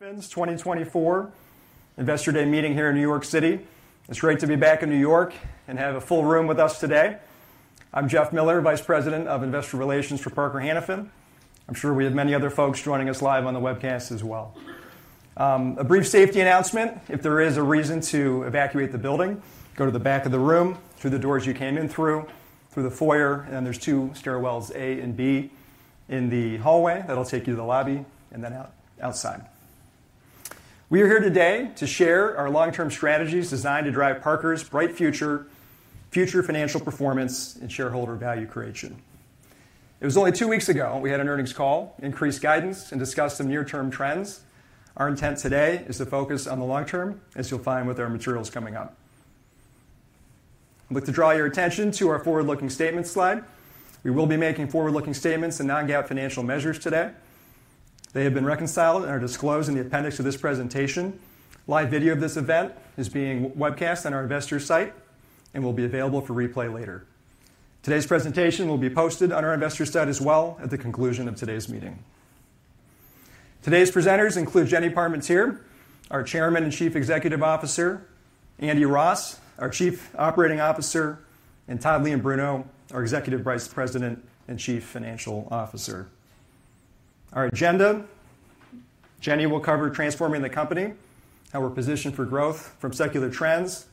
Parker Hannifin's 2024 Investor Day meeting here in New York City. It's great to be back in New York and have a full room with us today. I'm Jeff Miller, Vice President of Investor Relations for Parker Hannifin. I'm sure we have many other folks joining us live on the webcast as well. A brief safety announcement: if there is a reason to evacuate the building, go to the back of the room, through the doors you came in through, through the foyer, and then there's two stairwells, A and B, in the hallway that'll take you to the lobby, and then outside. We are here today to share our long-term strategies designed to drive Parker's bright future, future financial performance, and shareholder value creation. It was only two weeks ago, we had an earnings call, increased guidance, and discussed some near-term trends. Our intent today is to focus on the long term, as you'll find with our materials coming up. I'd like to draw your attention to our forward-looking statement slide. We will be making forward-looking statements and non-GAAP financial measures today. They have been reconciled and are disclosed in the appendix of this presentation. Live video of this event is being webcast on our investor site and will be available for replay later. Today's presentation will be posted on our investor site as well at the conclusion of today's meeting. Today's presenters include Jenny Parmentier, our Chairman and Chief Executive Officer, Andy Ross, our Chief Operating Officer, and Todd Leombruno, our Executive Vice President and Chief Financial Officer. Our agenda: Jenny will cover transforming the company, how we're positioned for growth from secular trends.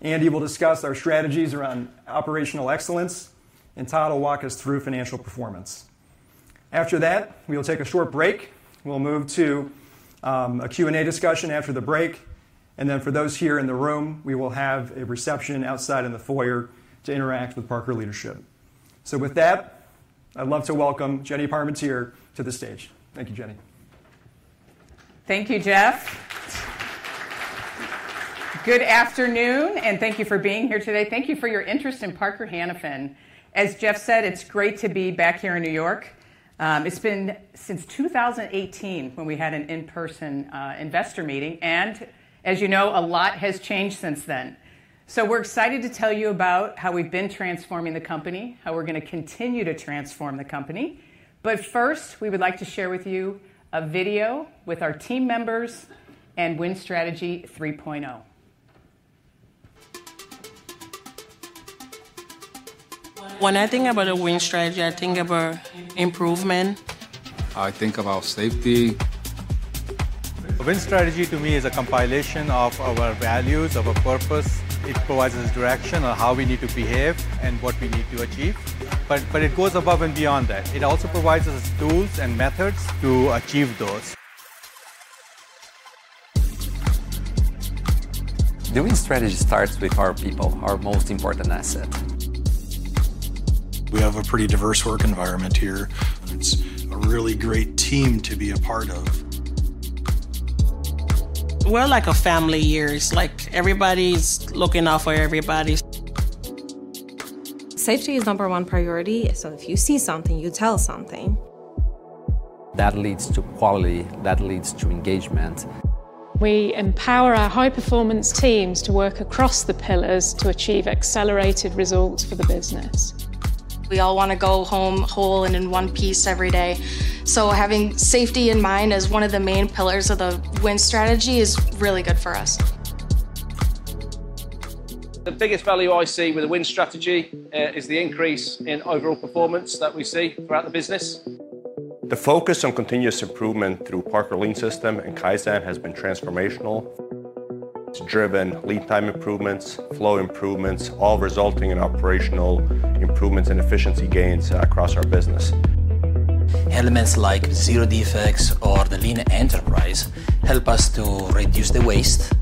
Andy will discuss our strategies around operational excellence, and Todd will walk us through financial performance. After that, we will take a short break. We'll move to a Q&A discussion after the break, and then for those here in the room, we will have a reception outside in the foyer to interact with Parker leadership. So with that, I'd love to welcome Jenny Parmentier to the stage. Thank you, Jenny. Thank you, Jeff. Good afternoon, and thank you for being here today. Thank you for your interest in Parker Hannifin. As Jeff said, it's great to be back here in New York. It's been since 2018 when we had an in-person investor meeting, and as you know, a lot has changed since then. We're excited to tell you about how we've been transforming the company, how we're going to continue to transform the company. But first, we would like to share with you a video with our team members and Win Strategy 3.0. When I think about a Win Strategy, I think about improvement. I think about safety. Win Strategy, to me, is a compilation of our values, of a purpose. It provides us direction on how we need to behave and what we need to achieve. But, but it goes above and beyond that. It also provides us tools and methods to achieve those. The Win Strategy starts with our people, our most important asset. We have a pretty diverse work environment here. It's a really great team to be a part of. We're like a family here. It's like everybody's looking out for everybody. Safety is number one priority, so if you see something, you tell something. That leads to quality, that leads to engagement. We empower our High Performance Teams to work across the pillars to achieve accelerated results for the business. We all want to go home whole and in one piece every day, so having safety in mind as one of the main pillars of the Win Strategy is really good for us. The biggest value I see with the Win Strategy is the increase in overall performance that we see throughout the business. The focus on continuous improvement through Parker Lean System and Kaizen has been transformational. It's driven lead time improvements, flow improvements, all resulting in operational improvements and efficiency gains across our business. Elements like Zero Defects or the Lean Enterprise help us to reduce the waste,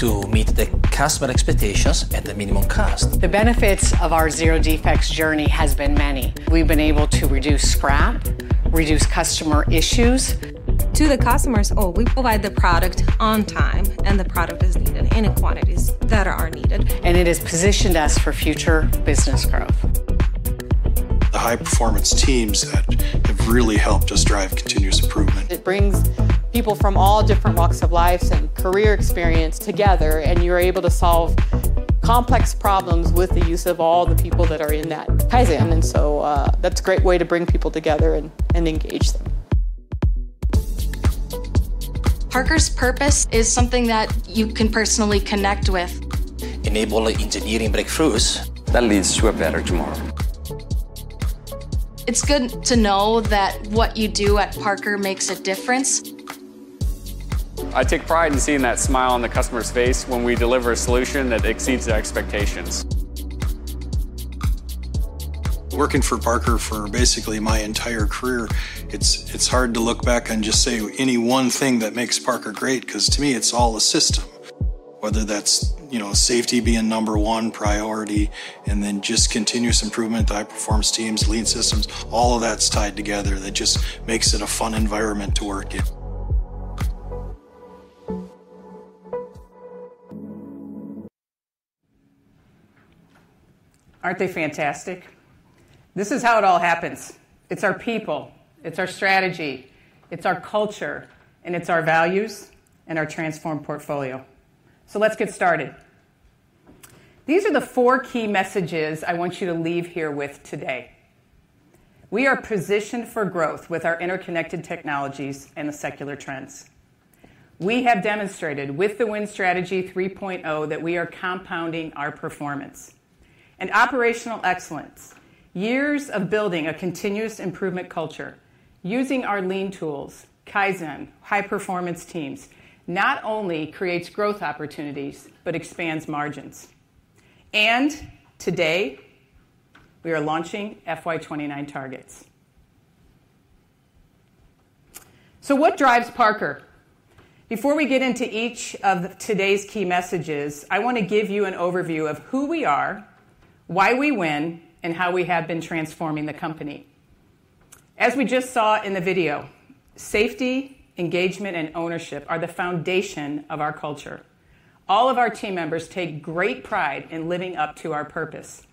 to meet the customer expectations at the minimum cost. The benefits of our Zero Defects journey has been many. We've been able to reduce scrap, reduce customer issues- To the customers, oh, we provide the product on time, and the product is needed in the quantities that are needed. It has positioned us for future business growth. The High Performance Teams that have really helped us drive continuous improvement. It brings people from all different walks of life and career experience together, and you're able to solve complex problems with the use of all the people that are in that Kaizen, and so, that's a great way to bring people together and, and engage them. Parker's purpose is something that you can personally connect with. Enable engineering breakthroughs. that leads to a better tomorrow. It's good to know that what you do at Parker makes a difference. I take pride in seeing that smile on the customer's face when we deliver a solution that exceeds their expectations. Working for Parker for basically my entire career, it's hard to look back and just say any one thing that makes Parker great, 'cause to me, it's all a system. Whether that's, you know, safety being number one priority and then just continuous improvement, High Performance Teams, Lean systems, all of that's tied together. That just makes it a fun environment to work in. Aren't they fantastic? This is how it all happens. It's our people, it's our strategy, it's our culture, and it's our values and our transformed portfolio. So let's get started... These are the four key messages I want you to leave here with today. We are positioned for growth with our interconnected technologies and the secular trends. We have demonstrated with the Win Strategy 3.0, that we are compounding our performance. And operational excellence, years of building a continuous improvement culture, using our Lean tools, Kaizen, High Performance Teams, not only creates growth opportunities, but expands margins. And today, we are launching FY 29 targets. So what drives Parker? Before we get into each of today's key messages, I wanna give you an overview of who we are, why we win, and how we have been transforming the company. As we just saw in the video, safety, engagement, and ownership are the foundation of our culture. All of our team members take great pride in living up to our purpose.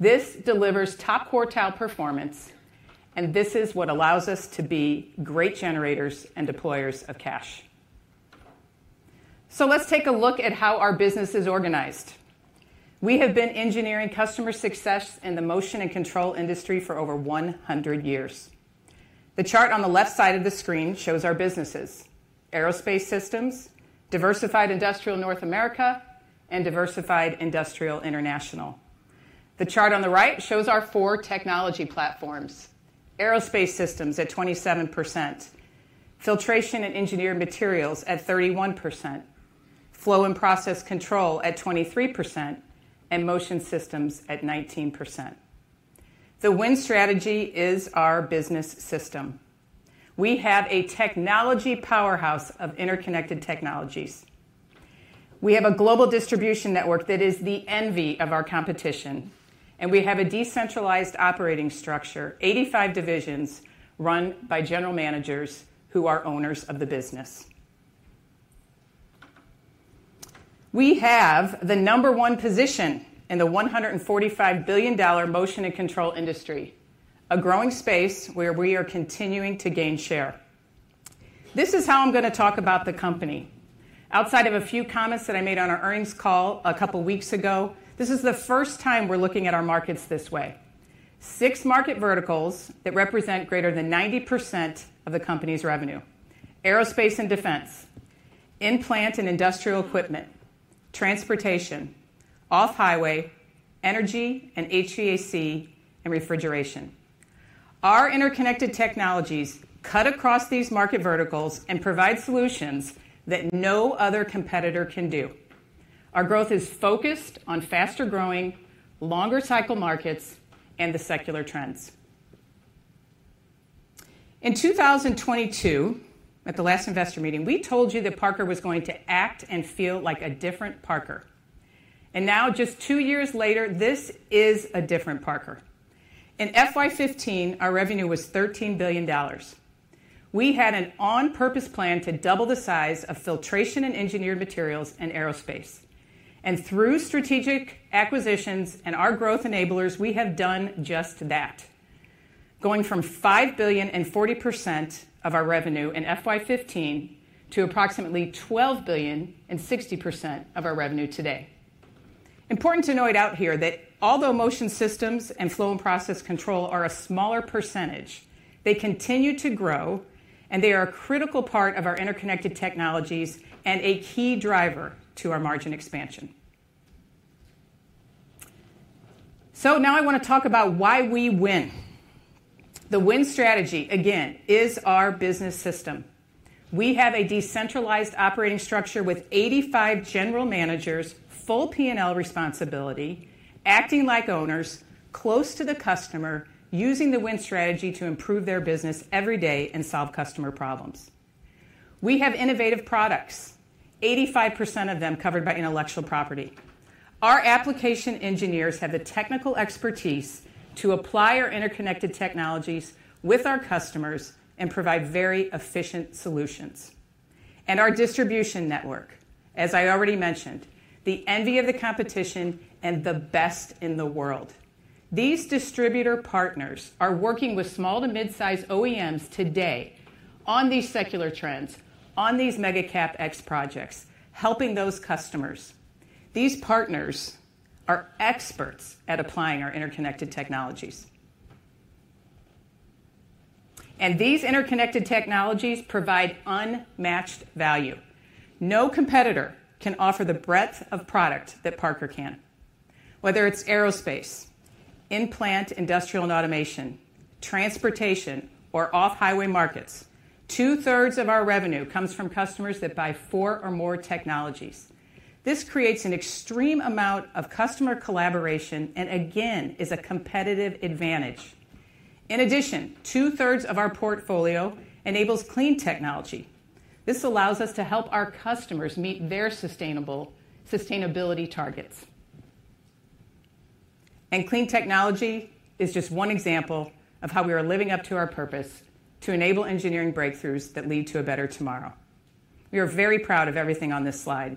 This delivers top quartile performance, and this is what allows us to be great generators and deployers of cash. So let's take a look at how our business is organized. We have been engineering customer success in the motion and control industry for over 100 years. The chart on the left side of the screen shows our businesses: Aerospace Systems, Diversified Industrial North America, and Diversified Industrial International. The chart on the right shows our four technology platforms: Aerospace Systems at 27%, Filtration and Engineered Materials at 31%, Flow and Process Control at 23%, and Motion Systems at 19%. The Win Strategy is our business system. We have a technology powerhouse of interconnected technologies. We have a global distribution network that is the envy of our competition, and we have a decentralized operating structure, 85 divisions run by general managers who are owners of the business. We have the number one position in the $145 billion motion and control industry, a growing space where we are continuing to gain share. This is how I'm gonna talk about the company. Outside of a few comments that I made on our earnings call a couple weeks ago, this is the first time we're looking at our markets this way. Six market verticals that represent greater than 90% of the company's revenue. Aerospace and Defense, In-Plant and Industrial Equipment, Transportation, Off-Highway, Energy and HVAC, and Refrigeration. Our interconnected technologies cut across these market verticals and provide solutions that no other competitor can do. Our growth is focused on faster-growing, longer cycle markets and the secular trends. In 2022, at the last investor meeting, we told you that Parker was going to act and feel like a different Parker, and now, just two years later, this is a different Parker. In FY 15, our revenue was $13 billion. We had an on-purpose plan to double the size of Filtration and Engineered Materials and Aerospace, and through strategic acquisitions and our growth enablers, we have done just that, going from $5 billion and 40% of our revenue in FY 15 to approximately $12 billion and 60% of our revenue today. Important to note out here that although Motion Systems and Flow and Process Control are a smaller percentage, they continue to grow, and they are a critical part of our interconnected technologies and a key driver to our margin expansion. So now I wanna talk about why we win. The Win Strategy, again, is our business system. We have a decentralized operating structure with 85 general managers, full P&L responsibility, acting like owners, close to the customer, using the Win Strategy to improve their business every day and solve customer problems. We have innovative products, 85% of them covered by intellectual property. Our application engineers have the technical expertise to apply our interconnected technologies with our customers and provide very efficient solutions. And our distribution network, as I already mentioned, the envy of the competition and the best in the world. These distributor partners are working with small to mid-size OEMs today on these secular trends, on these Mega CapEx projects, helping those customers. These partners are experts at applying our interconnected technologies. These interconnected technologies provide unmatched value. No competitor can offer the breadth of product that Parker can, whether it's aerospace, in-plant, industrial, and automation, transportation, or off-highway markets. Two-thirds of our revenue comes from customers that buy four or more technologies. This creates an extreme amount of customer collaboration and again, is a competitive advantage. In addition, two-thirds of our portfolio enables cLean technology. This allows us to help our customers meet their sustainable- sustainability targets. CLean technology is just one example of how we are living up to our purpose to enable engineering breakthroughs that lead to a better tomorrow. We are very proud of everything on this slide.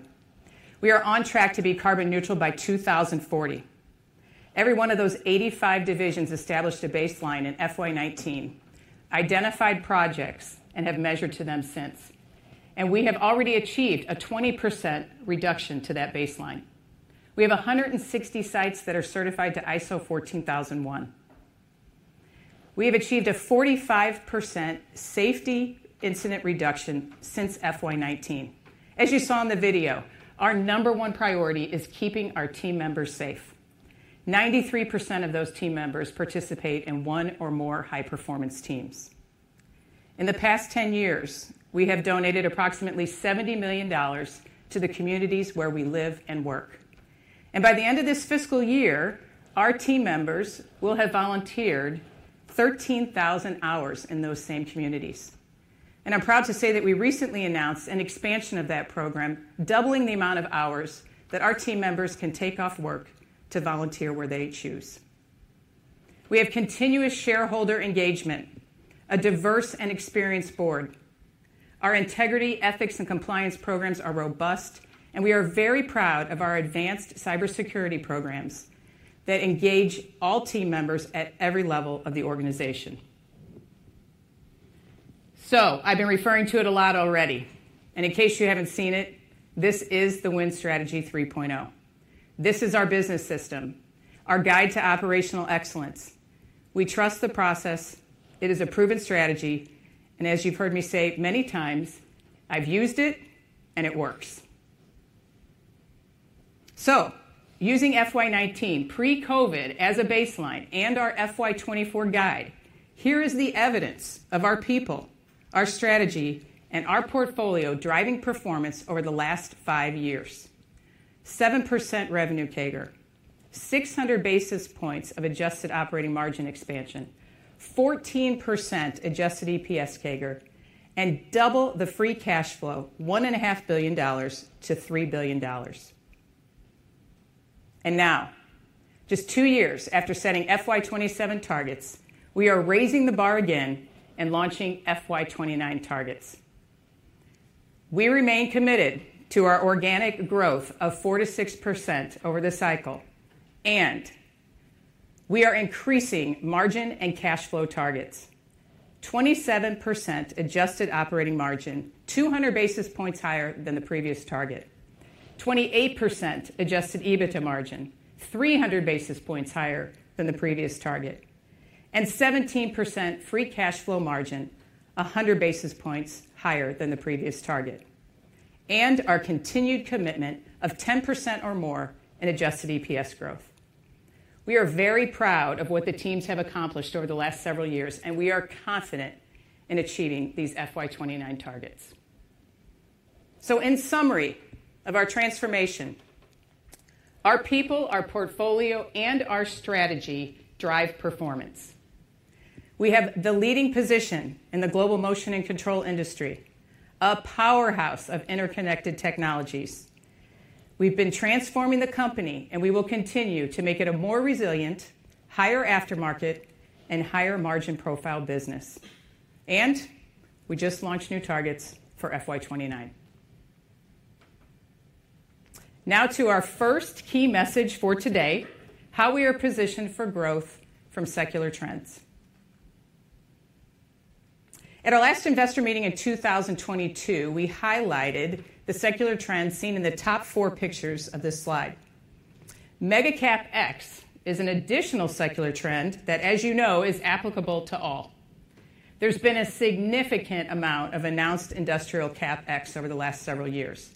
We are on track to be carbon neutral by 2040. Every one of those 85 divisions established a baseline in FY 2019, identified projects, and have measured to them since. We have already achieved a 20% reduction to that baseline. We have 160 sites that are certified to ISO 14001. We have achieved a 45% safety incident reduction since FY 2019. As you saw in the video, our number one priority is keeping our team members safe. 93% of those team members participate in one or more High Performance Teams. In the past 10 years, we have donated approximately $70 million to the communities where we live and work. By the end of this fiscal year, our team members will have volunteered 13,000 hours in those same communities. I'm proud to say that we recently announced an expansion of that program, doubling the amount of hours that our team members can take off work to volunteer where they choose. We have continuous shareholder engagement, a diverse and experienced board. Our integrity, ethics, and compliance programs are robust, and we are very proud of our advanced cybersecurity programs that engage all team members at every level of the organization. So I've been referring to it a lot already, and in case you haven't seen it, this is the Win Strategy 3.0. This is our business system, our guide to operational excellence. We trust the process. It is a proven strategy, and as you've heard me say many times, I've used it and it works. So using FY 2019 pre-COVID as a baseline and our FY 2024 guide, here is the evidence of our people, our strategy, and our portfolio driving performance over the last five years. 7% revenue CAGR, 600 basis points of adjusted operating margin expansion, 14% adjusted EPS CAGR, and double the free cash flow, $1.5 billion-$3 billion. And now, just two years after setting FY 2027 targets, we are raising the bar again and launching FY 2029 targets. We remain committed to our organic growth of 4%-6% over the cycle, and we are increasing margin and cash flow targets. 27% adjusted operating margin, 200 basis points higher than the previous target. 28% adjusted EBITDA margin, 300 basis points higher than the previous target, and 17% free cash flow margin, 100 basis points higher than the previous target, and our continued commitment of 10% or more in adjusted EPS growth. We are very proud of what the teams have accomplished over the last several years, and we are confident in achieving these FY 2029 targets. So in summary of our transformation, our people, our portfolio, and our strategy drive performance. We have the leading position in the global motion and control industry, a powerhouse of interconnected technologies. We've been transforming the company, and we will continue to make it a more resilient, higher aftermarket, and higher margin profile business. And we just launched new targets for FY 2029. Now to our first key message for today: how we are positioned for growth from secular trends. At our last investor meeting in 2022, we highlighted the secular trends seen in the top four pictures of this slide. Mega CapEx is an additional secular trend that, as you know, is applicable to all. There's been a significant amount of announced industrial CapEx over the last several years.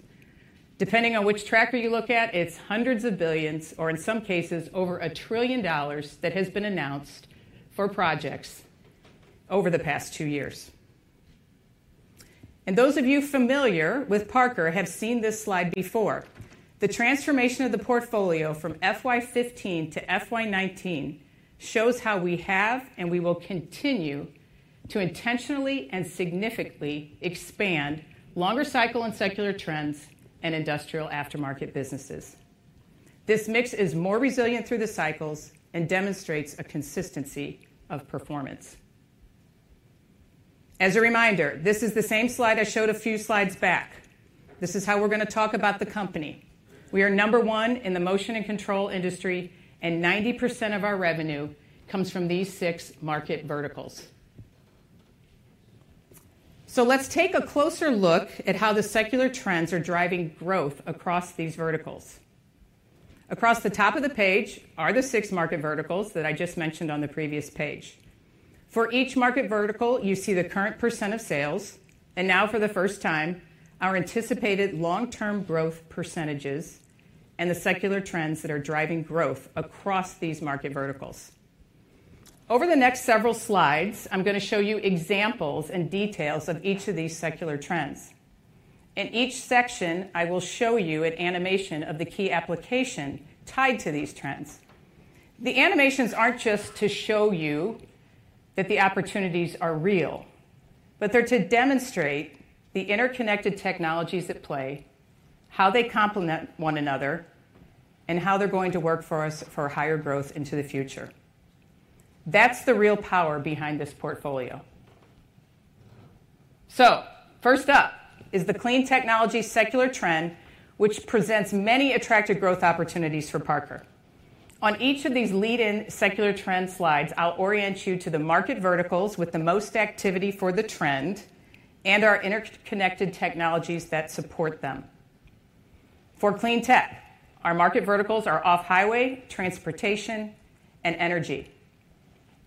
Depending on which tracker you look at, it's $hundreds of billions, or in some cases, over $1 trillion that has been announced for projects over the past two years. And those of you familiar with Parker have seen this slide before. The transformation of the portfolio from FY 2015 to FY 2019 shows how we have, and we will continue to intentionally and significantly expand longer cycle and secular trends in industrial aftermarket businesses. This mix is more resilient through the cycles and demonstrates a consistency of performance. As a reminder, this is the same slide I showed a few slides back. This is how we're gonna talk about the company. We are number one in the motion and control industry, and 90% of our revenue comes from these six market verticals. So let's take a closer look at how the secular trends are driving growth across these verticals. Across the top of the page are the six market verticals that I just mentioned on the previous page. For each market vertical, you see the current percent of sales, and now for the first time, our anticipated long-term growth percentages and the secular trends that are driving growth across these market verticals. Over the next several slides, I'm gonna show you examples and details of each of these secular trends. In each section, I will show you an animation of the key application tied to these trends. The animations aren't just to show you that the opportunities are real, but they're to demonstrate the interconnected technologies at play, how they complement one another, and how they're going to work for us for higher growth into the future. That's the real power behind this portfolio... So, first up is the cLean technology secular trend, which presents many attractive growth opportunities for Parker. On each of these lead-in secular trend slides, I'll orient you to the market verticals with the most activity for the trend and our interconnected technologies that support them. For cLean tech, our market verticals are off-highway, transportation, and energy.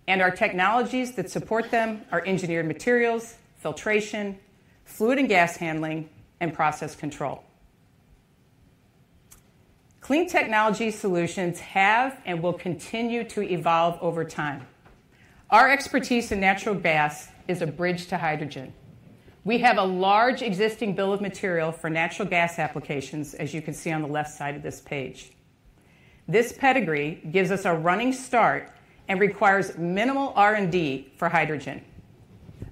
And our technologies that support them are engineered materials, filtration, fluid and gas handling, and process control. CLean technology solutions have and will continue to evolve over time. Our expertise in natural gas is a bridge to hydrogen. We have a large existing bill of material for natural gas applications, as you can see on the left side of this page. This pedigree gives us a running start and requires minimal R&D for hydrogen.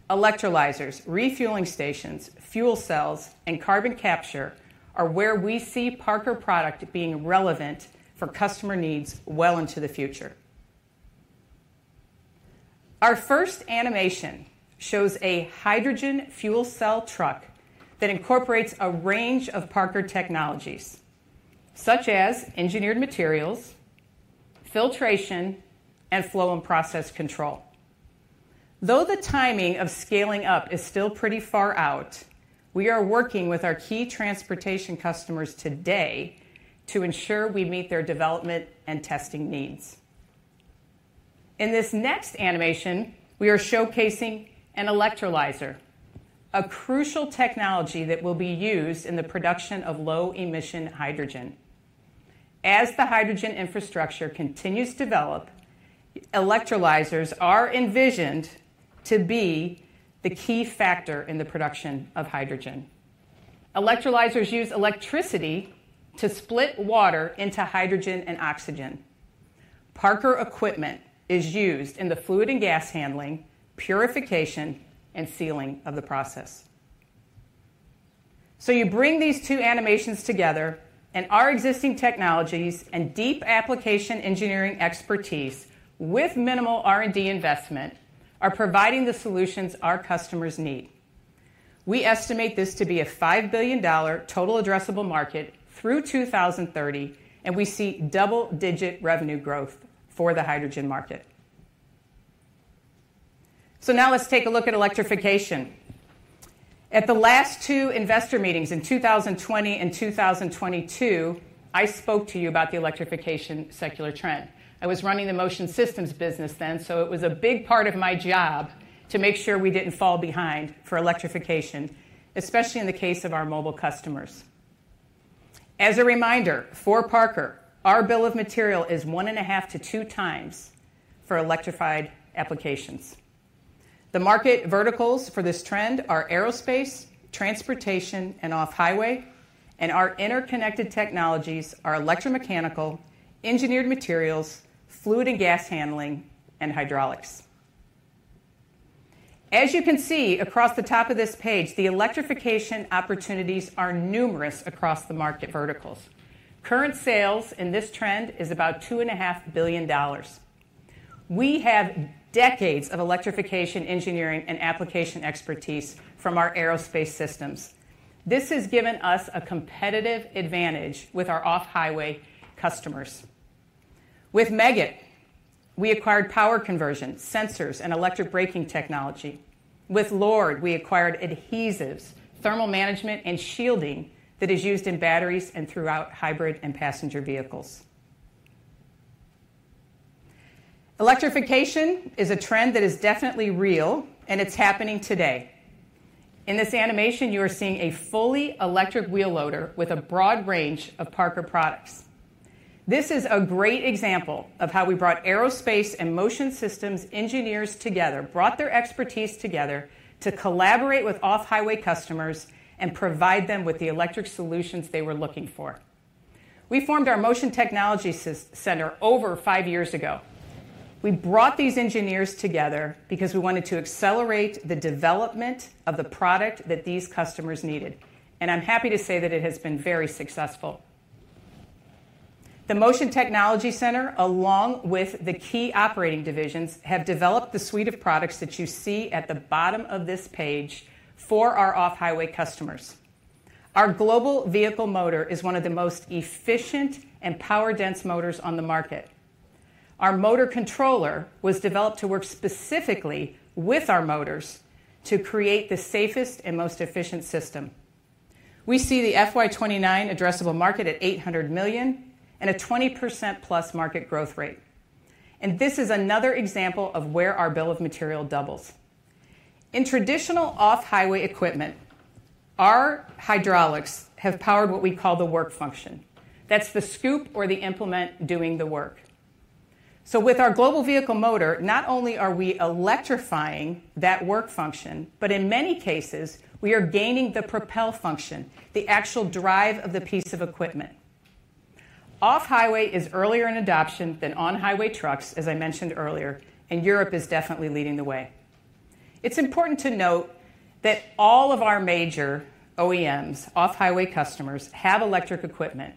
Electrolyzers, refueling stations, fuel cells, and carbon capture are where we see Parker product being relevant for customer needs well into the future. Our first animation shows a hydrogen fuel cell truck that incorporates a range of Parker technologies, such as engineered materials, filtration, and flow and process control. Though the timing of scaling up is still pretty far out, we are working with our key transportation customers today to ensure we meet their development and testing needs. In this next animation, we are showcasing an electrolyzer, a crucial technology that will be used in the production of low-emission hydrogen. As the hydrogen infrastructure continues to develop, electrolyzers are envisioned to be the key factor in the production of hydrogen. Electrolyzers use electricity to split water into hydrogen and oxygen. Parker equipment is used in the fluid and gas handling, purification, and sealing of the process. So you bring these two animations together, and our existing technologies and deep application engineering expertise with minimal R&D investment are providing the solutions our customers need. We estimate this to be a $5 billion total addressable market through 2030, and we see double-digit revenue growth for the hydrogen market. So now let's take a look at electrification. At the last two investor meetings in 2020 and 2022, I spoke to you about the electrification secular trend. I was running the Motion Systems business then, so it was a big part of my job to make sure we didn't fall behind for electrification, especially in the case of our mobile customers. As a reminder, for Parker, our bill of material is 1.5-2x for electrified applications. The market verticals for this trend are aerospace, transportation, and off-highway, and our interconnected technologies are electromechanical, engineered materials, fluid and gas handling, and hydraulics. As you can see across the top of this page, the electrification opportunities are numerous across the market verticals. Current sales in this trend is about $2.5 billion. We have decades of electrification engineering and application expertise from our aerospace systems. This has given us a competitive advantage with our off-highway customers. With Meggitt, we acquired power conversion, sensors, and electric braking technology. With Lord, we acquired adhesives, thermal management, and shielding that is used in batteries and throughout hybrid and passenger vehicles. Electrification is a trend that is definitely real, and it's happening today. In this animation, you are seeing a fully electric wheel loader with a broad range of Parker products. This is a great example of how we brought aerospace and motion systems engineers together, brought their expertise together to collaborate with off-highway customers and provide them with the electric solutions they were looking for. We formed our Motion Technology Center over five years ago. We brought these engineers together because we wanted to accelerate the development of the product that these customers needed, and I'm happy to say that it has been very successful. The Motion Technology Center, along with the key operating divisions, have developed the suite of products that you see at the bottom of this page for our off-highway customers. Our Global Vehicle Motor is one of the most efficient and power-dense motors on the market. Our motor controller was developed to work specifically with our motors to create the safest and most efficient system. We see the FY-2029 addressable market at $800 million and a 20%+ market growth rate. And this is another example of where our bill of material doubles. In traditional off-highway equipment, our hydraulics have powered what we call the work function. That's the scoop or the implement doing the work. So with our Global Vehicle Motor, not only are we electrifying that work function, but in many cases, we are gaining the propel function, the actual drive of the piece of equipment. Off-highway is earlier in adoption than on-highway trucks, as I mentioned earlier, and Europe is definitely leading the way. It's important to note that all of our major OEMs, off-highway customers, have electric equipment,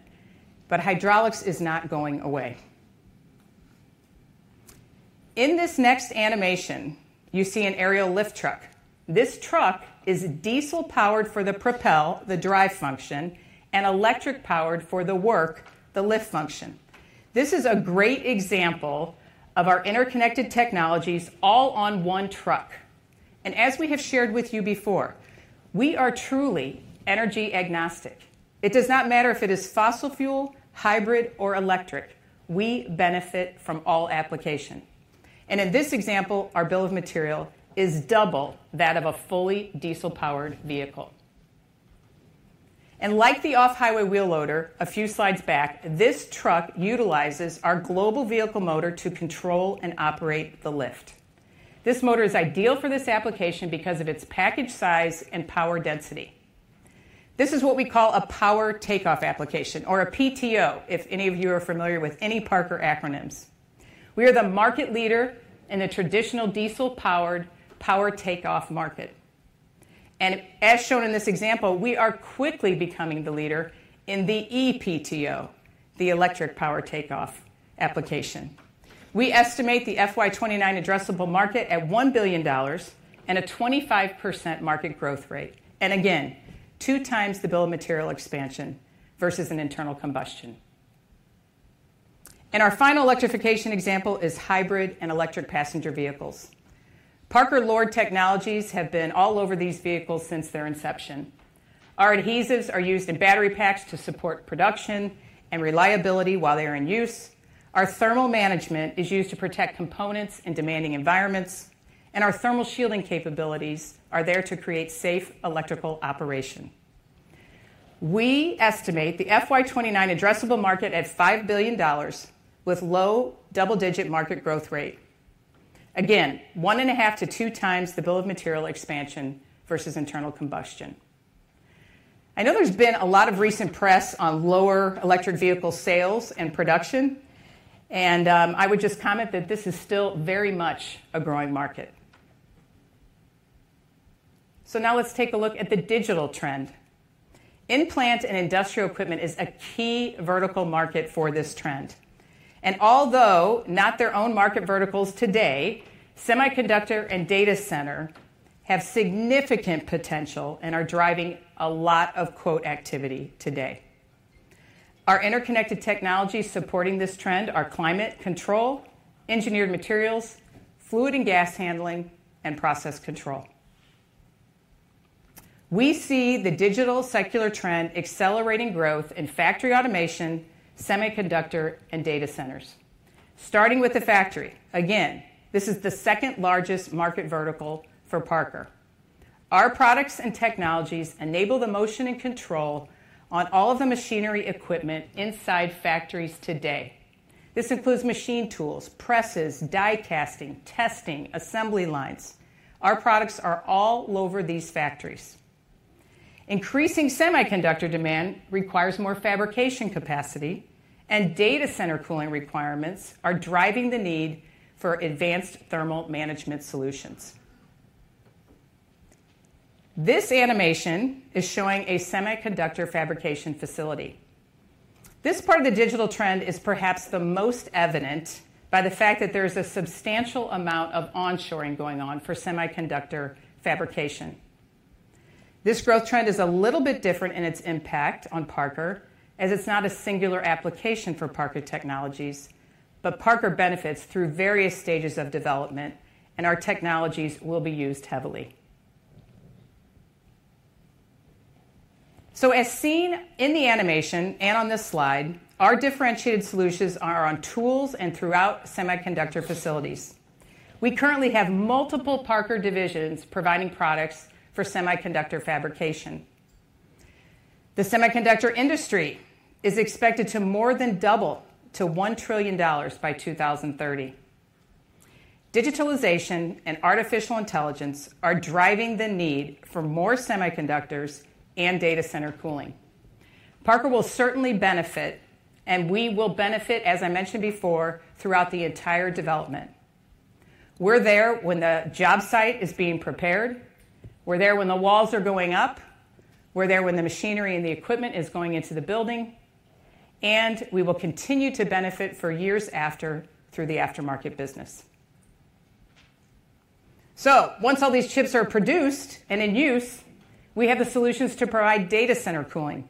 but hydraulics is not going away. In this next animation, you see an aerial lift truck. This truck is diesel-powered for the propel, the drive function, and electric-powered for the work, the lift function. This is a great example of our interconnected technologies all on one truck. And as we have shared with you before, we are truly energy agnostic. It does not matter if it is fossil fuel, hybrid, or electric, we benefit from all application. And in this example, our bill of material is double that of a fully diesel-powered vehicle. And like the off-highway wheel loader, a few slides back, this truck utilizes our Global Vehicle Motor to control and operate the lift. This motor is ideal for this application because of its package size and power density. This is what we call a power takeoff application, or a PTO, if any of you are familiar with any Parker acronyms. We are the market leader in a traditional diesel-powered power takeoff market. And as shown in this example, we are quickly becoming the leader in the ePTO, the electric power takeoff application. We estimate the FY 2029 addressable market at $1 billion and a 25% market growth rate. And again, 2x the bill of material expansion versus an internal combustion. And our final electrification example is hybrid and electric passenger vehicles. Parker Lord technologies have been all over these vehicles since their inception. Our adhesives are used in battery packs to support production and reliability while they are in use. Our thermal management is used to protect components in demanding environments, and our thermal shielding capabilities are there to create safe electrical operation. We estimate the FY 2029 addressable market at $5 billion with low double-digit market growth rate. Again, 1.5-2x the bill of material expansion versus internal combustion. I know there's been a lot of recent press on lower electric vehicle sales and production, and I would just comment that this is still very much a growing market. So now let's take a look at the digital trend. In-plant and industrial equipment is a key vertical market for this trend. And although not their own market verticals today, semiconductor and data center have significant potential and are driving a lot of quote activity today. Our interconnected technologies supporting this trend are climate control, engineered materials, fluid and gas handling, and process control. We see the digital secular trend accelerating growth in factory automation, semiconductor, and data centers. Starting with the factory, again, this is the second-largest market vertical for Parker. Our products and technologies enable the motion and control on all of the machinery equipment inside factories today. This includes machine tools, presses, die casting, testing, assembly lines. Our products are all over these factories. Increasing semiconductor demand requires more fabrication capacity, and data center cooling requirements are driving the need for advanced thermal management solutions. This animation is showing a semiconductor fabrication facility. This part of the digital trend is perhaps the most evident by the fact that there's a substantial amount of onshoring going on for semiconductor fabrication. This growth trend is a little bit different in its impact on Parker, as it's not a singular application for Parker technologies, but Parker benefits through various stages of development, and our technologies will be used heavily. So as seen in the animation and on this slide, our differentiated solutions are on tools and throughout semiconductor facilities. We currently have multiple Parker divisions providing products for semiconductor fabrication. The semiconductor industry is expected to more than double to $1 trillion by 2030. Digitalization and artificial intelligence are driving the need for more semiconductors and data center cooling. Parker will certainly benefit, and we will benefit, as I mentioned before, throughout the entire development. We're there when the job site is being prepared, we're there when the walls are going up, we're there when the machinery and the equipment is going into the building, and we will continue to benefit for years after through the aftermarket business. So once all these chips are produced and in use, we have the solutions to provide data center cooling.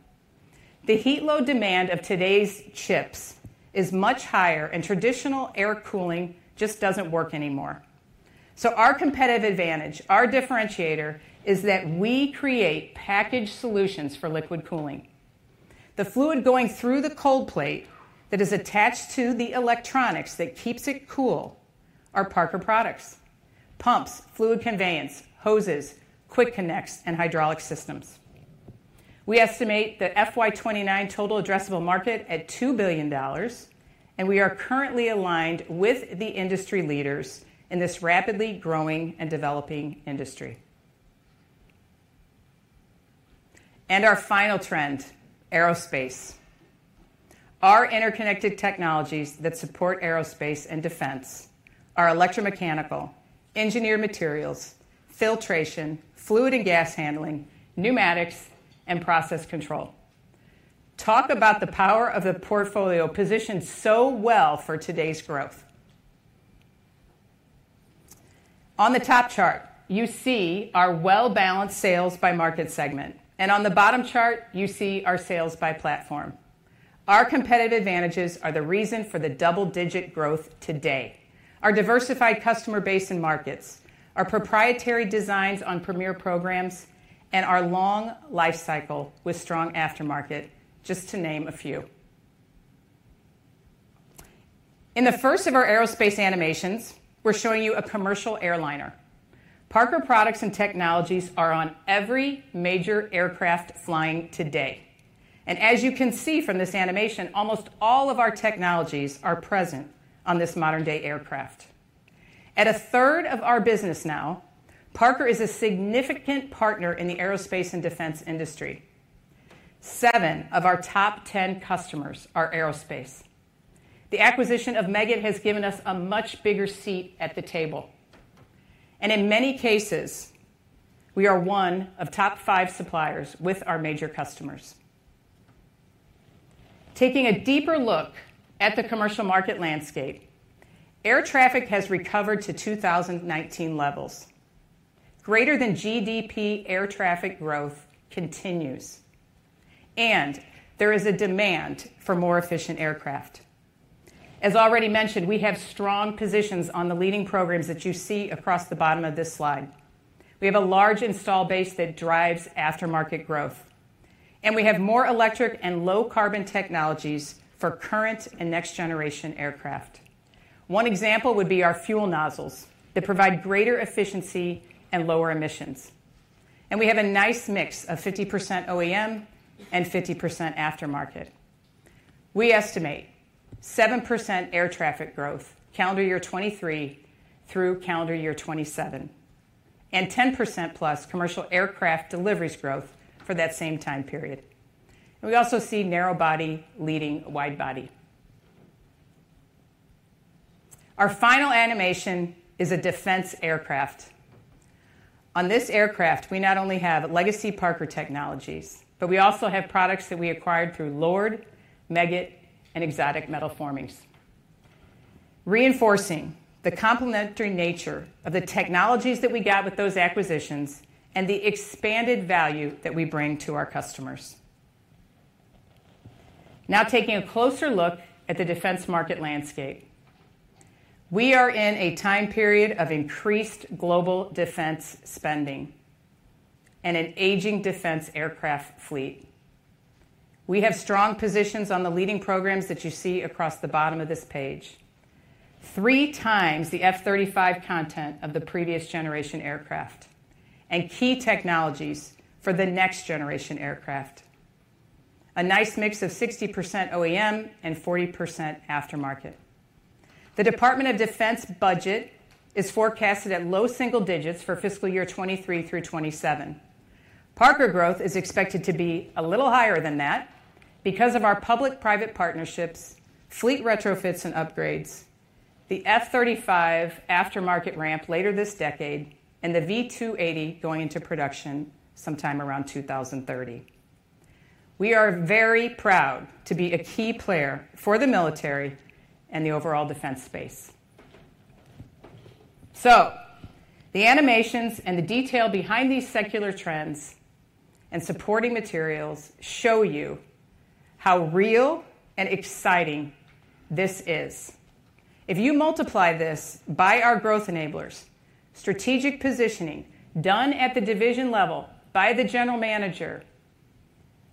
The heat load demand of today's chips is much higher, and traditional air cooling just doesn't work anymore. So our competitive advantage, our differentiator, is that we create packaged solutions for liquid cooling. The fluid going through the cold plate that is attached to the electronics that keeps it cool are Parker products: pumps, fluid conveyance, hoses, quick connects, and hydraulic systems. We estimate the FY 2029 total addressable market at $2 billion, and we are currently aligned with the industry leaders in this rapidly growing and developing industry. And our final trend, aerospace. Our interconnected technologies that support aerospace and defense are electromechanical, engineered materials, filtration, fluid and gas handling, pneumatics, and process control. Talk about the power of a portfolio positioned so well for today's growth. On the top chart, you see our well-balanced sales by market segment, and on the bottom chart, you see our sales by platform. Our competitive advantages are the reason for the double-digit growth today. Our diversified customer base and markets, our proprietary designs on premier programs, and our long life cycle with strong aftermarket, just to name a few. In the first of our aerospace animations, we're showing you a commercial airliner. Parker products and technologies are on every major aircraft flying today, and as you can see from this animation, almost all of our technologies are present on this modern-day aircraft. At a third of our business now, Parker is a significant partner in the aerospace and defense industry. Seven of our top 10 customers are aerospace. The acquisition of Meggitt has given us a much bigger seat at the table, and in many cases, we are one of top five suppliers with our major customers. Taking a deeper look at the commercial market landscape, air traffic has recovered to 2019 levels. Greater than GDP air traffic growth continues, and there is a demand for more efficient aircraft. As already mentioned, we have strong positions on the leading programs that you see across the bottom of this slide. We have a large install base that drives aftermarket growth, and we have more electric and low-carbon technologies for current and next-generation aircraft. One example would be our fuel nozzles that provide greater efficiency and lower emissions. We have a nice mix of 50% OEM and 50% aftermarket. We estimate 7% air traffic growth, calendar year 2023 through calendar year 2027, and 10%+ commercial aircraft deliveries growth for that same time period. We also see narrow body leading wide body. Our final animation is a defense aircraft. On this aircraft, we not only have legacy Parker technologies, but we also have products that we acquired through Lord, Meggitt, and Exotic Metals Forming, reinforcing the complementary nature of the technologies that we got with those acquisitions and the expanded value that we bring to our customers. Now, taking a closer look at the defense market landscape. We are in a time period of increased global defense spending and an aging defense aircraft fleet. We have strong positions on the leading programs that you see across the bottom of this page. 3x the F-35 content of the previous generation aircraft and key technologies for the next generation aircraft. A nice mix of 60% OEM and 40% aftermarket. The Department of Defense budget is forecasted at low single digits for fiscal year 2023 through 2027. Parker growth is expected to be a little higher than that because of our public-private partnerships, fleet retrofits and upgrades, the F-35 aftermarket ramp later this decade, and the V-280 going into production sometime around 2030. We are very proud to be a key player for the military and the overall defense space. So the animations and the detail behind these secular trends and supporting materials show you how real and exciting this is. If you multiply this by our growth enablers, strategic positioning done at the division level by the general manager,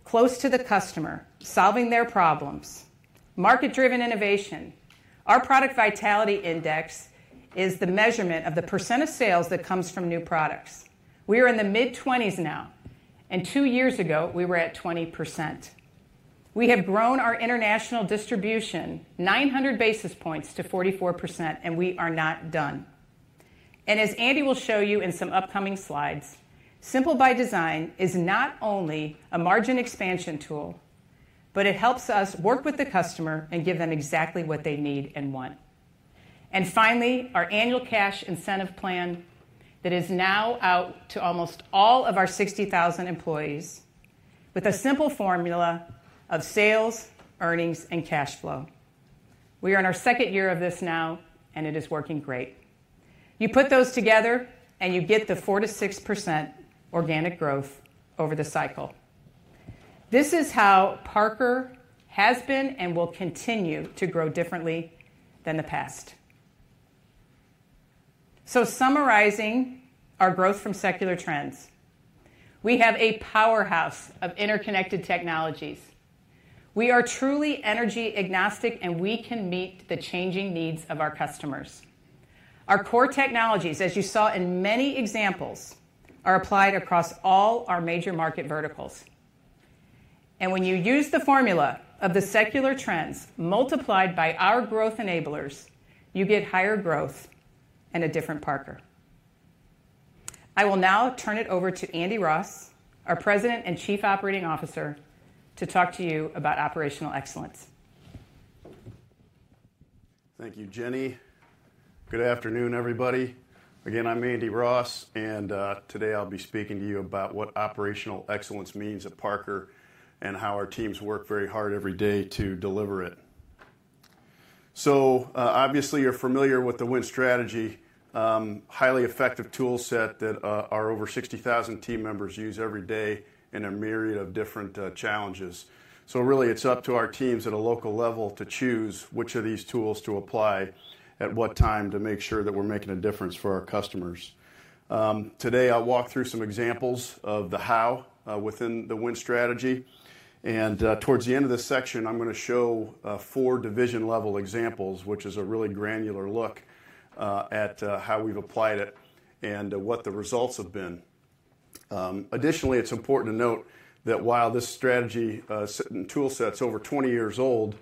close to the customer, solving their problems, market-driven innovation. Our Product Vitality Index is the measurement of the percent of sales that comes from new products. We are in the mid-20s now, and two years ago, we were at 20%. We have grown our international distribution 900 basis points to 44%, and we are not done. As Andy will show you in some upcoming slides, Simple by Design is not only a margin expansion tool, but it helps us work with the customer and give them exactly what they need and want. Finally, our annual cash incentive plan that is now out to almost all of our 60,000 employees with a simple formula of sales, earnings, and cash flow. We are in our second year of this now, and it is working great. You put those together, and you get the 4%-6% organic growth over the cycle. This is how Parker has been and will continue to grow differently than the past. Summarizing our growth from secular trends, we have a powerhouse of interconnected technologies. We are truly energy agnostic, and we can meet the changing needs of our customers. Our core technologies, as you saw in many examples, are applied across all our major market verticals. When you use the formula of the secular trends multiplied by our growth enablers, you get higher growth and a different Parker. I will now turn it over to Andy Ross, our President and Chief Operating Officer, to talk to you about operational excellence.... Thank you, Jenny. Good afternoon, everybody. Again, I'm Andy Ross, and today I'll be speaking to you about what operational excellence means at Parker and how our teams work very hard every day to deliver it. So, obviously, you're familiar with the Win Strategy, highly effective toolset that our over 60,000 team members use every day in a myriad of different challenges. So really, it's up to our teams at a local level to choose which of these tools to apply, at what time, to make sure that we're making a difference for our customers. Today, I'll walk through some examples of the how within the Win Strategy, and towards the end of this section, I'm gonna show 4 division-level examples, which is a really granular look at how we've applied it and what the results have been. Additionally, it's important to note that while this strategy, certain toolset's over 20 years old,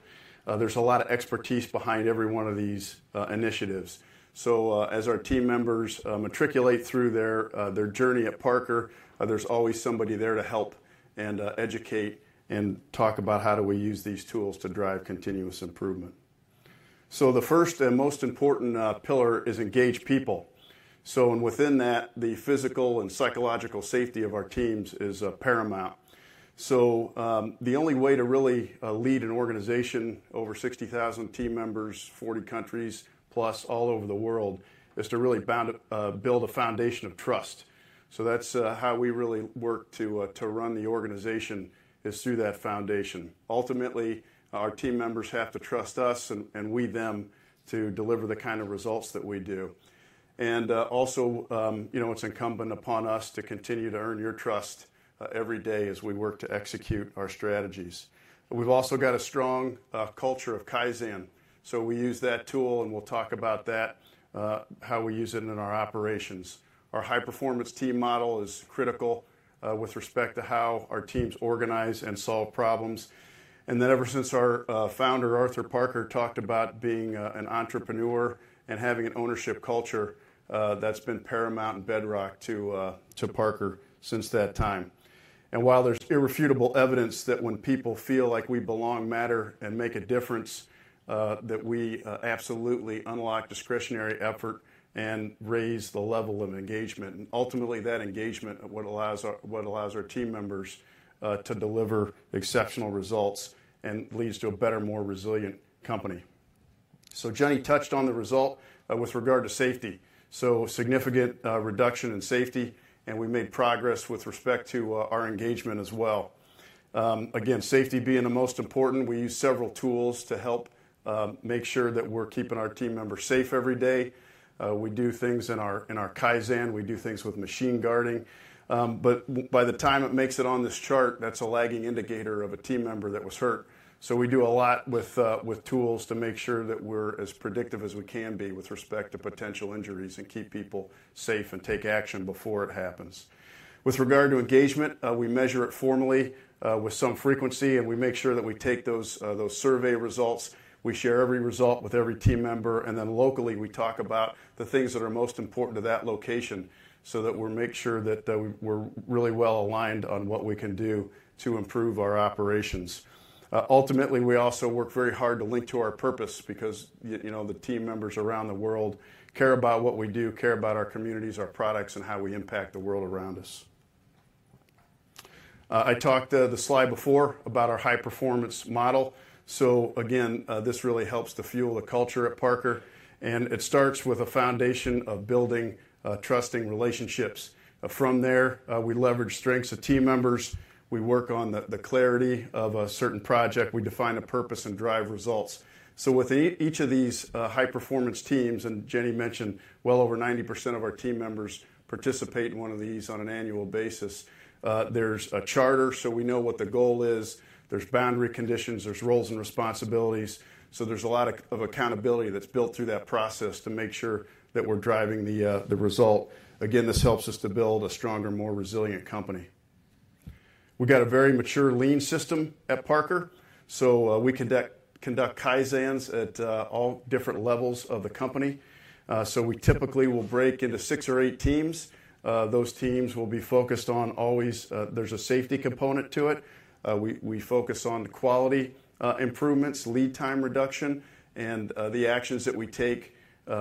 there's a lot of expertise behind every one of these initiatives. So, as our team members matriculate through their their journey at Parker, there's always somebody there to help and educate and talk about how do we use these tools to drive continuous improvement. So the first and most important pillar is engage people. And within that, the physical and psychological safety of our teams is paramount. So, the only way to really lead an organization over 60,000 team members, 40 countries plus, all over the world, is to really build a foundation of trust. So that's how we really work to to run the organization, is through that foundation. Ultimately, our team members have to trust us and, and we them, to deliver the kind of results that we do. Also, you know, it's incumbent upon us to continue to earn your trust every day as we work to execute our strategies. We've also got a strong culture of Kaizen, so we use that tool, and we'll talk about that, how we use it in our operations. Our high-performance team model is critical with respect to how our teams organize and solve problems. And then, ever since our founder, Arthur Parker, talked about being an entrepreneur and having an ownership culture, that's been paramount and bedrock to Parker since that time. And while there's irrefutable evidence that when people feel like we belong, matter, and make a difference, that we absolutely unlock discretionary effort and raise the level of engagement, and ultimately, that engagement is what allows our team members to deliver exceptional results and leads to a better, more resilient company. So Jenny touched on the result with regard to safety. So significant reduction in safety, and we made progress with respect to our engagement as well. Again, safety being the most important, we use several tools to help make sure that we're keeping our team members safe every day. We do things in our Kaizen, we do things with machine guarding, but by the time it makes it on this chart, that's a lagging indicator of a team member that was hurt. So we do a lot with tools to make sure that we're as predictive as we can be with respect to potential injuries and keep people safe and take action before it happens. With regard to engagement, we measure it formally with some frequency, and we make sure that we take those survey results. We share every result with every team member, and then locally, we talk about the things that are most important to that location so that we make sure that we're really well-aligned on what we can do to improve our operations. Ultimately, we also work very hard to link to our purpose because you know, the team members around the world care about what we do, care about our communities, our products, and how we impact the world around us. I talked the slide before about our high-performance model. So again, this really helps to fuel the culture at Parker, and it starts with a foundation of building trusting relationships. From there, we leverage strengths of team members. We work on the clarity of a certain project. We define a purpose and drive results. So with each of these High Performance Teams, and Jenny mentioned, well over 90% of our team members participate in one of these on an annual basis, there's a charter, so we know what the goal is. There's boundary conditions, there's roles and responsibilities, so there's a lot of accountability that's built through that process to make sure that we're driving the result. Again, this helps us to build a stronger, more resilient company. We've got a very mature Lean system at Parker, so we conduct Kaizens at all different levels of the company. So we typically will break into six or eight teams. Those teams will be focused on always... There's a safety component to it. We focus on quality improvements, lead time reduction, and the actions that we take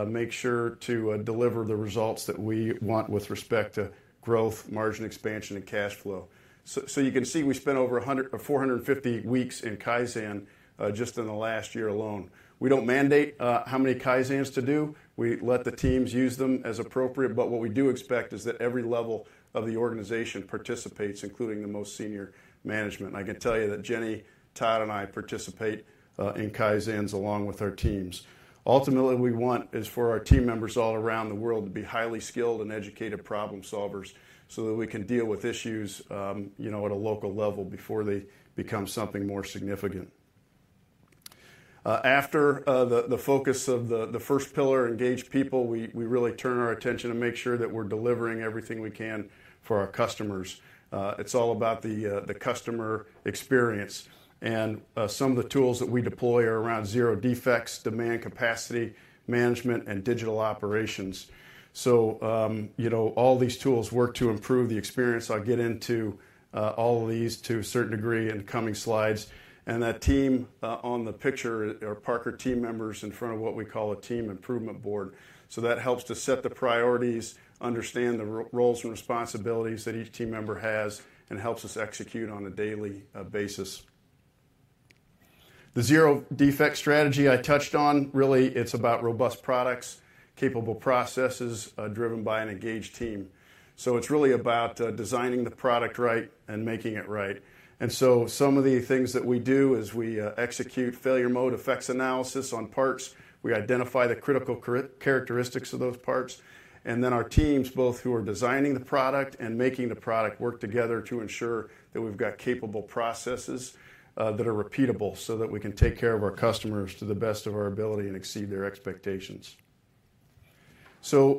make sure to deliver the results that we want with respect to growth, margin expansion, and cash flow. So, so you can see, we spent over 100,450 weeks in Kaizen, just in the last year alone. We don't mandate, how many Kaizens to do. We let the teams use them as appropriate, but what we do expect is that every level of the organization participates, including the most senior management. I can tell you that Jenny, Todd, and I participate, in Kaizens along with our teams. Ultimately, what we want is for our team members all around the world to be highly skilled and educated problem solvers so that we can deal with issues, you know, at a local level before they become something more significant. After, the focus of the first pillar, engage people, we really turn our attention to make sure that we're delivering everything we can for our customers. It's all about the customer experience, and some of the tools that we deploy are around Zero Defects, demand capacity management, and digital operations. So, you know, all these tools work to improve the experience. I'll get into all of these to a certain degree in the coming slides. And that team on the picture are Parker team members in front of what we call a team improvement board. So that helps to set the priorities, understand the roles and responsibilities that each team member has, and helps us execute on a daily basis. The Zero-Defect strategy I touched on, really, it's about robust products, capable processes, driven by an engaged team. So it's really about designing the product right and making it right. So some of the things that we do is we execute failure mode effects analysis on parts. We identify the critical characteristics of those parts, and then our teams, both who are designing the product and making the product, work together to ensure that we've got capable processes that are repeatable, so that we can take care of our customers to the best of our ability and exceed their expectations.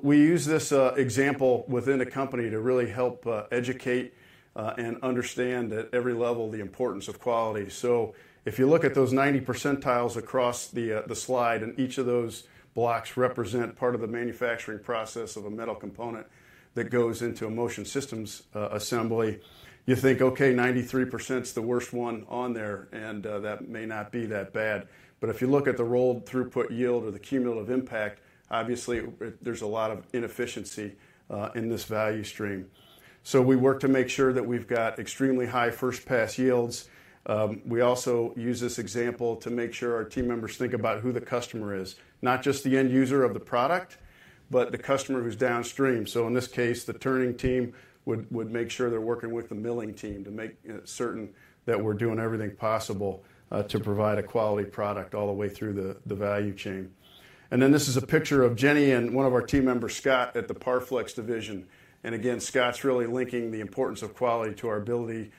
We use this example within the company to really help educate and understand at every level the importance of quality. So if you look at those 90 percentiles across the slide, and each of those blocks represent part of the manufacturing process of a metal component that goes into a motion systems assembly, you think, okay, 93% is the worst one on there, and that may not be that bad. But if you look at the rolled throughput yield or the cumulative impact, obviously, it, there's a lot of inefficiency in this value stream. So we work to make sure that we've got extremely high first-pass yields. We also use this example to make sure our team members think about who the customer is, not just the end user of the product, but the customer who's downstream. So in this case, the turning team would make sure they're working with the milling team to make certain that we're doing everything possible to provide a quality product all the way through the value chain. And then, this is a picture of Jenny and one of our team members, Scott, at the Parflex division. And again, Scott's really linking the importance of quality to our ability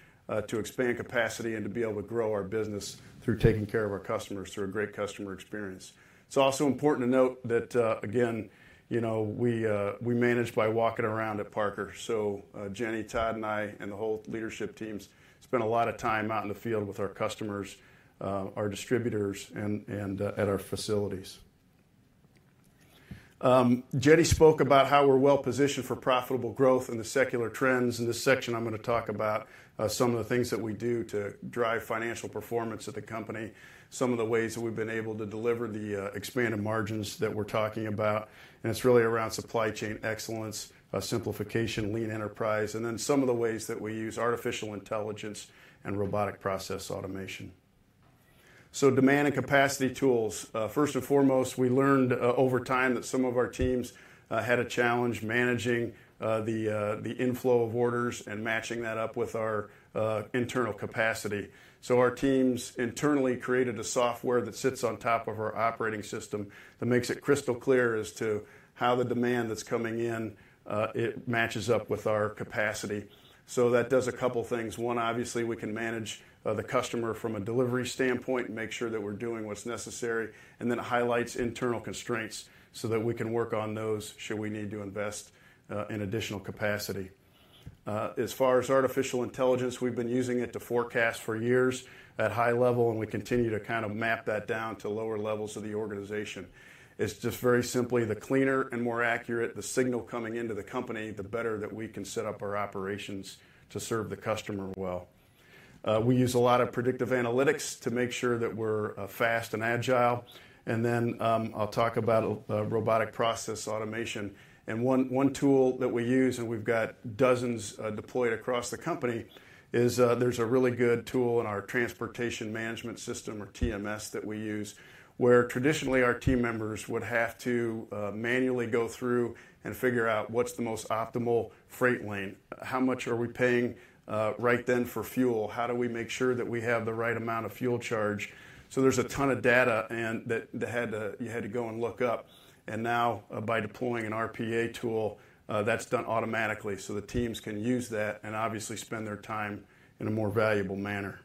to expand capacity and to be able to grow our business through taking care of our customers through a great customer experience. It's also important to note that, again, you know, we manage by walking around at Parker. So, Jenny, Todd, and I, and the whole leadership teams spend a lot of time out in the field with our customers, our distributors, and at our facilities. Jenny spoke about how we're well-positioned for profitable growth and the secular trends. In this section, I'm gonna talk about some of the things that we do to drive financial performance of the company, some of the ways that we've been able to deliver the expanded margins that we're talking about, and it's really around supply chain excellence, simplification, Lean enterprise, and then some of the ways that we use artificial intelligence and robotic process automation. So demand and capacity tools. First and foremost, we learned over time that some of our teams had a challenge managing the inflow of orders and matching that up with our internal capacity. Our teams internally created a software that sits on top of our operating system that makes it crystal clear as to how the demand that's coming in, it matches up with our capacity. That does a couple things. One, obviously, we can manage the customer from a delivery standpoint and make sure that we're doing what's necessary, and then it highlights internal constraints so that we can work on those, should we need to invest in additional capacity. As far as artificial intelligence, we've been using it to forecast for years at high level, and we continue to kind of map that down to lower levels of the organization. It's just very simply, the cLeaner and more accurate the signal coming into the company, the better that we can set up our operations to serve the customer well. We use a lot of predictive analytics to make sure that we're fast and agile. And then, I'll talk about robotic process automation. And one tool that we use, and we've got dozens deployed across the company, is there's a really good tool in our transportation management system or TMS that we use, where traditionally our team members would have to manually go through and figure out what's the most optimal freight lane. How much are we paying right then for fuel? How do we make sure that we have the right amount of fuel charge? So there's a ton of data, and that you had to go and look up. And now, by deploying an RPA tool, that's done automatically. So the teams can use that and obviously spend their time in a more valuable manner.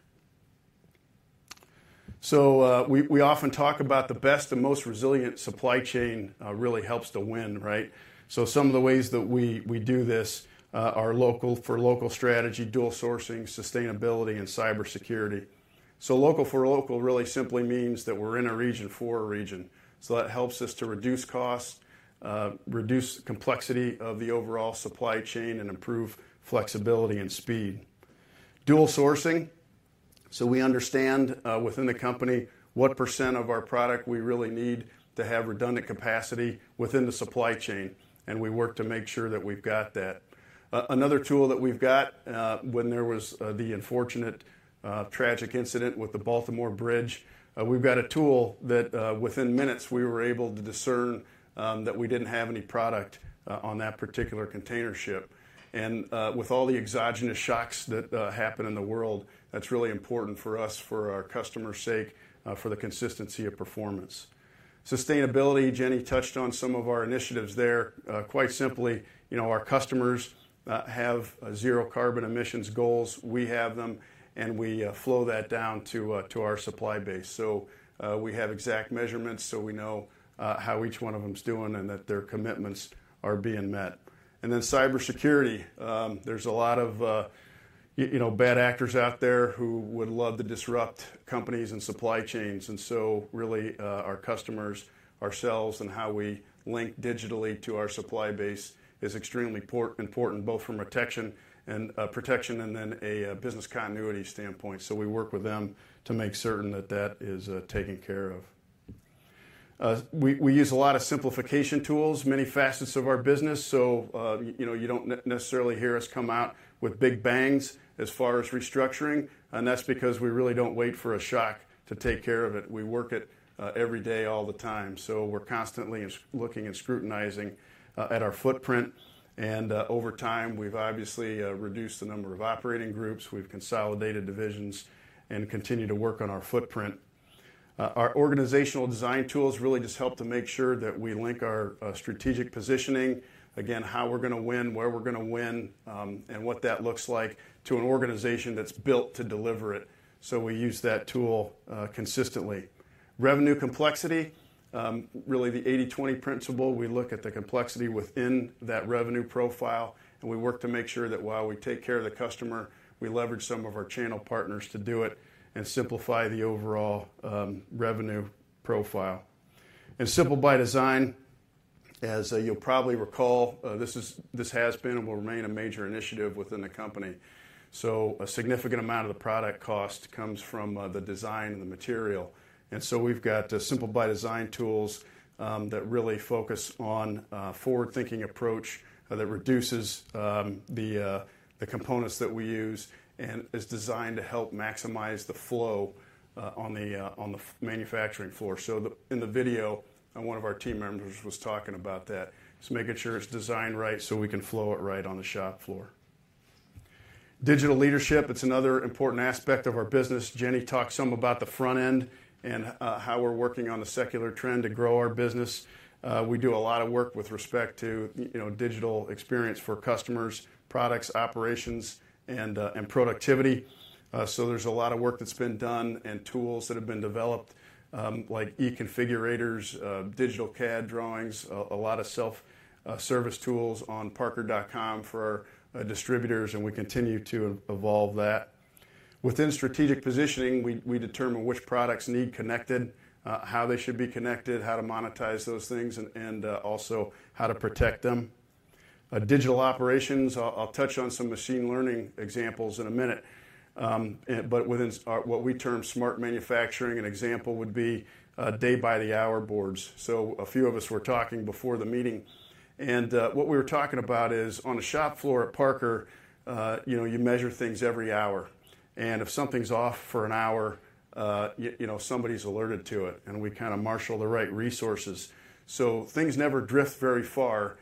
So, we often talk about the best and most resilient supply chain really helps to win, right? So some of the ways that we do this are Local for Local strategy, dual sourcing, sustainability, and cybersecurity. So Local for Local really simply means that we're in a region for a region, so that helps us to reduce costs, reduce complexity of the overall supply chain, and improve flexibility and speed. Dual sourcing, so we understand within the company, what percent of our product we really need to have redundant capacity within the supply chain, and we work to make sure that we've got that. Another tool that we've got, when there was the unfortunate tragic incident with the Baltimore bridge, we've got a tool that, within minutes, we were able to discern that we didn't have any product on that particular container ship. With all the exogenous shocks that happen in the world, that's really important for us, for our customers' sake, for the consistency of performance. Sustainability, Jenny touched on some of our initiatives there. Quite simply, you know, our customers have zero carbon emissions goals. We have them, and we flow that down to our supply base. We have exact measurements, so we know how each one of them is doing and that their commitments are being met. Then cybersecurity, there's a lot of, you know, bad actors out there who would love to disrupt companies and supply chains. And so, really, our customers, ourselves, and how we link digitally to our supply base is extremely important, both from a protection and protection and then a business continuity standpoint. So we work with them to make certain that that is taken care of.... We use a lot of simplification tools, many facets of our business, so, you know, you don't necessarily hear us come out with big bangs as far as restructuring, and that's because we really don't wait for a shock to take care of it. We work it every day, all the time. So we're constantly looking and scrutinizing at our footprint, and over time, we've obviously reduced the number of operating groups, we've consolidated divisions, and continue to work on our footprint. Our organizational design tools really just help to make sure that we link our strategic positioning, again, how we're gonna win, where we're gonna win, and what that looks like to an organization that's built to deliver it. So we use that tool consistently. Revenue complexity really the 80-20 principle, we look at the complexity within that revenue profile, and we work to make sure that while we take care of the customer, we leverage some of our channel partners to do it and simplify the overall revenue profile. Simple by Design, as you'll probably recall, this has been and will remain a major initiative within the company. So a significant amount of the product cost comes from the design and the material. And so we've got the Simple by Design tools that really focus on a forward-thinking approach that reduces the components that we use, and is designed to help maximize the flow on the manufacturing floor. So in the video, one of our team members was talking about that, just making sure it's designed right so we can flow it right on the shop floor. Digital leadership, it's another important aspect of our business. Jenny talked some about the front end and how we're working on the secular trend to grow our business. We do a lot of work with respect to, you know, digital experience for customers, products, operations, and productivity. So there's a lot of work that's been done and tools that have been developed, like e-configurators, digital CAD drawings, a lot of self-service tools on parker.com for our distributors, and we continue to evolve that. Within strategic positioning, we determine which products need connected, how they should be connected, how to monetize those things, and also how to protect them. Digital operations, I'll touch on some machine learning examples in a minute. But within what we term smart manufacturing, an example would be Day-by-the-Hour Boards. So a few of us were talking before the meeting, and what we were talking about is, on the shop floor at Parker, you know, you measure things every hour, and if something's off for an hour, you know, somebody's alerted to it, and we kinda marshal the right resources. So things never drift very far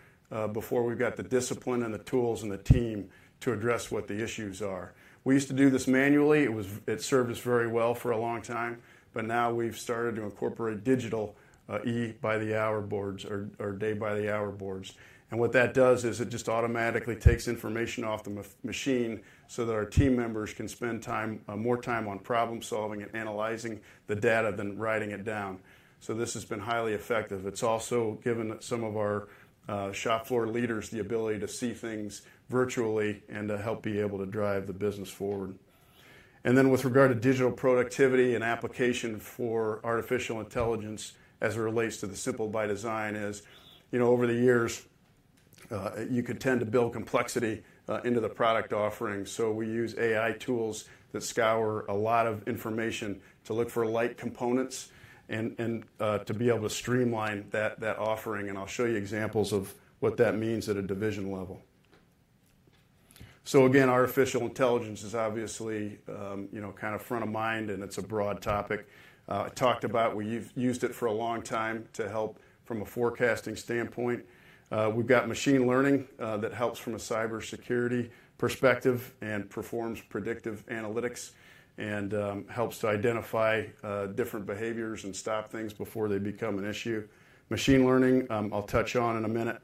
before we've got the discipline and the tools and the team to address what the issues are. We used to do this manually. It served us very well for a long time, but now we've started to incorporate digital, hour-by-the-hour boards or day-by-the-hour boards. And what that does is it just automatically takes information off the machine so that our team members can spend time, more time on problem-solving and analyzing the data than writing it down. So this has been highly effective. It's also given some of our shop floor leaders the ability to see things virtually and to help be able to drive the business forward. And then, with regard to digital productivity and application for artificial intelligence as it relates to the Simple by Design, you know, over the years, you could tend to build complexity into the product offering. So we use AI tools that scour a lot of information to look for light components and to be able to streamline that offering, and I'll show you examples of what that means at a division level. So again, artificial intelligence is obviously, you know, kind of front of mind, and it's a broad topic. I talked about we've used it for a long time to help from a forecasting standpoint. We've got machine learning that helps from a cybersecurity perspective and performs predictive analytics, and helps to identify different behaviors and stop things before they become an issue. Machine learning, I'll touch on in a minute.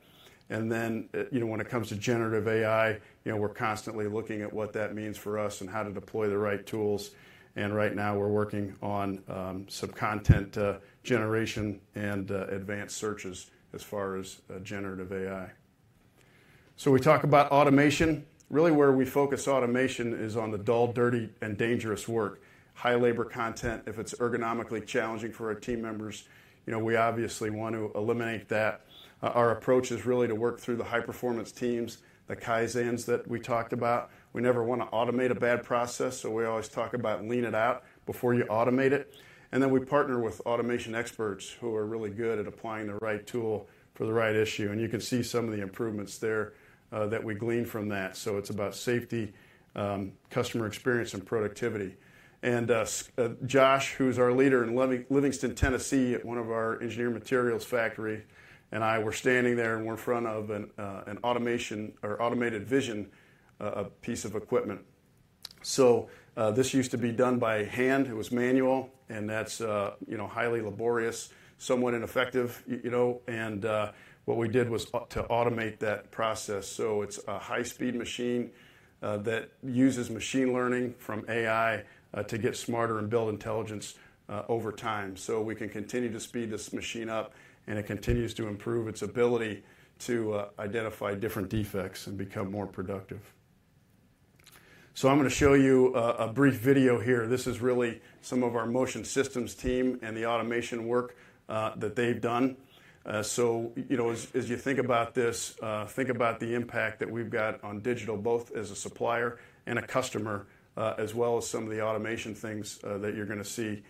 Then, you know, when it comes to generative AI, you know, we're constantly looking at what that means for us and how to deploy the right tools, and right now we're working on some content generation and advanced searches as far as generative AI. So we talk about automation. Really, where we focus automation is on the dull, dirty, and dangerous work, high labor content. If it's ergonomically challenging for our team members, you know, we obviously want to eliminate that. Our approach is really to work through the High Performance Teams, the Kaizens that we talked about. We never want to automate a bad process, so we always talk about Lean it out before you automate it. And then we partner with automation experts, who are really good at applying the right tool for the right issue, and you can see some of the improvements there, that we gLeaned from that. So it's about safety, customer experience, and productivity. And, Josh, who's our leader in Livingston, Tennessee, at one of our Engineering Materials factory, and I were standing there, and we're in front of an automation or automated vision, a piece of equipment. So, this used to be done by hand. It was manual, and that's, you know, highly laborious, somewhat ineffective, you know, and, what we did was to automate that process. So it's a high-speed machine that uses machine learning from AI to get smarter and build intelligence over time. So we can continue to speed this machine up, and it continues to improve its ability to identify different defects and become more productive. So I'm gonna show you a brief video here. This is really some of our Motion Systems team and the automation work that they've done. So you know, as you think about this, think about the impact that we've got on digital, both as a supplier and a customer, as well as some of the automation things that you're gonna see.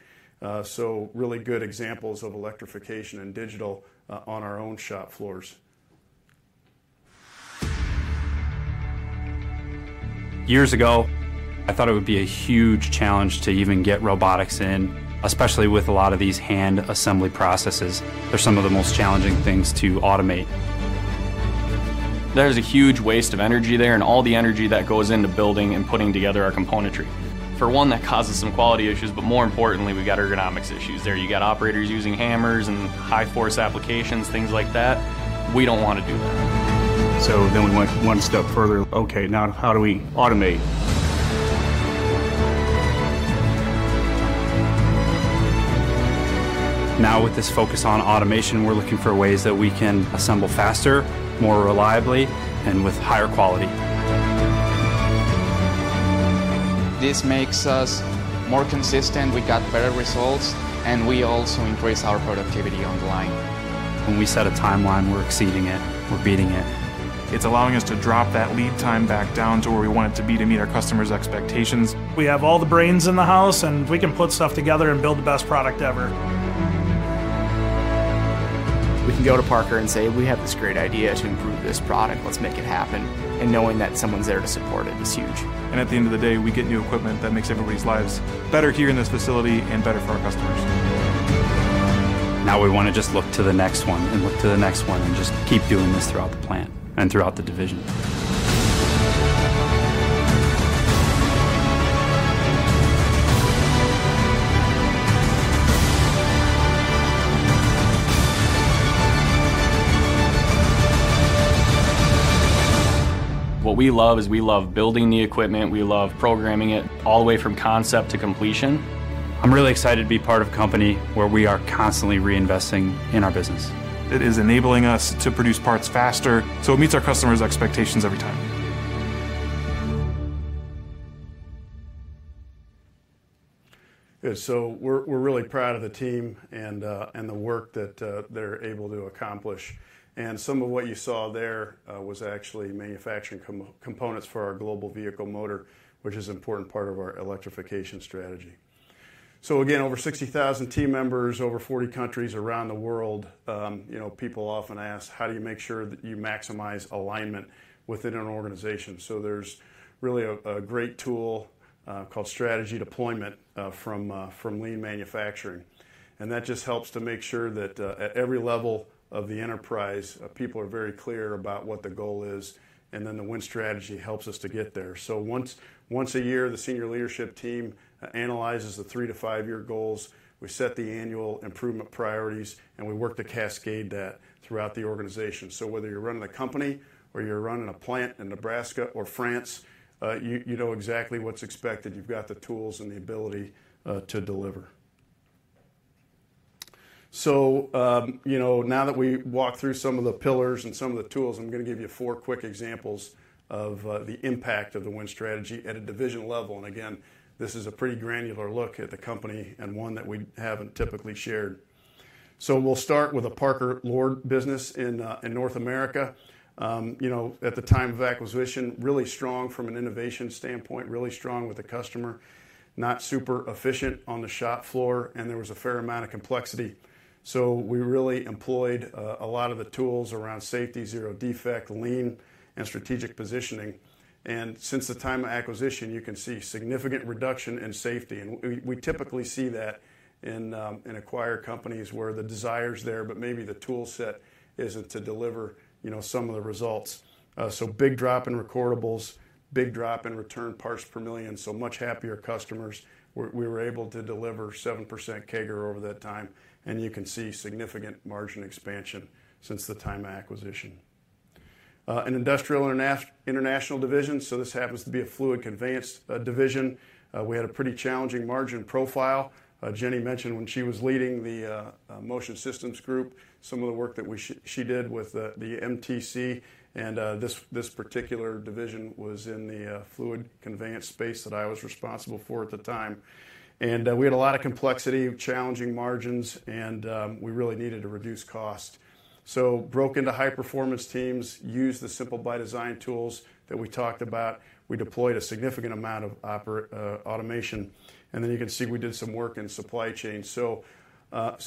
So really good examples of electrification and digital on our own shop floors. Years ago, I thought it would be a huge challenge to even get robotics in, especially with a lot of these hand assembly processes. They're some of the most challenging things to automate. There's a huge waste of energy there, and all the energy that goes into building and putting together our componentry. For one, that causes some quality issues, but more importantly, we've got ergonomics issues there. You got operators using hammers and high force applications, things like that. We don't wanna do that. So then we went one step further. Okay, now, how do we automate? Now, with this focus on automation, we're looking for ways that we can assemble faster, more reliably, and with higher quality. This makes us more consistent, we got better results, and we also increase our productivity on the line. When we set a timeline, we're exceeding it, we're beating it. It's allowing us to drop that lead time back down to where we want it to be to meet our customers' expectations. We have all the brains in the house, and we can put stuff together and build the best product ever. We can go to Parker and say, "We have this great idea to improve this product. Let's make it happen." And knowing that someone's there to support it is huge. At the end of the day, we get new equipment that makes everybody's lives better here in this facility and better for our customers. Now, we wanna just look to the next one, and look to the next one, and just keep doing this throughout the plant and throughout the division. What we love is we love building the equipment, we love programming it, all the way from concept to completion. I'm really excited to be part of a company where we are constantly reinvesting in our business. It is enabling us to produce parts faster, so it meets our customers' expectations every time. Yeah, so we're really proud of the team and the work that they're able to accomplish. And some of what you saw there was actually manufacturing components for our Global Vehicle Motor, which is an important part of our electrification strategy. So again, over 60,000 team members, over 40 countries around the world. You know, people often ask: How do you make sure that you maximize alignment within an organization? So there's really a great tool called Strategy Deployment from Lean Manufacturing, and that just helps to make sure that at every level of the enterprise, people are very clear about what the goal is, and then the Win Strategy helps us to get there. So once a year, the senior leadership team analyzes the 3- to 5-year goals. We set the annual improvement priorities, and we work to cascade that throughout the organization. So whether you're running the company or you're running a plant in Nebraska or France, you know exactly what's expected. You've got the tools and the ability to deliver. So, you know, now that we walked through some of the pillars and some of the tools, I'm gonna give you 4 quick examples of the impact of the Win Strategy at a division level. And again, this is a pretty granular look at the company and one that we haven't typically shared. So we'll start with the Parker Lord business in North America. You know, at the time of acquisition, really strong from an innovation standpoint, really strong with the customer, not super efficient on the shop floor, and there was a fair amount of complexity. So we really employed a lot of the tools around safety, zero defect, Lean, and strategic positioning. And since the time of acquisition, you can see significant reduction in safety, and we typically see that in acquired companies where the desire's there, but maybe the toolset isn't to deliver, you know, some of the results. So big drop in recordables, big drop in return parts per million, so much happier customers. We were able to deliver 7% CAGR over that time, and you can see significant margin expansion since the time of acquisition. In Industrial International Division, so this happens to be a fluid conveyance division. We had a pretty challenging margin profile. Jenny mentioned when she was leading the Motion Systems Group, some of the work that we she did with the MTC, and this particular division was in the fluid conveyance space that I was responsible for at the time. We had a lot of complexity, challenging margins, and we really needed to reduce cost. So broke into High Performance Teams, used the Simple by Design tools that we talked about. We deployed a significant amount of automation, and then you can see we did some work in supply chain. So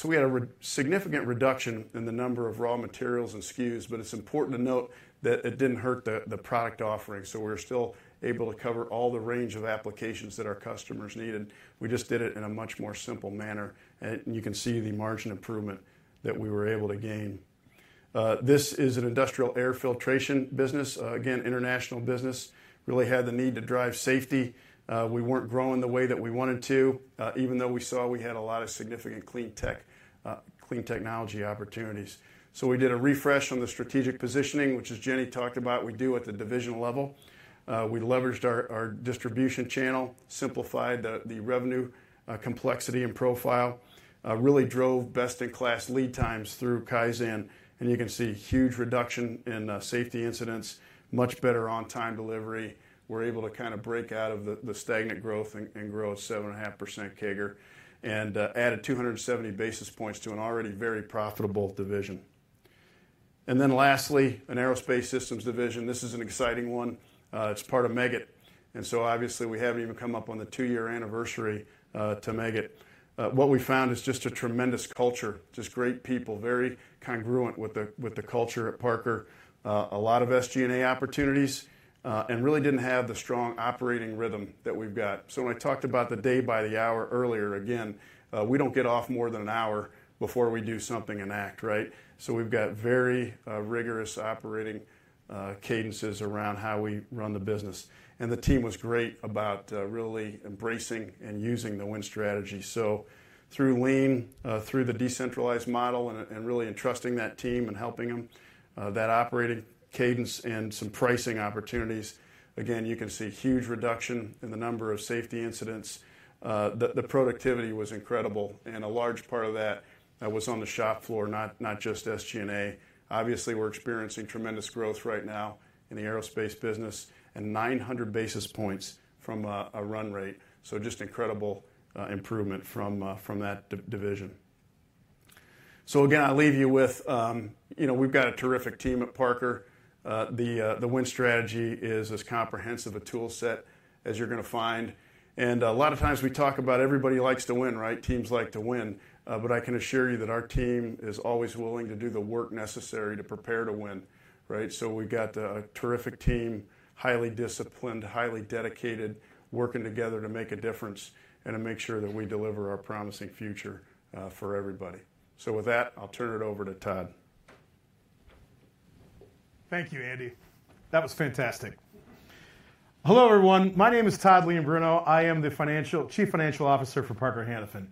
we had a significant reduction in the number of raw materials and SKUs, but it's important to note that it didn't hurt the product offering, so we're still able to cover all the range of applications that our customers needed. We just did it in a much more simple manner, and you can see the margin improvement that we were able to gain. This is an industrial air filtration business. Again, international business. Really had the need to drive safety. We weren't growing the way that we wanted to, even though we saw we had a lot of significant cLean tech, cLean technology opportunities. So we did a refresh on the strategic positioning, which, as Jenny talked about, we do at the division level. We leveraged our distribution channel, simplified the revenue complexity and profile, really drove best-in-class lead times through Kaizen... and you can see huge reduction in safety incidents, much better on-time delivery. We're able to kind of break out of the stagnant growth and grow 7.5% CAGR, and added 270 basis points to an already very profitable division. And then lastly, an aerospace systems division. This is an exciting one. It's part of Meggitt, and so obviously we haven't even come up on the two-year anniversary to Meggitt. What we found is just a tremendous culture, just great people, very congruent with the culture at Parker. A lot of SG&A opportunities, and really didn't have the strong operating rhythm that we've got. So when I talked about the Day-by-the-Hour earlier, again, we don't get off more than an hour before we do something and act, right? So we've got very, rigorous operating cadences around how we run the business. And the team was great about, really embracing and using the Win Strategy. So through Lean, through the decentralized model and, and really entrusting that team and helping them, that operating cadence and some pricing opportunities, again, you can see huge reduction in the number of safety incidents. The productivity was incredible, and a large part of that was on the shop floor, not just SG&A. Obviously, we're experiencing tremendous growth right now in the aerospace business, and 900 basis points from a run rate. So just incredible improvement from that division. So again, I'll leave you with, you know, we've got a terrific team at Parker. The Win Strategy is as comprehensive a tool set as you're gonna find. And a lot of times we talk about everybody likes to win, right? Teams like to win, but I can assure you that our team is always willing to do the work necessary to prepare to win, right? So we've got a terrific team, highly disciplined, highly dedicated, working together to make a difference and to make sure that we deliver our promising future for everybody. So with that, I'll turn it over to Todd. Thank you, Andy. That was fantastic. Hello, everyone. My name is Todd Leombruno. I am the Financial... Chief Financial Officer for Parker Hannifin.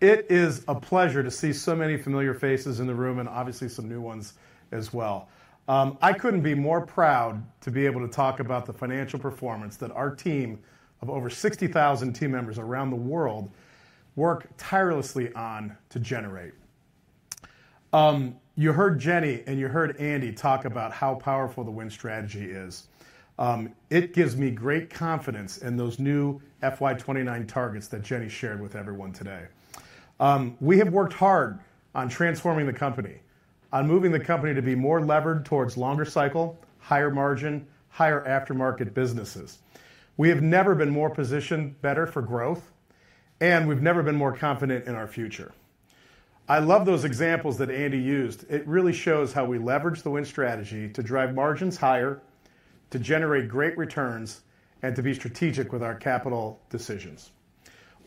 It is a pleasure to see so many familiar faces in the room and obviously some new ones as well. I couldn't be more proud to be able to talk about the financial performance that our team of over 60,000 team members around the world work tirelessly on to generate. You heard Jenny, and you heard Andy talk about how powerful the Win Strategy is. It gives me great confidence in those new FY 2029 targets that Jenny shared with everyone today. We have worked hard on transforming the company, on moving the company to be more levered towards longer cycle, higher margin, higher aftermarket businesses. We have never been more positioned better for growth, and we've never been more confident in our future. I love those examples that Andy used. It really shows how we leverage the Win Strategy to drive margins higher, to generate great returns, and to be strategic with our capital decisions.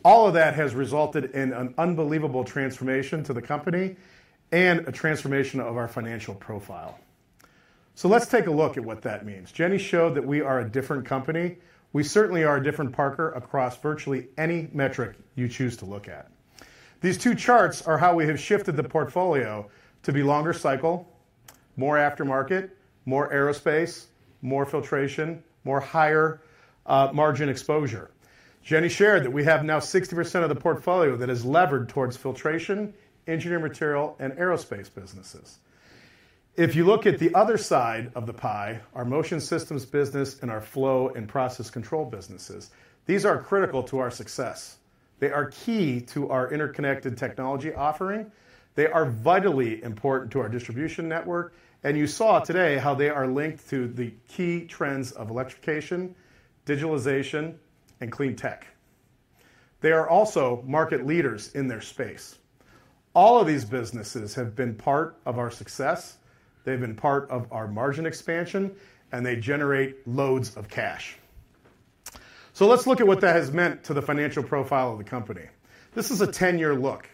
All of that has resulted in an unbelievable transformation to the company and a transformation of our financial profile. So let's take a look at what that means. Jenny showed that we are a different company. We certainly are a different Parker across virtually any metric you choose to look at. These two charts are how we have shifted the portfolio to be longer cycle, more aftermarket, more aerospace, more filtration, more higher, margin exposure. Jenny shared that we have now 60% of the portfolio that is levered towards filtration, engineering material, and aerospace businesses. If you look at the other side of the pie, our Motion Systems business and our Flow and Process Control businesses, these are critical to our success. They are key to our interconnected technology offering. They are vitally important to our distribution network, and you saw today how they are linked to the key trends of electrification, digitalization, and cLean tech. They are also market leaders in their space. All of these businesses have been part of our success, they've been part of our margin expansion, and they generate loads of cash. So let's look at what that has meant to the financial profile of the company. This is a 10-year look.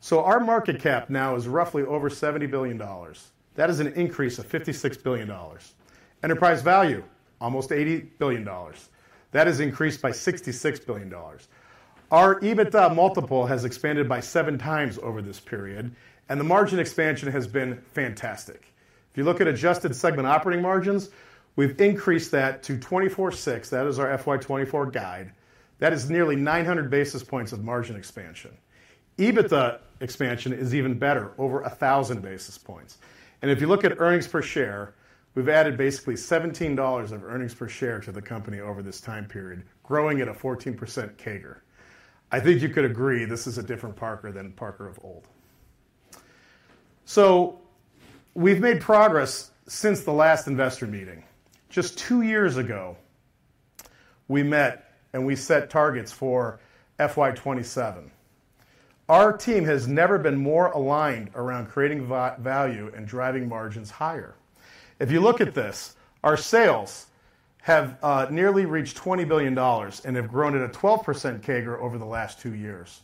So our market cap now is roughly over $70 billion. That is an increase of $56 billion. Enterprise value, almost $80 billion. That is increased by $66 billion. Our EBITDA multiple has expanded by 7x over this period, and the margin expansion has been fantastic. If you look at adjusted segment operating margins, we've increased that to 24.6. That is our FY 2024 guide. That is nearly 900 basis points of margin expansion. EBITDA expansion is even better, over 1,000 basis points. And if you look at earnings per share, we've added basically $17 of earnings per share to the company over this time period, growing at a 14% CAGR. I think you could agree this is a different Parker than Parker of old. So we've made progress since the last investor meeting. Just two years ago, we met, and we set targets for FY 2027. Our team has never been more aligned around creating value and driving margins higher. If you look at this, our sales have nearly reached $20 billion and have grown at a 12% CAGR over the last 2 years.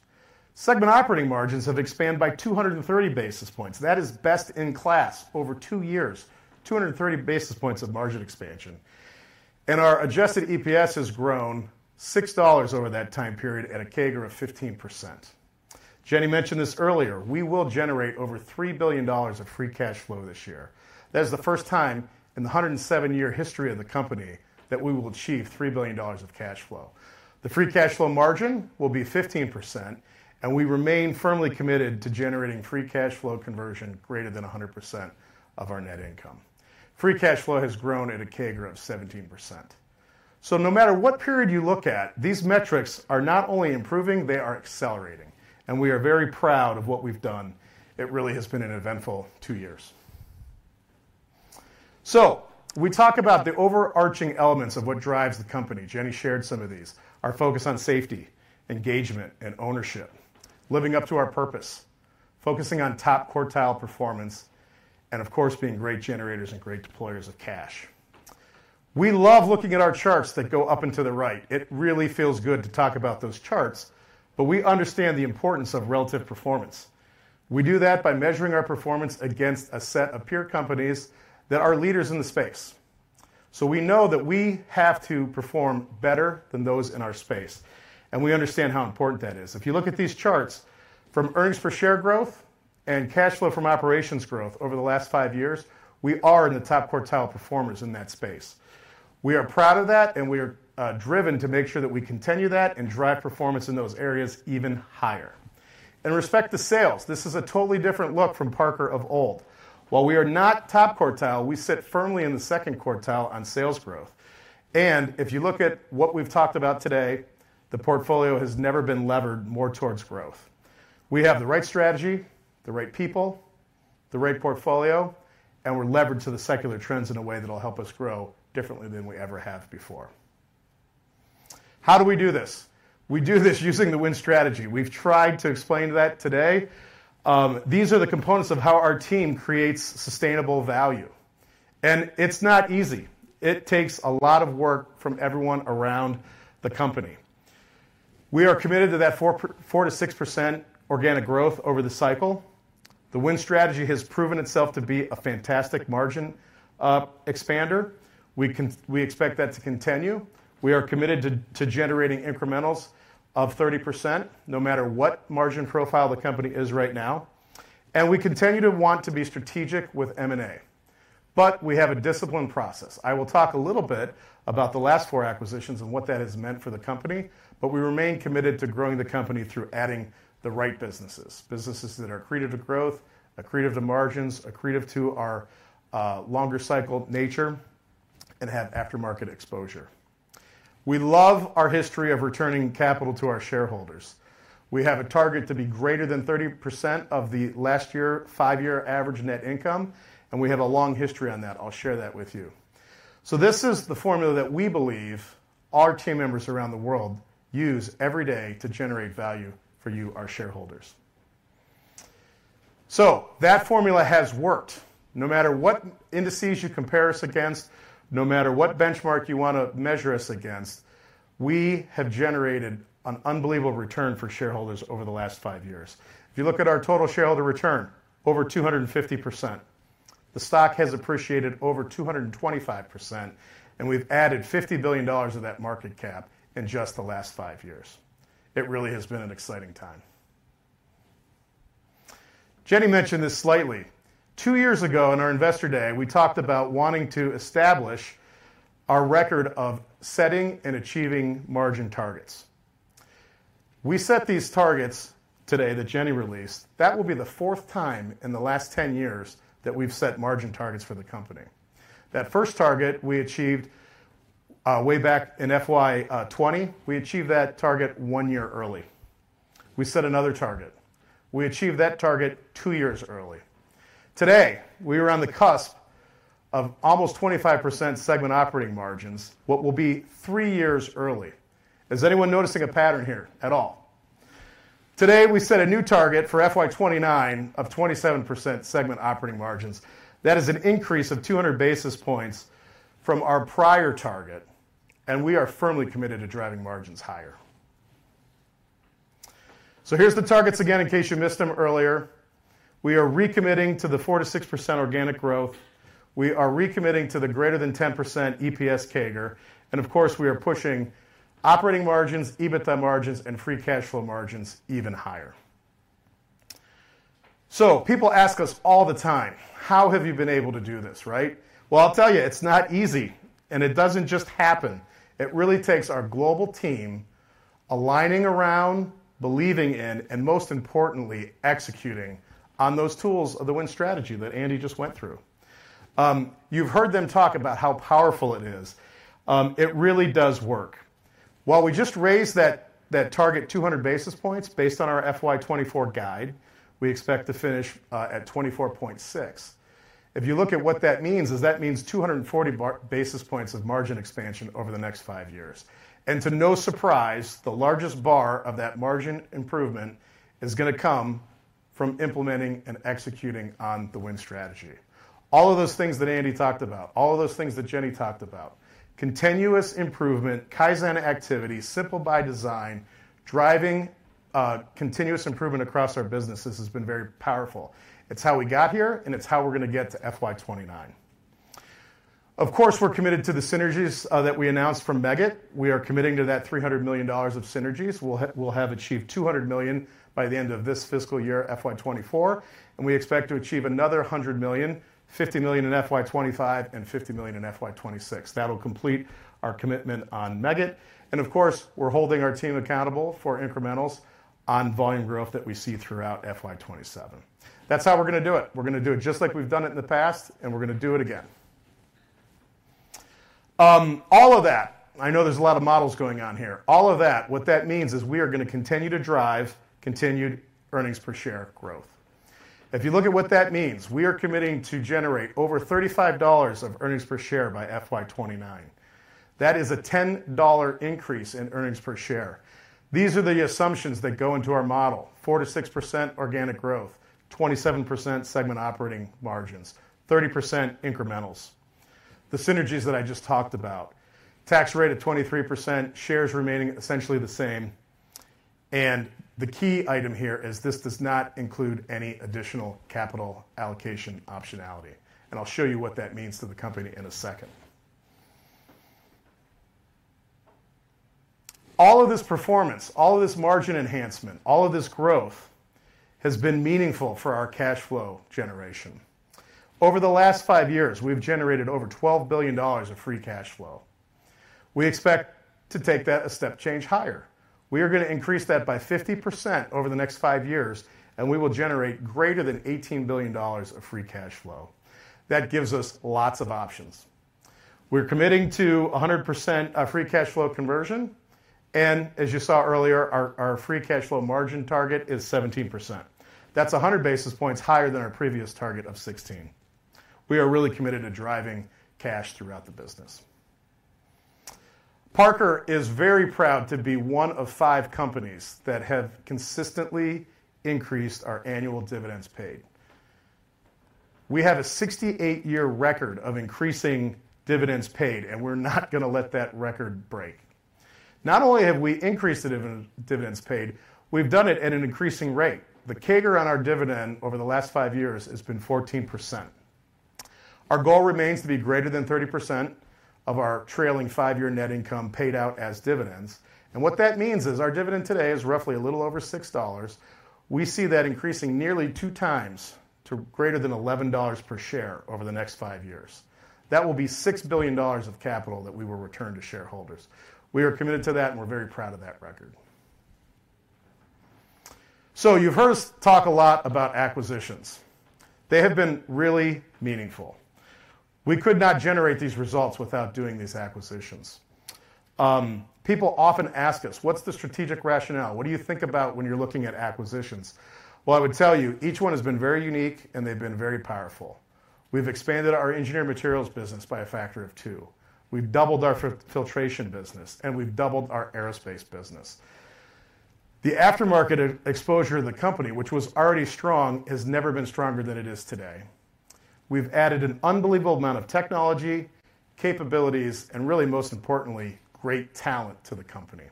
Segment operating margins have expanded by 230 basis points. That is best-in-class over 2 years, 230 basis points of margin expansion. And our adjusted EPS has grown $6 over that time period at a CAGR of 15%. Jenny mentioned this earlier: we will generate over $3 billion of free cash flow this year. That is the first time in the 107-year history of the company that we will achieve $3 billion of cash flow. The free cash flow margin will be 15%, and we remain firmly committed to generating free cash flow conversion greater than 100% of our net income.... Free cash flow has grown at a CAGR of 17%. So no matter what period you look at, these metrics are not only improving, they are accelerating, and we are very proud of what we've done. It really has been an eventful two years. So we talk about the overarching elements of what drives the company. Jenny shared some of these: our focus on safety, engagement, and ownership, living up to our purpose, focusing on top quartile performance, and of course, being great generators and great deployers of cash. We love looking at our charts that go up into the right. It really feels good to talk about those charts, but we understand the importance of relative performance. We do that by measuring our performance against a set of peer companies that are leaders in the space. So we know that we have to perform better than those in our space, and we understand how important that is. If you look at these charts, from earnings per share growth and cash flow from operations growth over the last five years, we are in the top quartile performers in that space. We are proud of that, and we are driven to make sure that we continue that and drive performance in those areas even higher. In respect to sales, this is a totally different look from Parker of old. While we are not top quartile, we sit firmly in the second quartile on sales growth. And if you look at what we've talked about today, the portfolio has never been levered more towards growth. We have the right strategy, the right people, the right portfolio, and we're levered to the secular trends in a way that will help us grow differently than we ever have before. How do we do this? We do this using the Win Strategy. We've tried to explain that today. These are the components of how our team creates sustainable value, and it's not easy. It takes a lot of work from everyone around the company. We are committed to that 4%-6% organic growth over the cycle. The Win Strategy has proven itself to be a fantastic margin expander. We expect that to continue. We are committed to generating incrementals of 30%, no matter what margin profile the company is right now, and we continue to want to be strategic with M&A. But we have a disciplined process. I will talk a little bit about the last four acquisitions and what that has meant for the company, but we remain committed to growing the company through adding the right businesses. Businesses that are accretive to growth, accretive to margins, accretive to our, longer cycle nature, and have aftermarket exposure. We love our history of returning capital to our shareholders. We have a target to be greater than 30% of the last year, five-year average net income, and we have a long history on that. I'll share that with you. So this is the formula that we believe our team members around the world use every day to generate value for you, our shareholders. So that formula has worked. No matter what indices you compare us against, no matter what benchmark you want to measure us against, we have generated an unbelievable return for shareholders over the last 5 years. If you look at our total shareholder return, over 250%. The stock has appreciated over 225%, and we've added $50 billion of that market cap in just the last 5 years. It really has been an exciting time. Jenny mentioned this slightly. 2 years ago, in our Investor Day, we talked about wanting to establish our record of setting and achieving margin targets. We set these targets today, that Jenny released, that will be the fourth time in the last 10 years that we've set margin targets for the company. That first target, we achieved, way back in FY 2020. We achieved that target 1 year early. We set another target. We achieved that target two years early. Today, we are on the cusp of almost 25% segment operating margins, what will be three years early. Is anyone noticing a pattern here at all? Today, we set a new target for FY 2029 of 27% segment operating margins. That is an increase of 200 basis points from our prior target, and we are firmly committed to driving margins higher. So here's the targets again, in case you missed them earlier. We are recommitting to the 4%-6% organic growth. We are recommitting to the greater than 10% EPS CAGR. And of course, we are pushing operating margins, EBITDA margins, and free cash flow margins even higher. So people ask us all the time, "How have you been able to do this?" Right? Well, I'll tell you, it's not easy, and it doesn't just happen. It really takes our global team aligning around, believing in, and most importantly, executing on those tools of the Win Strategy that Andy just went through. You've heard them talk about how powerful it is. It really does work. While we just raised that, that target 200 basis points based on our FY 2024 guide, we expect to finish at 24.6. If you look at what that means, is that means 240 basis points of margin expansion over the next five years. And to no surprise, the largest bar of that margin improvement is gonna come from implementing and executing on the Win Strategy. All of those things that Andy talked about, all of those things that Jenny talked about, continuous improvement, Kaizen activities, Simple by Design, driving continuous improvement across our businesses has been very powerful. It's how we got here, and it's how we're gonna get to FY 2029. Of course, we're committed to the synergies that we announced from Meggitt. We are committing to that $300 million of synergies. We'll have achieved $200 million by the end of this fiscal year, FY 2024, and we expect to achieve another $100 million, $50 million in FY 2025 and $50 million in FY 2026. That'll complete our commitment on Meggitt, and of course, we're holding our team accountable for incrementals on volume growth that we see throughout FY 2027. That's how we're gonna do it. We're gonna do it just like we've done it in the past, and we're gonna do it again. All of that, I know there's a lot of models going on here. All of that, what that means is we are gonna continue to drive continued earnings per share growth. If you look at what that means, we are committing to generate over $35 of earnings per share by FY 2029. That is a $10 increase in earnings per share. These are the assumptions that go into our model: 4%-6% organic growth, 27% segment operating margins, 30% incrementals. The synergies that I just talked about, tax rate of 23%, shares remaining essentially the same, and the key item here is this does not include any additional capital allocation optionality, and I'll show you what that means to the company in a second. All of this performance, all of this margin enhancement, all of this growth, has been meaningful for our cash flow generation. Over the last five years, we've generated over $12 billion of free cash flow. We expect to take that a step change higher. We are gonna increase that by 50% over the next five years, and we will generate greater than $18 billion of free cash flow. That gives us lots of options. We're committing to 100% free cash flow conversion, and as you saw earlier, our free cash flow margin target is 17%. That's 100 basis points higher than our previous target of 16%. We are really committed to driving cash throughout the business. Parker is very proud to be one of five companies that have consistently increased our annual dividends paid. We have a 68-year record of increasing dividends paid, and we're not gonna let that record break. Not only have we increased the dividends paid, we've done it at an increasing rate. The CAGR on our dividend over the last 5 years has been 14%. Our goal remains to be greater than 30% of our trailing 5-year net income paid out as dividends, and what that means is our dividend today is roughly a little over $6. We see that increasing nearly 2x to greater than $11 per share over the next 5 years. That will be $6 billion of capital that we will return to shareholders. We are committed to that, and we're very proud of that record. So you've heard us talk a lot about acquisitions. They have been really meaningful. We could not generate these results without doing these acquisitions. People often ask us, "What's the strategic rationale? What do you think about when you're looking at acquisitions?" Well, I would tell you, each one has been very unique, and they've been very powerful. We've expanded our engineered materials business by a factor of two. We've doubled our filtration business, and we've doubled our aerospace business. The aftermarket exposure of the company, which was already strong, has never been stronger than it is today. We've added an unbelievable amount of technology, capabilities, and really, most importantly, great talent to the company.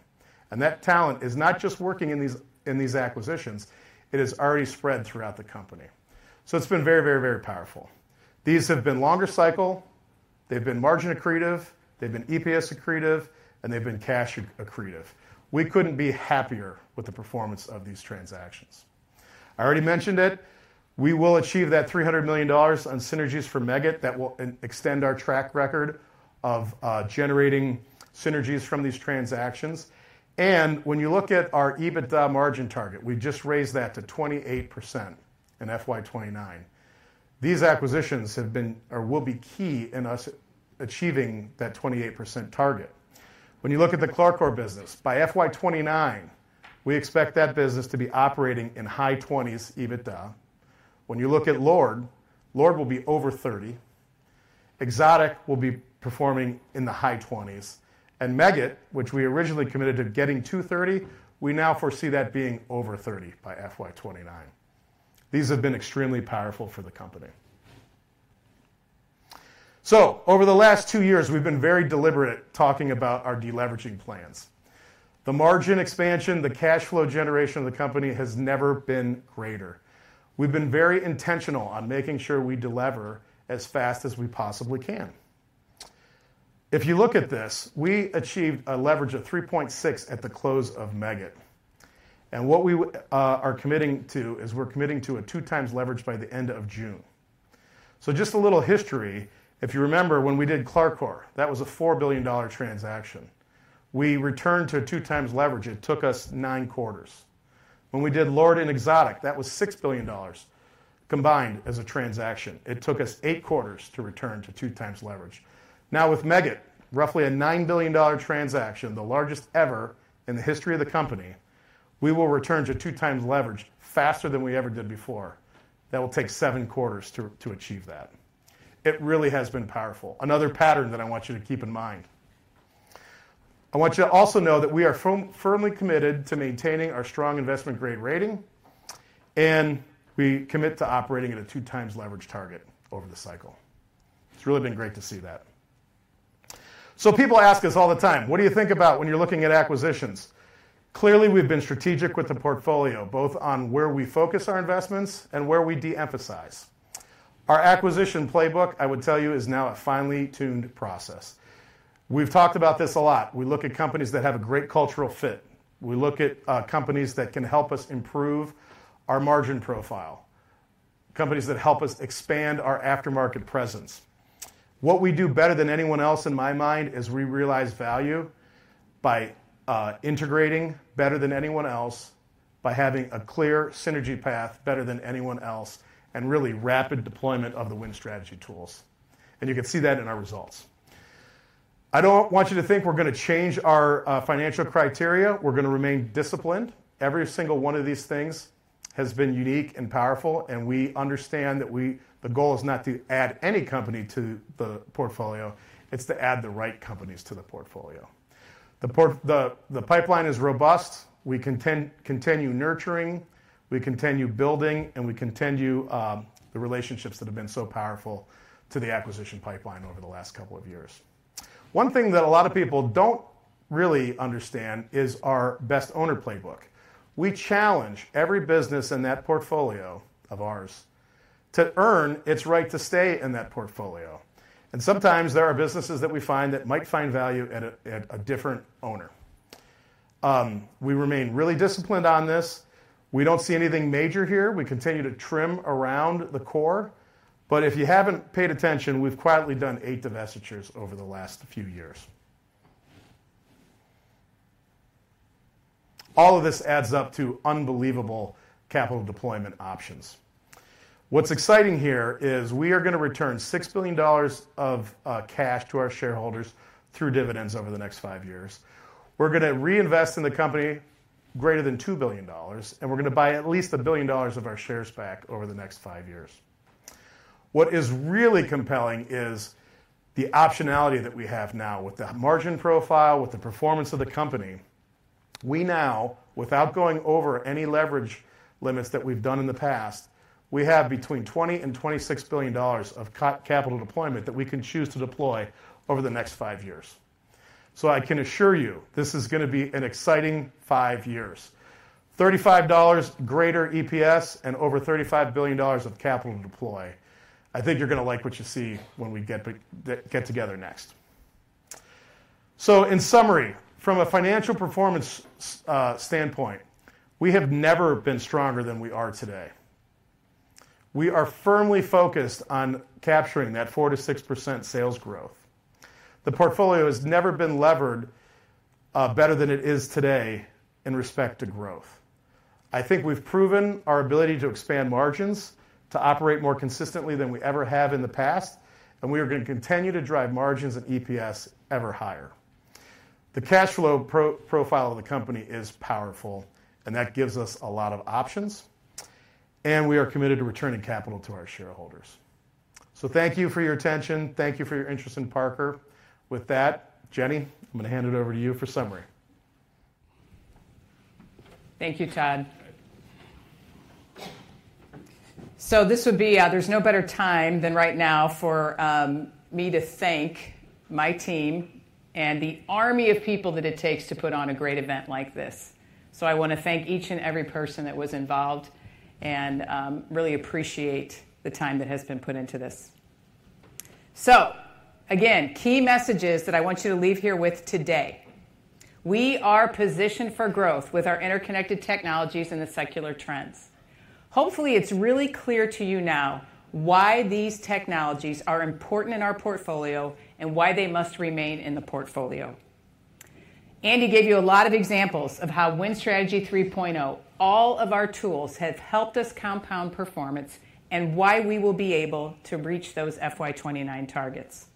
And that talent is not just working in these, in these acquisitions, it has already spread throughout the company. So it's been very, very, very powerful. These have been longer cycle, they've been margin accretive, they've been EPS accretive, and they've been cash accretive. We couldn't be happier with the performance of these transactions. I already mentioned it, we will achieve that $300 million on synergies from Meggitt. That will extend our track record of generating synergies from these transactions, and when you look at our EBITDA margin target, we just raised that to 28% in FY 2029. These acquisitions have been... or will be key in us achieving that 28% target. When you look at the Clarcor business, by FY 2029, we expect that business to be operating in high 20s EBITDA. When you look at Lord, Lord will be over 30, Exotic will be performing in the high 20s, and Meggitt, which we originally committed to getting to 30, we now foresee that being over 30 by FY 2029. These have been extremely powerful for the company. So over the last two years, we've been very deliberate talking about our deleveraging plans. The margin expansion, the cash flow generation of the company has never been greater. We've been very intentional on making sure we delever as fast as we possibly can. If you look at this, we achieved a leverage of 3.6 at the close of Meggitt, and what we are committing to is we're committing to a 2x leverage by the end of June. So just a little history. If you remember, when we did Clarcor, that was a $4 billion transaction. We returned to a 2x leverage. It took us 9 quarters. When we did Lord and Exotic, that was $6 billion combined as a transaction. It took us 8 quarters to return to 2x leverage. Now, with Meggitt, roughly a $9 billion transaction, the largest ever in the history of the company, we will return to 2x leverage faster than we ever did before. That will take 7 quarters to achieve that. It really has been powerful. Another pattern that I want you to keep in mind. I want you to also know that we are firmly committed to maintaining our strong investment-grade rating, and we commit to operating at a 2x leverage target over the cycle. It's really been great to see that. So people ask us all the time, "What do you think about when you're looking at acquisitions?" Clearly, we've been strategic with the portfolio, both on where we focus our investments and where we de-emphasize. Our acquisition playbook, I would tell you, is now a finely tuned process. We've talked about this a lot. We look at companies that have a great cultural fit. We look at companies that can help us improve our margin profile, companies that help us expand our aftermarket presence. What we do better than anyone else, in my mind, is we realize value by integrating better than anyone else, by having a clear synergy path better than anyone else, and really rapid deployment of the Win Strategy tools. And you can see that in our results. I don't want you to think we're gonna change our financial criteria. We're gonna remain disciplined. Every single one of these things has been unique and powerful, and we understand that we, the goal is not to add any company to the portfolio, it's to add the right companies to the portfolio. The pipeline is robust. We continue nurturing, we continue building, and we continue the relationships that have been so powerful to the acquisition pipeline over the last couple of years. One thing that a lot of people don't really understand is our Best Owner playbook. We challenge every business in that portfolio of ours, to earn its right to stay in that portfolio. And sometimes there are businesses that we find that might find value at a different owner. We remain really disciplined on this. We don't see anything major here. We continue to trim around the core, but if you haven't paid attention, we've quietly done 8 divestitures over the last few years. All of this adds up to unbelievable capital deployment options. What's exciting here is we are gonna return $6 billion of cash to our shareholders, through dividends over the next 5 years. We're gonna reinvest in the company greater than $2 billion, and we're gonna buy at least $1 billion of our shares back over the next five years. What is really compelling is the optionality that we have now. With the margin profile, with the performance of the company, we now, without going over any leverage limits that we've done in the past, we have between $20 billion and $26 billion of capital deployment that we can choose to deploy over the next five years. So I can assure you, this is gonna be an exciting five years. $35 greater EPS and over $35 billion of capital to deploy. I think you're gonna like what you see when we get together next. So in summary, from a financial performance standpoint, we have never been stronger than we are today. We are firmly focused on capturing that 4%-6% sales growth. The portfolio has never been levered better than it is today in respect to growth. I think we've proven our ability to expand margins, to operate more consistently than we ever have in the past, and we are gonna continue to drive margins and EPS ever higher. The cash flow profile of the company is powerful, and that gives us a lot of options, and we are committed to returning capital to our shareholders. So thank you for your attention. Thank you for your interest in Parker. With that, Jenny, I'm gonna hand it over to you for summary. Thank you, Todd. All right. So this would be. There's no better time than right now for me to thank my team and the army of people that it takes to put on a great event like this. So I wanna thank each and every person that was involved, and really appreciate the time that has been put into this. So again, key messages that I want you to leave here with today: We are positioned for growth with our interconnected technologies and the secular trends. Hopefully, it's really clear to you now why these technologies are important in our portfolio, and why they must remain in the portfolio. Andy gave you a lot of examples of how Win Strategy 3.0, all of our tools, have helped us compound performance, and why we will be able to reach those FY 2029 targets.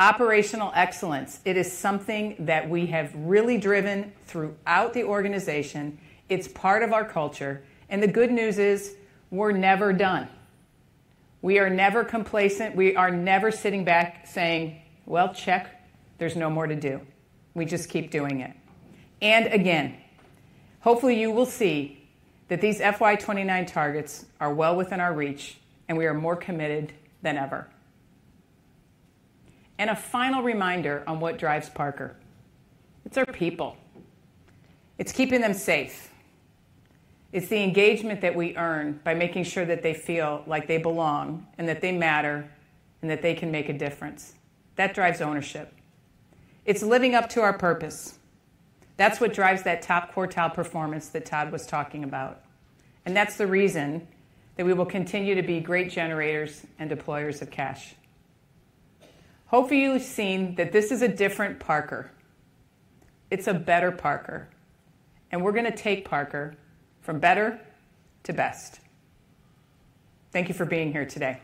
Operational excellence, it is something that we have really driven throughout the organization. It's part of our culture, and the good news is, we're never done. We are never complacent. We are never sitting back saying: "Well, check, there's no more to do." We just keep doing it. And again, hopefully, you will see that these FY 2029 targets are well within our reach, and we are more committed than ever. And a final reminder on what drives Parker. It's our people. It's keeping them safe. It's the engagement that we earn by making sure that they feel like they belong, and that they matter, and that they can make a difference. That drives ownership. It's living up to our purpose. That's what drives that top quartile performance that Todd was talking about, and that's the reason that we will continue to be great generators and deployers of cash. Hopefully, you've seen that this is a different Parker. It's a better Parker, and we're gonna take Parker from better to best. Thank you for being here today.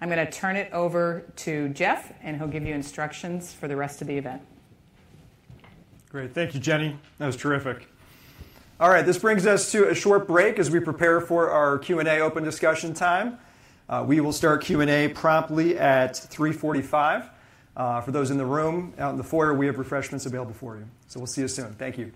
I'm gonna turn it over to Jeff, and he'll give you instructions for the rest of the event. Great. Thank you, Jenny. That was terrific. All right, this brings us to a short break as we prepare for our Q&A open discussion time. We will start Q&A promptly at 3:45 P.M. For those in the room, out in the foyer, we have refreshments available for you. So we'll see you soon. Thank you. ...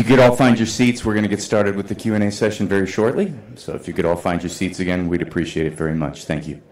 If you could all find your seats, we're going to get started with the Q&A session very shortly. If you could all find your seats again, we'd appreciate it very much. Thank you.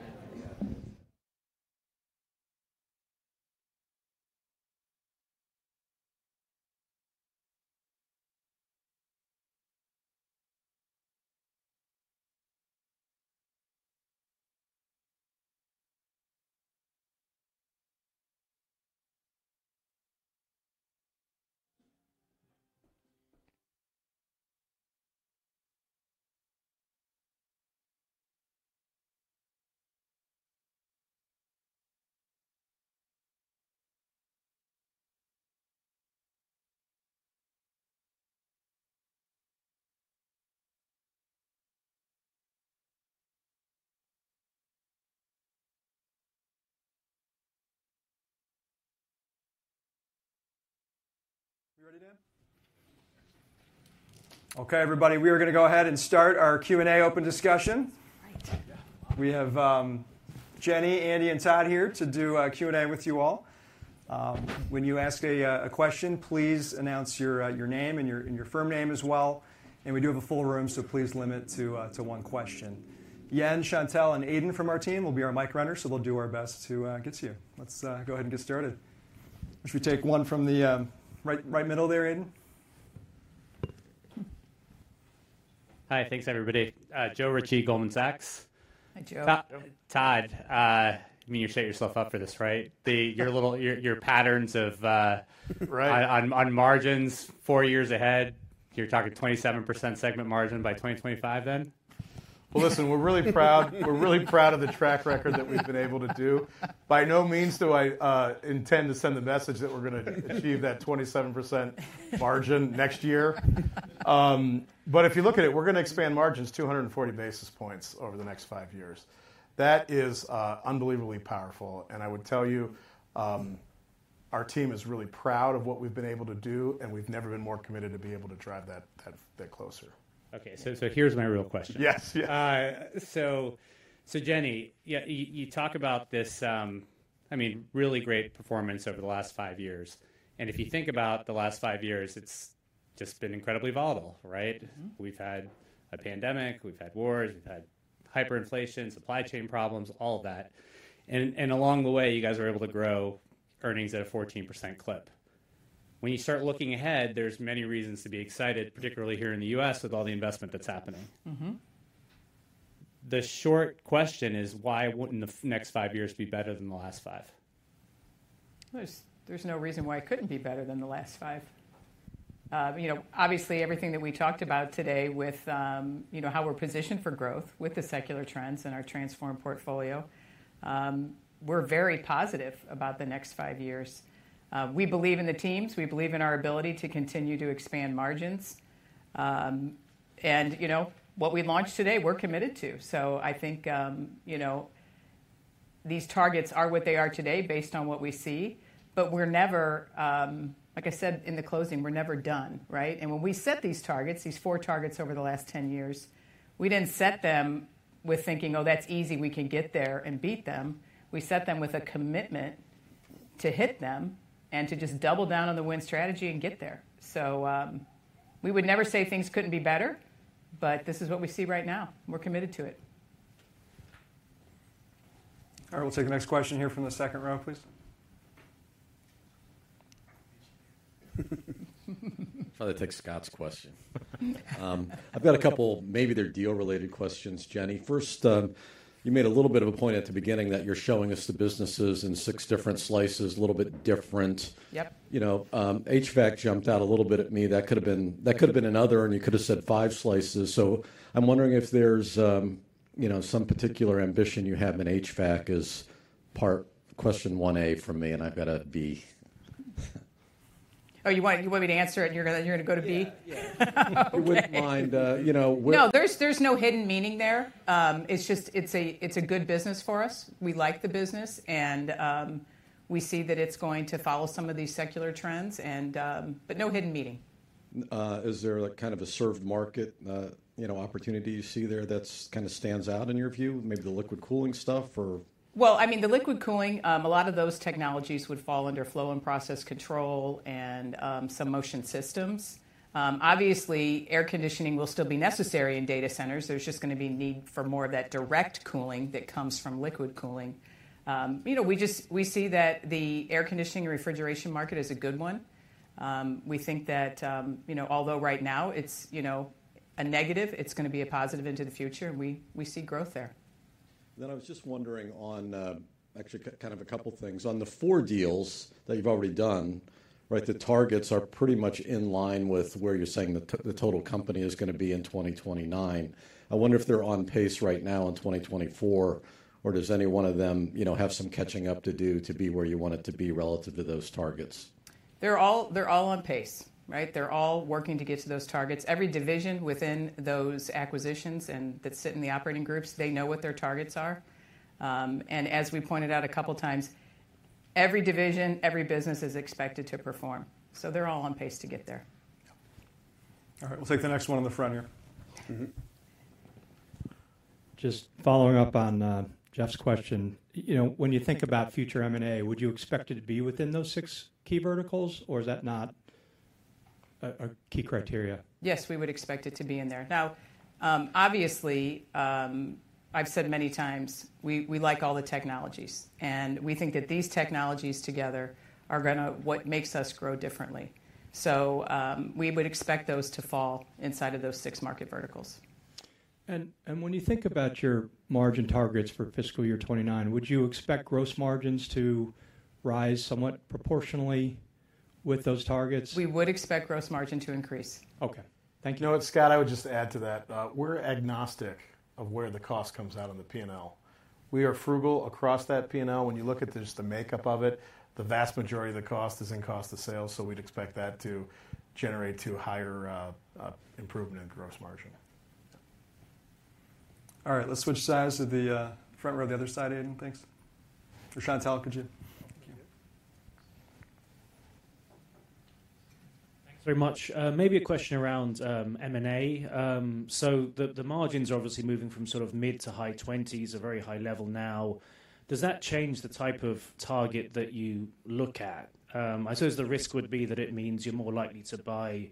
You ready, Dan? Okay, everybody, we are going to go ahead and start our Q&A open discussion. Right. We have Jenny, Andy, and Todd here to do Q&A with you all. When you ask a question, please announce your name and your firm name as well. And we do have a full room, so please limit to one question. Yen, Chantelle, and Aidan from our team will be our mic runners, so they'll do our best to get to you. Let's go ahead and get started. Why don't we take one from the right middle there, Aidan? Hi, thanks, everybody. Joe Ritchie, Goldman Sachs. Hi, Joe. Welcome. Todd, I mean, you set yourself up for this, right? Your little, your patterns of Right. on margins four years ahead, you're talking 27% segment margin by 2025 then? ... Well, listen, we're really proud, we're really proud of the track record that we've been able to do. By no means do I intend to send the message that we're gonna achieve that 27% margin next year. But if you look at it, we're gonna expand margins 240 basis points over the next five years. That is unbelievably powerful, and I would tell you, our team is really proud of what we've been able to do, and we've never been more committed to be able to drive that, that bit closer. Okay, so here's my real question. Yes. So, Jenny, yeah, you talk about this, I mean, really great performance over the last five years, and if you think about the last five years, it's just been incredibly volatile, right? Mm-hmm. We've had a pandemic, we've had wars, we've had hyperinflation, supply chain problems, all of that. And along the way, you guys were able to grow earnings at a 14% clip. When you start looking ahead, there's many reasons to be excited, particularly here in the U.S., with all the investment that's happening. Mm-hmm. The short question is, why wouldn't the next five years be better than the last five? There's no reason why it couldn't be better than the last five. You know, obviously, everything that we talked about today with, you know, how we're positioned for growth with the secular trends and our transformed portfolio, we're very positive about the next five years. We believe in the teams, we believe in our ability to continue to expand margins. And you know, what we launched today, we're committed to. So I think, you know, these targets are what they are today based on what we see, but we're never, like I said, in the closing, we're never done, right? When we set these targets, these four targets over the last 10 years, we didn't set them with thinking, "Oh, that's easy, we can get there and beat them." We set them with a commitment to hit them and to just double down on the win strategy and get there. So, we would never say things couldn't be better, but this is what we see right now, and we're committed to it. All right, we'll take the next question here from the second row, please. I'd rather take Scott's question. I've got a couple, maybe they're deal-related questions, Jenny. First, you made a little bit of a point at the beginning that you're showing us the businesses in six different slices, a little bit different. Yep. You know, HVAC jumped out a little bit at me. That could have been, that could have been another, and you could have said five slices. So I'm wondering if there's, you know, some particular ambition you have in HVAC as part question one A for me, and I've got a B. Oh, you want, you want me to answer it, and you're gonna, you're gonna go to B? Yeah. Yeah. Okay. I wouldn't mind, you know- No, there's no hidden meaning there. It's just a good business for us. We like the business, and we see that it's going to follow some of these secular trends, but no hidden meaning. Is there, like, kind of a served market, you know, opportunity you see there that's kinda stands out in your view, maybe the liquid cooling stuff or...? Well, I mean, the liquid cooling, a lot of those technologies would fall under flow and process control and, some motion systems. Obviously, air conditioning will still be necessary in data centers. There's just gonna be need for more of that direct cooling that comes from liquid cooling. You know, we just- we see that the air conditioning and refrigeration market is a good one. We think that, you know, although right now it's, you know, a negative, it's gonna be a positive into the future, and we, we see growth there. Then I was just wondering on, actually kind of a couple things. On the 4 deals that you've already done, right, the targets are pretty much in line with where you're saying the total company is gonna be in 2029. I wonder if they're on pace right now in 2024, or does any one of them, you know, have some catching up to do to be where you want it to be relative to those targets? They're all, they're all on pace, right? They're all working to get to those targets. Every division within those acquisitions and that sit in the operating groups, they know what their targets are. And as we pointed out a couple of times, every division, every business is expected to perform, so they're all on pace to get there. Yep. All right, we'll take the next one on the front here. Mm-hmm. Just following up on Jeff's question. You know, when you think about future M&A, would you expect it to be within those six key verticals, or is that not a key criteria? Yes, we would expect it to be in there. Now, obviously, I've said many times, we like all the technologies, and we think that these technologies together are gonna—what makes us grow differently. So, we would expect those to fall inside of those six market verticals. When you think about your margin targets for fiscal year 2029, would you expect gross margins to rise somewhat proportionally with those targets? We would expect gross margin to increase. Okay. Thank you. You know what, Scott? I would just add to that. We're agnostic of where the cost comes out on the P&L. We are frugal across that P&L. When you look at just the makeup of it, the vast majority of the cost is in cost of sales, so we'd expect that to generate to higher improvement in gross margin. All right, let's switch sides to the front row, the other side, Aidan, thanks. Roshan Talakaji. Thank you. Thanks very much. Maybe a question around, M&A. So the, the margins are obviously moving from sort of mid-20s to high 20s, a very high level now. Does that change the type of target that you look at? I suppose the risk would be that it means you're more likely to buy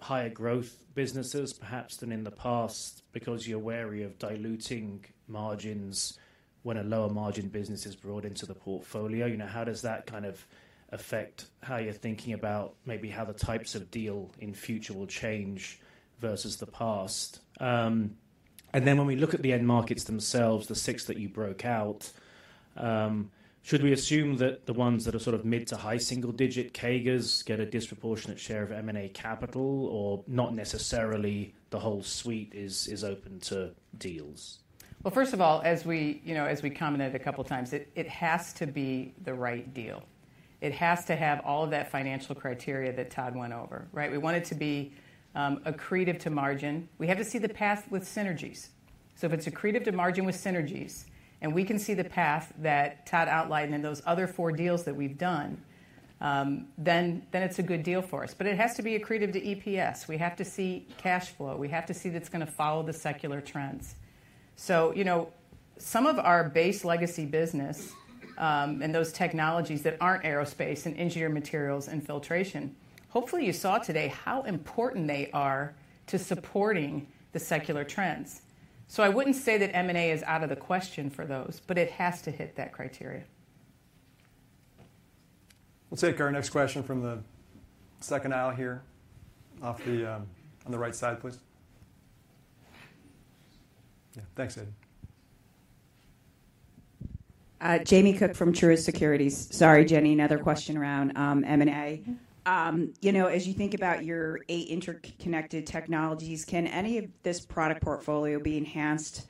higher growth businesses, perhaps than in the past, because you're wary of diluting margins when a lower margin business is brought into the portfolio. You know, how does that kind of affect how you're thinking about maybe how the types of deal in future will change versus the past? And then when we look at the end markets themselves, the six that you broke out, should we assume that the ones that are sort of mid to high single digit CAGRs get a disproportionate share of M&A capital, or not necessarily, the whole suite is open to deals?... Well, first of all, as we, you know, as we commented a couple of times, it has to be the right deal. It has to have all of that financial criteria that Todd went over, right? We want it to be accretive to margin. We have to see the path with synergies. So if it's accretive to margin with synergies, and we can see the path that Todd outlined in those other four deals that we've done, then it's a good deal for us. But it has to be accretive to EPS. We have to see cash flow. We have to see that it's gonna follow the secular trends. So, you know, some of our base legacy business and those technologies that aren't Aerospace and Engineered Materials and Filtration, hopefully, you saw today how important they are to supporting the secular trends. So I wouldn't say that M&A is out of the question for those, but it has to hit that criteria. We'll take our next question from the second aisle here, off the, on the right side, please. Yeah. Thanks, Andy. Jamie Cook from Truist Securities. Sorry, Jenny, another question around M&A. Mm-hmm. you know, as you think about your eight interconnected technologies, can any of this product portfolio be enhanced,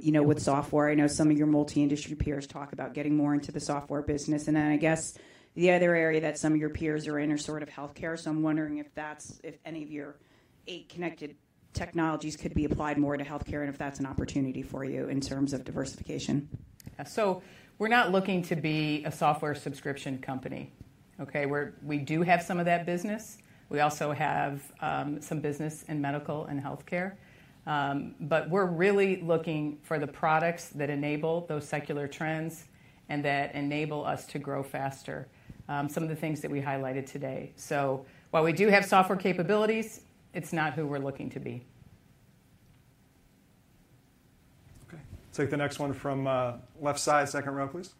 you know, with software? I know some of your multi-industry peers talk about getting more into the software business. And then, I guess, the other area that some of your peers are in are sort of healthcare. So I'm wondering if that's, if any of your eight connected technologies could be applied more to healthcare, and if that's an opportunity for you in terms of diversification. So we're not looking to be a software subscription company, okay? We do have some of that business. We also have some business in medical and healthcare. But we're really looking for the products that enable those secular trends and that enable us to grow faster, some of the things that we highlighted today. So while we do have software capabilities, it's not who we're looking to be. Okay. Take the next one from, left side, second row, please.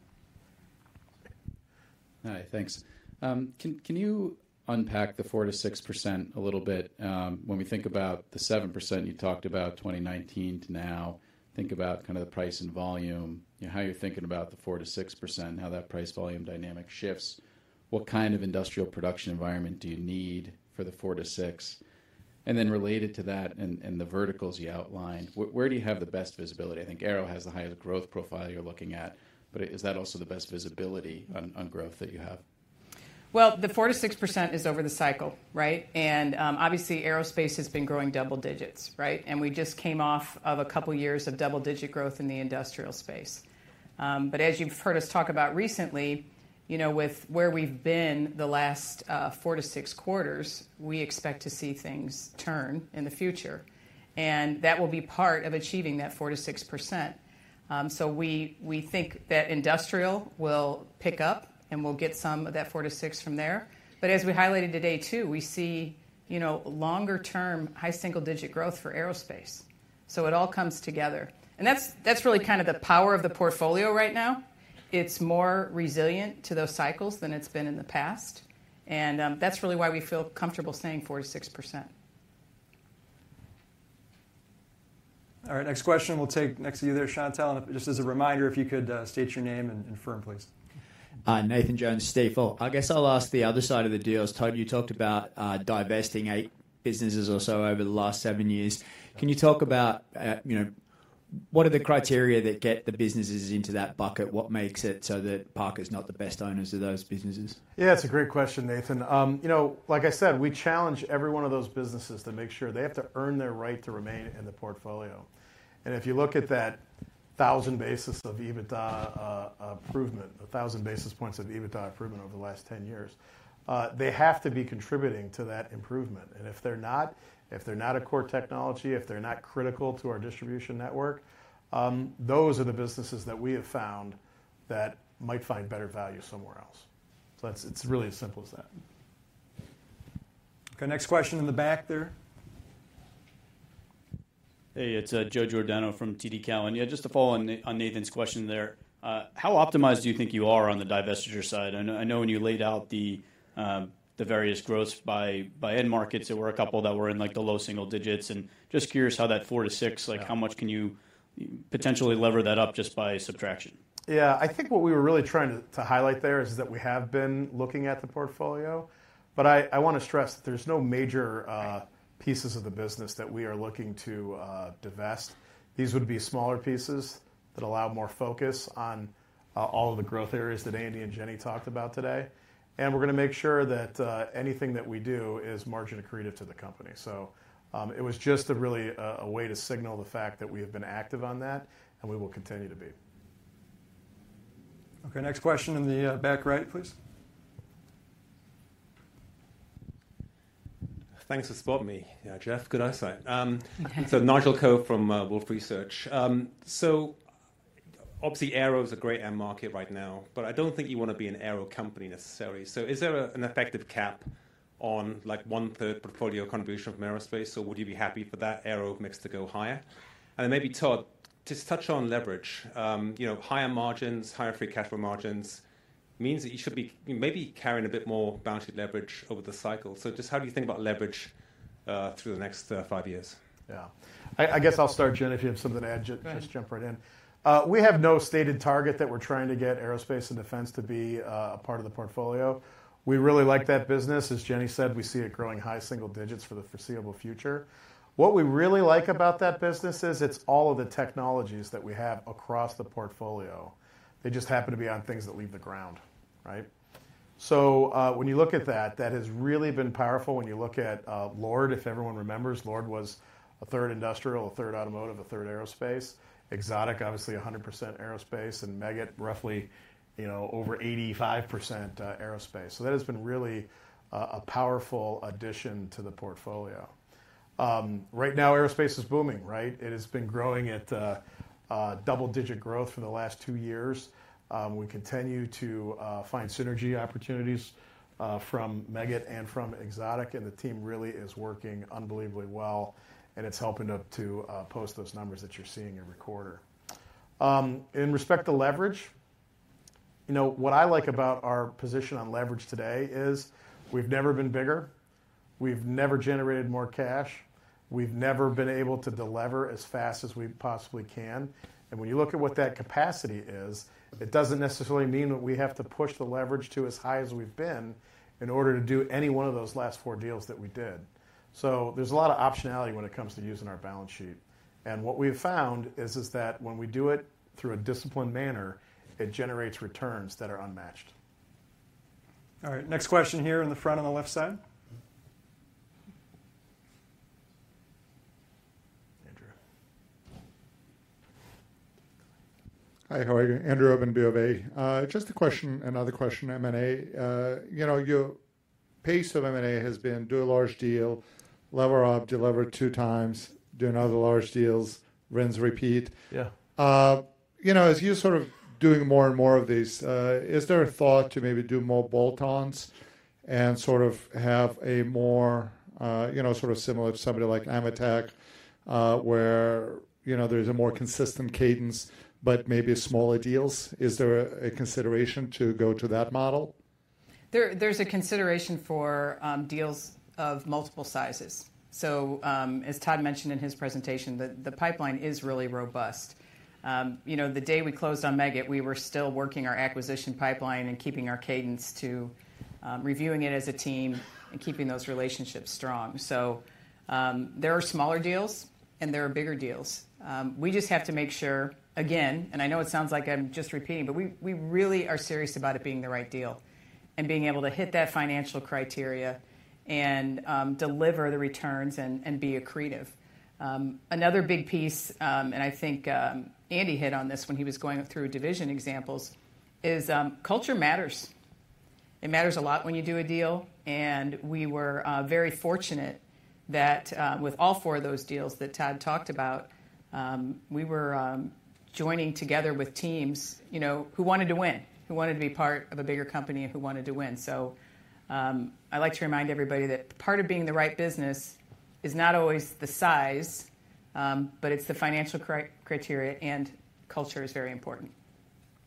Hi, thanks. Can you unpack the 4%-6% a little bit? When we think about the 7%, you talked about 2019 to now, think about kind of the price and volume, you know, how you're thinking about the 4%-6% and how that price-volume dynamic shifts. What kind of industrial production environment do you need for the 4-6? And then related to that and the verticals you outlined, where do you have the best visibility? I think aero has the highest growth profile you're looking at, but is that also the best visibility on growth that you have? Well, the 4%-6% is over the cycle, right? And obviously, aerospace has been growing double digits, right? And we just came off of a couple of years of double-digit growth in the industrial space. But as you've heard us talk about recently, you know, with where we've been the last four to six quarters, we expect to see things turn in the future, and that will be part of achieving that 4%-6%. So we think that industrial will pick up, and we'll get some of that 4-6 from there. But as we highlighted today, too, we see, you know, longer-term high single-digit growth for aerospace. So it all comes together. And that's really kind of the power of the portfolio right now. It's more resilient to those cycles than it's been in the past, and, that's really why we feel comfortable saying 4%-6%. All right, next question. We'll take next to you there, Chantelle. And just as a reminder, if you could, state your name and firm, please. Hi, Nathan Jones, Stifel. I guess I'll ask the other side of the deals. Todd, you talked about divesting 8 businesses or so over the last 7 years. Can you talk about, you know, what are the criteria that get the businesses into that bucket? What makes it so that Parker's not the best owners of those businesses? Yeah, it's a great question, Nathan. You know, like I said, we challenge every one of those businesses to make sure they have to earn their right to remain in the portfolio. And if you look at a thousand basis points of EBITDA improvement over the last 10 years, they have to be contributing to that improvement. And if they're not, if they're not a core technology, if they're not critical to our distribution network, those are the businesses that we have found that might find better value somewhere else. So that's. It's really as simple as that. Okay, next question in the back there. Hey, it's Joe Giordano from TD Cowen. Yeah, just to follow on Nathan's question there, how optimized do you think you are on the divestiture side? I know, I know when you laid out the various growths by end markets, there were a couple that were in, like, the low single digits. Just curious how that four to six, like, how much can you potentially lever that up just by subtraction? Yeah. I think what we were really trying to highlight there is that we have been looking at the portfolio, but I wanna stress that there's no major pieces of the business that we are looking to divest. These would be smaller pieces that allow more focus on all of the growth areas that Andy and Jenny talked about today, and we're gonna make sure that anything that we do is margin accretive to the company. So, it was just a really a way to signal the fact that we have been active on that, and we will continue to be. Okay, next question in the back right, please. Thanks for spotting me, Jeff. Good eyesight.... so Nigel Coe from Wolfe Research. So obviously, aero is a great end market right now, but I don't think you wanna be an aero company necessarily. So is there an effective cap on, like, one-third portfolio contribution from aerospace, or would you be happy for that aero mix to go higher? And then maybe, Todd, just touch on leverage. You know, higher margins, higher free cash flow margins means that you should be maybe carrying a bit more balanced leverage over the cycle. So just how do you think about leverage?... through the next five years? Yeah. I guess I'll start, Jenn, if you have something to add, just jump right in. Right. We have no stated target that we're trying to get aerospace and defense to be a part of the portfolio. We really like that business. As Jenny said, we see it growing high single digits for the foreseeable future. What we really like about that business is it's all of the technologies that we have across the portfolio. They just happen to be on things that leave the ground, right? So, when you look at that, that has really been powerful. When you look at Lord, if everyone remembers, Lord was a third industrial, a third automotive, a third aerospace. Exotic, obviously, 100% aerospace, and Meggitt, roughly, you know, over 85% aerospace. So that has been really a powerful addition to the portfolio. Right now, aerospace is booming, right? It has been growing at double-digit growth for the last two years. We continue to find synergy opportunities from Meggitt and from Exotic, and the team really is working unbelievably well, and it's helping to post those numbers that you're seeing every quarter. In respect to leverage, you know, what I like about our position on leverage today is we've never been bigger, we've never generated more cash, we've never been able to delever as fast as we possibly can, and when you look at what that capacity is, it doesn't necessarily mean that we have to push the leverage to as high as we've been in order to do any one of those last four deals that we did. So there's a lot of optionality when it comes to using our balance sheet. What we've found is that when we do it through a disciplined manner, it generates returns that are unmatched. All right, next question here in the front on the left side. Andrew. Hi, how are you? Andrew Obin, Bank of America. Just a question, another question, M&A. You know, your pace of M&A has been: do a large deal, lever up, delever two times, do another large deals, rinse, repeat. Yeah. You know, as you're sort of doing more and more of these, is there a thought to maybe do more bolt-ons and sort of have a more, you know, sort of similar to somebody like AMETEK, where, you know, there's a more consistent cadence, but maybe smaller deals? Is there a consideration to go to that model? There's a consideration for deals of multiple sizes. So, as Todd mentioned in his presentation, the pipeline is really robust. You know, the day we closed on Meggitt, we were still working our acquisition pipeline and keeping our cadence to reviewing it as a team and keeping those relationships strong. So, there are smaller deals and there are bigger deals. We just have to make sure, again, and I know it sounds like I'm just repeating, but we really are serious about it being the right deal, and being able to hit that financial criteria and deliver the returns and be accretive. Another big piece, and I think Andy hit on this when he was going through division examples, is culture matters. It matters a lot when you do a deal, and we were very fortunate that with all four of those deals that Todd talked about, we were joining together with teams, you know, who wanted to win, who wanted to be part of a bigger company and who wanted to win. So, I like to remind everybody that part of being in the right business is not always the size, but it's the financial criteria, and culture is very important.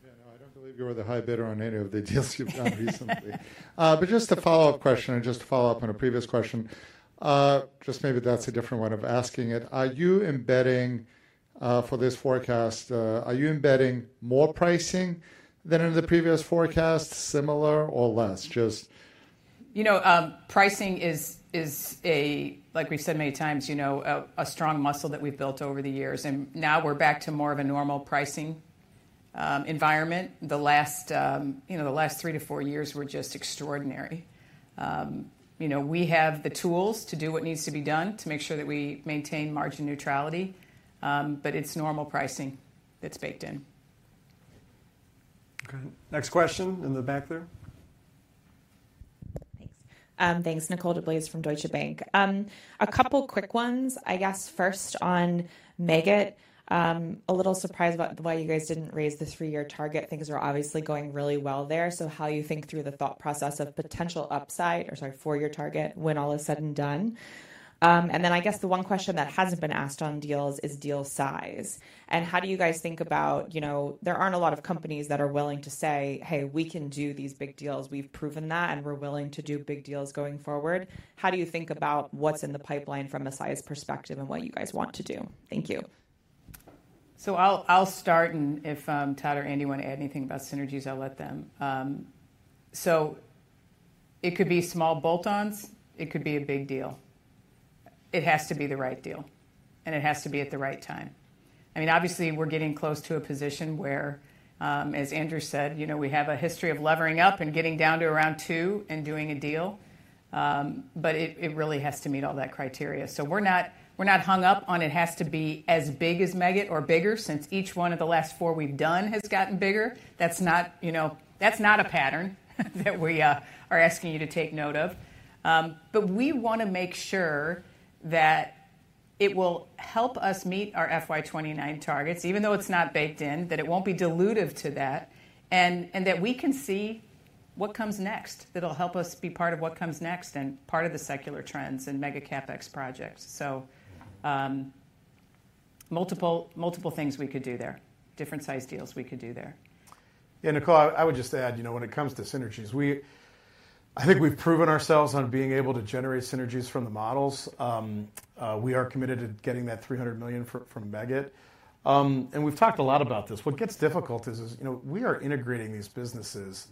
Yeah, no, I don't believe you were the high bidder on any of the deals you've done recently. But just a follow-up question, and just to follow up on a previous question, just maybe that's a different way of asking it: Are you embedding, for this forecast, are you embedding more pricing than in the previous forecast, similar or less? Just... You know, pricing is like we've said many times, you know, a strong muscle that we've built over the years, and now we're back to more of a normal pricing environment. The last, you know, the last 3-4 years were just extraordinary. You know, we have the tools to do what needs to be done to make sure that we maintain margin neutrality, but it's normal pricing that's baked in. Okay. Next question in the back there. Thanks. Thanks. Nicole Deblase from Deutsche Bank. A couple quick ones. I guess first on Meggitt. A little surprised about why you guys didn't raise the three-year target. Things are obviously going really well there, so how you think through the thought process of potential upside, or sorry, four-year target when all is said and done? And then I guess the one question that hasn't been asked on deals is deal size, and how do you guys think about, you know, there aren't a lot of companies that are willing to say, "Hey, we can do these big deals. We've proven that, and we're willing to do big deals going forward." How do you think about what's in the pipeline from a size perspective and what you guys want to do? Thank you. So I'll, I'll start, and if Todd or Andy want to add anything about synergies, I'll let them. So it could be small bolt-ons, it could be a big deal. It has to be the right deal, and it has to be at the right time. I mean, obviously, we're getting close to a position where, as Andrew said, you know, we have a history of levering up and getting down to around two and doing a deal. But it, it really has to meet all that criteria. So we're not, we're not hung up on it has to be as big as Meggitt or bigger, since each one of the last four we've done has gotten bigger. That's not, you know, that's not a pattern that we are asking you to take note of. But we wanna make sure that it will help us meet our FY 2029 targets, even though it's not baked in, that it won't be dilutive to that, and, and that we can see what comes next, that'll help us be part of what comes next and part of the secular trends and Mega CapEx projects. So, multiple, multiple things we could do there, different size deals we could do there. Yeah, Nicole, I would just add, you know, when it comes to synergies, we I think we've proven ourselves on being able to generate synergies from the models. We are committed to getting that $300 million from Meggitt. And we've talked a lot about this. What gets difficult is, you know, we are integrating these businesses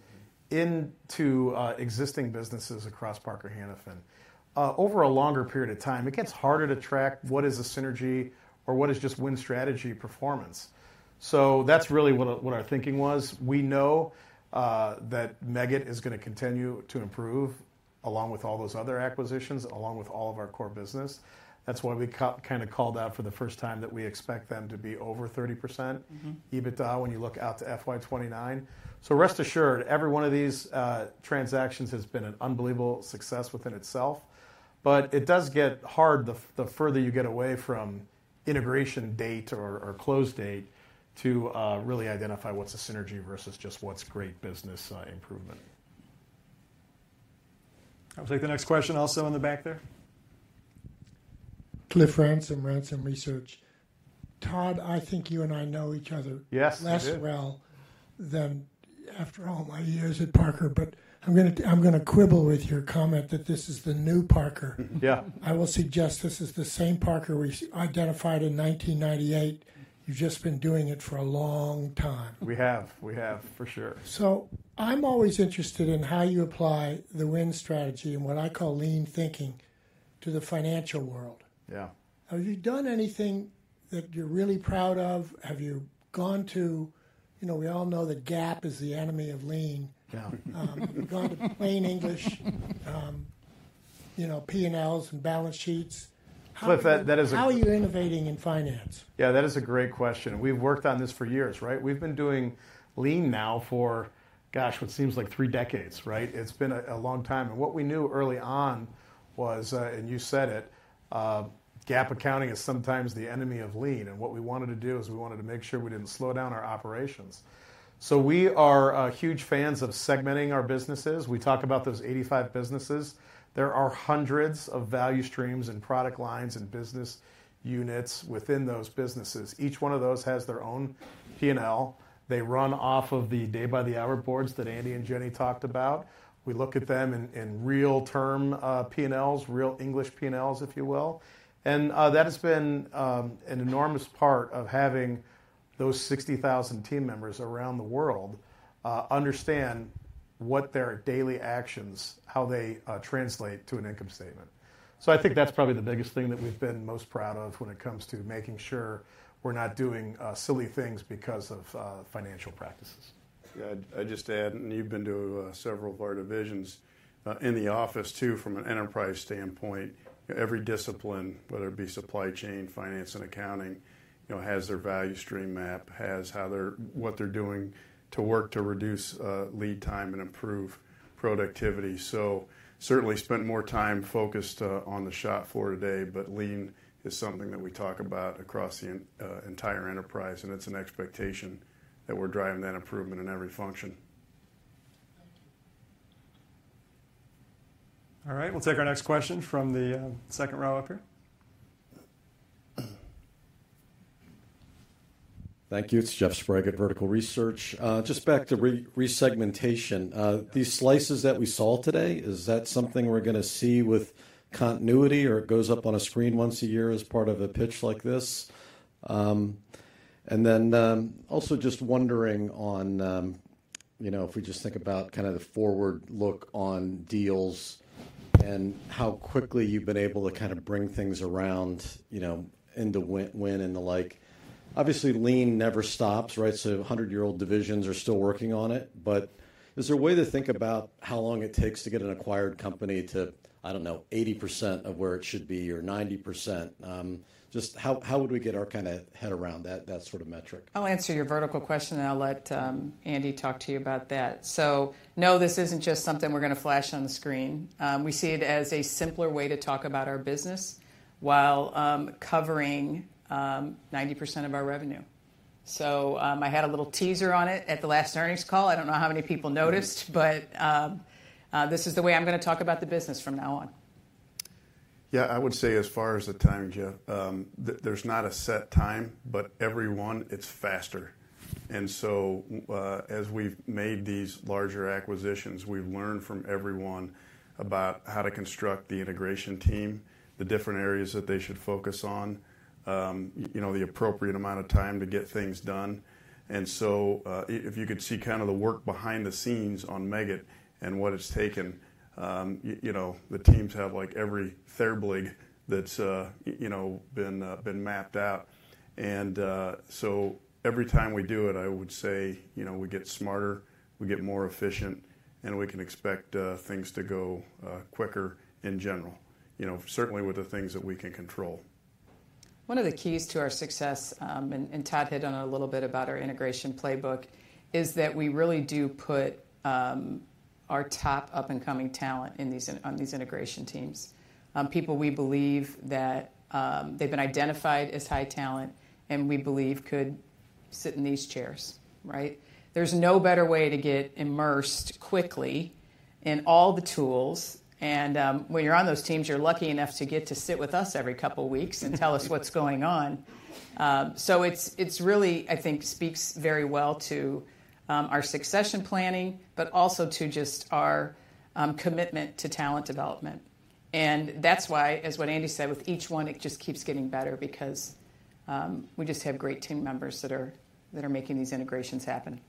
into existing businesses across Parker Hannifin. Over a longer period of time, it gets harder to track what is a synergy or what is just win strategy performance. So that's really what our thinking was. We know that Meggitt is gonna continue to improve along with all those other acquisitions, along with all of our core business. That's why we kinda called out for the first time that we expect them to be over 30%- Mm-hmm. EBITDA when you look out to FY 2029. So rest assured, every one of these transactions has been an unbelievable success within itself. But it does get hard the further you get away from integration date or close date to really identify what's a synergy versus just what's great business improvement. I'll take the next question. Also in the back there. Cliff Ransom, Ransom Research. Todd, I think you and I know each other- Yes, we do. Less well than, after all my years at Parker, but I'm gonna quibble with your comment that this is the new Parker. Yeah. I will suggest this is the same Parker we identified in 1998. You've just been doing it for a long time. We have. We have, for sure. So I'm always interested in how you apply the win strategy and what I call Lean thinking to the financial world. Yeah. Have you done anything that you're really proud of? Have you gone to, you know, we all know that GAAP is the enemy of Lean. Yeah. Have you gone to plain English, you know, P&Ls and balance sheets? Cliff, that is How are you innovating in finance? Yeah, that is a great question, and we've worked on this for years, right? We've been doing Lean now for, gosh, what seems like three decades, right? It's been a long time. And what we knew early on was, and you said it, GAAP accounting is sometimes the enemy of Lean, and what we wanted to do is we wanted to make sure we didn't slow down our operations. So we are huge fans of segmenting our businesses. We talked about those 85 businesses. There are hundreds of value streams and product lines and business units within those businesses. Each one of those has their own P&L. They run off of the Day-by-the-Hour Boards that Andy and Jenny talked about. We look at them in real term P&Ls, real English P&Ls, if you will. That has been an enormous part of having those 60,000 team members around the world understand what their daily actions, how they translate to an income statement. So I think that's probably the biggest thing that we've been most proud of when it comes to making sure we're not doing silly things because of financial practices. Yeah, I'd just add, and you've been to several of our divisions in the office, too, from an enterprise standpoint, every discipline, whether it be supply chain, finance and accounting, you know, has their value stream map, has how they're—what they're doing to work to reduce lead time and improve productivity. So certainly spent more time focused on the shop floor today, but Lean is something that we talk about across the entire enterprise, and it's an expectation that we're driving that improvement in every function. Thank you. All right, we'll take our next question from the second row up here. Thank you. It's Jeff Sprague at Vertical Research. Just back to resegmentation. These slices that we saw today, is that something we're gonna see with continuity, or it goes up on a screen once a year as part of a pitch like this? And then, also just wondering on, you know, if we just think about kinda the forward look on deals and how quickly you've been able to kind of bring things around, you know, into Win and the like. Obviously, Lean never stops, right? So 100-year-old divisions are still working on it, but is there a way to think about how long it takes to get an acquired company to, I don't know, 80% of where it should be, or 90%? Just how, how would we get our kinda head around that, that sort of metric? I'll answer your vertical question, and I'll let Andy talk to you about that. So, no, this isn't just something we're gonna flash on the screen. We see it as a simpler way to talk about our business while covering 90% of our revenue. So, I had a little teaser on it at the last earnings call. I don't know how many people noticed, but this is the way I'm gonna talk about the business from now on. Yeah, I would say as far as the timing, Jeff, there's not a set time, but every one, it's faster. And so, as we've made these larger acquisitions, we've learned from everyone about how to construct the integration team, the different areas that they should focus on, you know, the appropriate amount of time to get things done. And so, if you could see kind of the work behind the scenes on Meggitt and what it's taken, you know, the teams have, like, every fan blade that's, you know, been mapped out. And, so every time we do it, I would say, you know, we get smarter, we get more efficient, and we can expect, things to go, quicker in general, you know, certainly with the things that we can control. One of the keys to our success, and Todd hit on it a little bit about our integration playbook, is that we really do put our top up-and-coming talent in these on these integration teams. People we believe that they've been identified as high talent and we believe could sit in these chairs, right? There's no better way to get immersed quickly and all the tools, and when you're on those teams, you're lucky enough to get to sit with us every couple weeks and tell us what's going on. So it's really, I think, speaks very well to our succession planning, but also to just our commitment to talent development. That's why, as what Andy said, with each one, it just keeps getting better because we just have great team members that are making these integrations happen.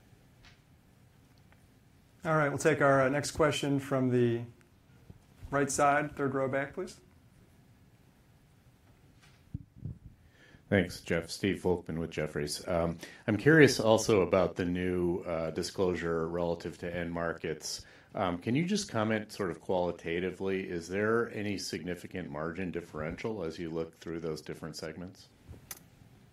All right, we'll take our next question from the right side, third row back, please. Thanks, Jeff. Stephen Volkmann with Jefferies. I'm curious also about the new disclosure relative to end markets. Can you just comment sort of qualitatively, is there any significant margin differential as you look through those different segments?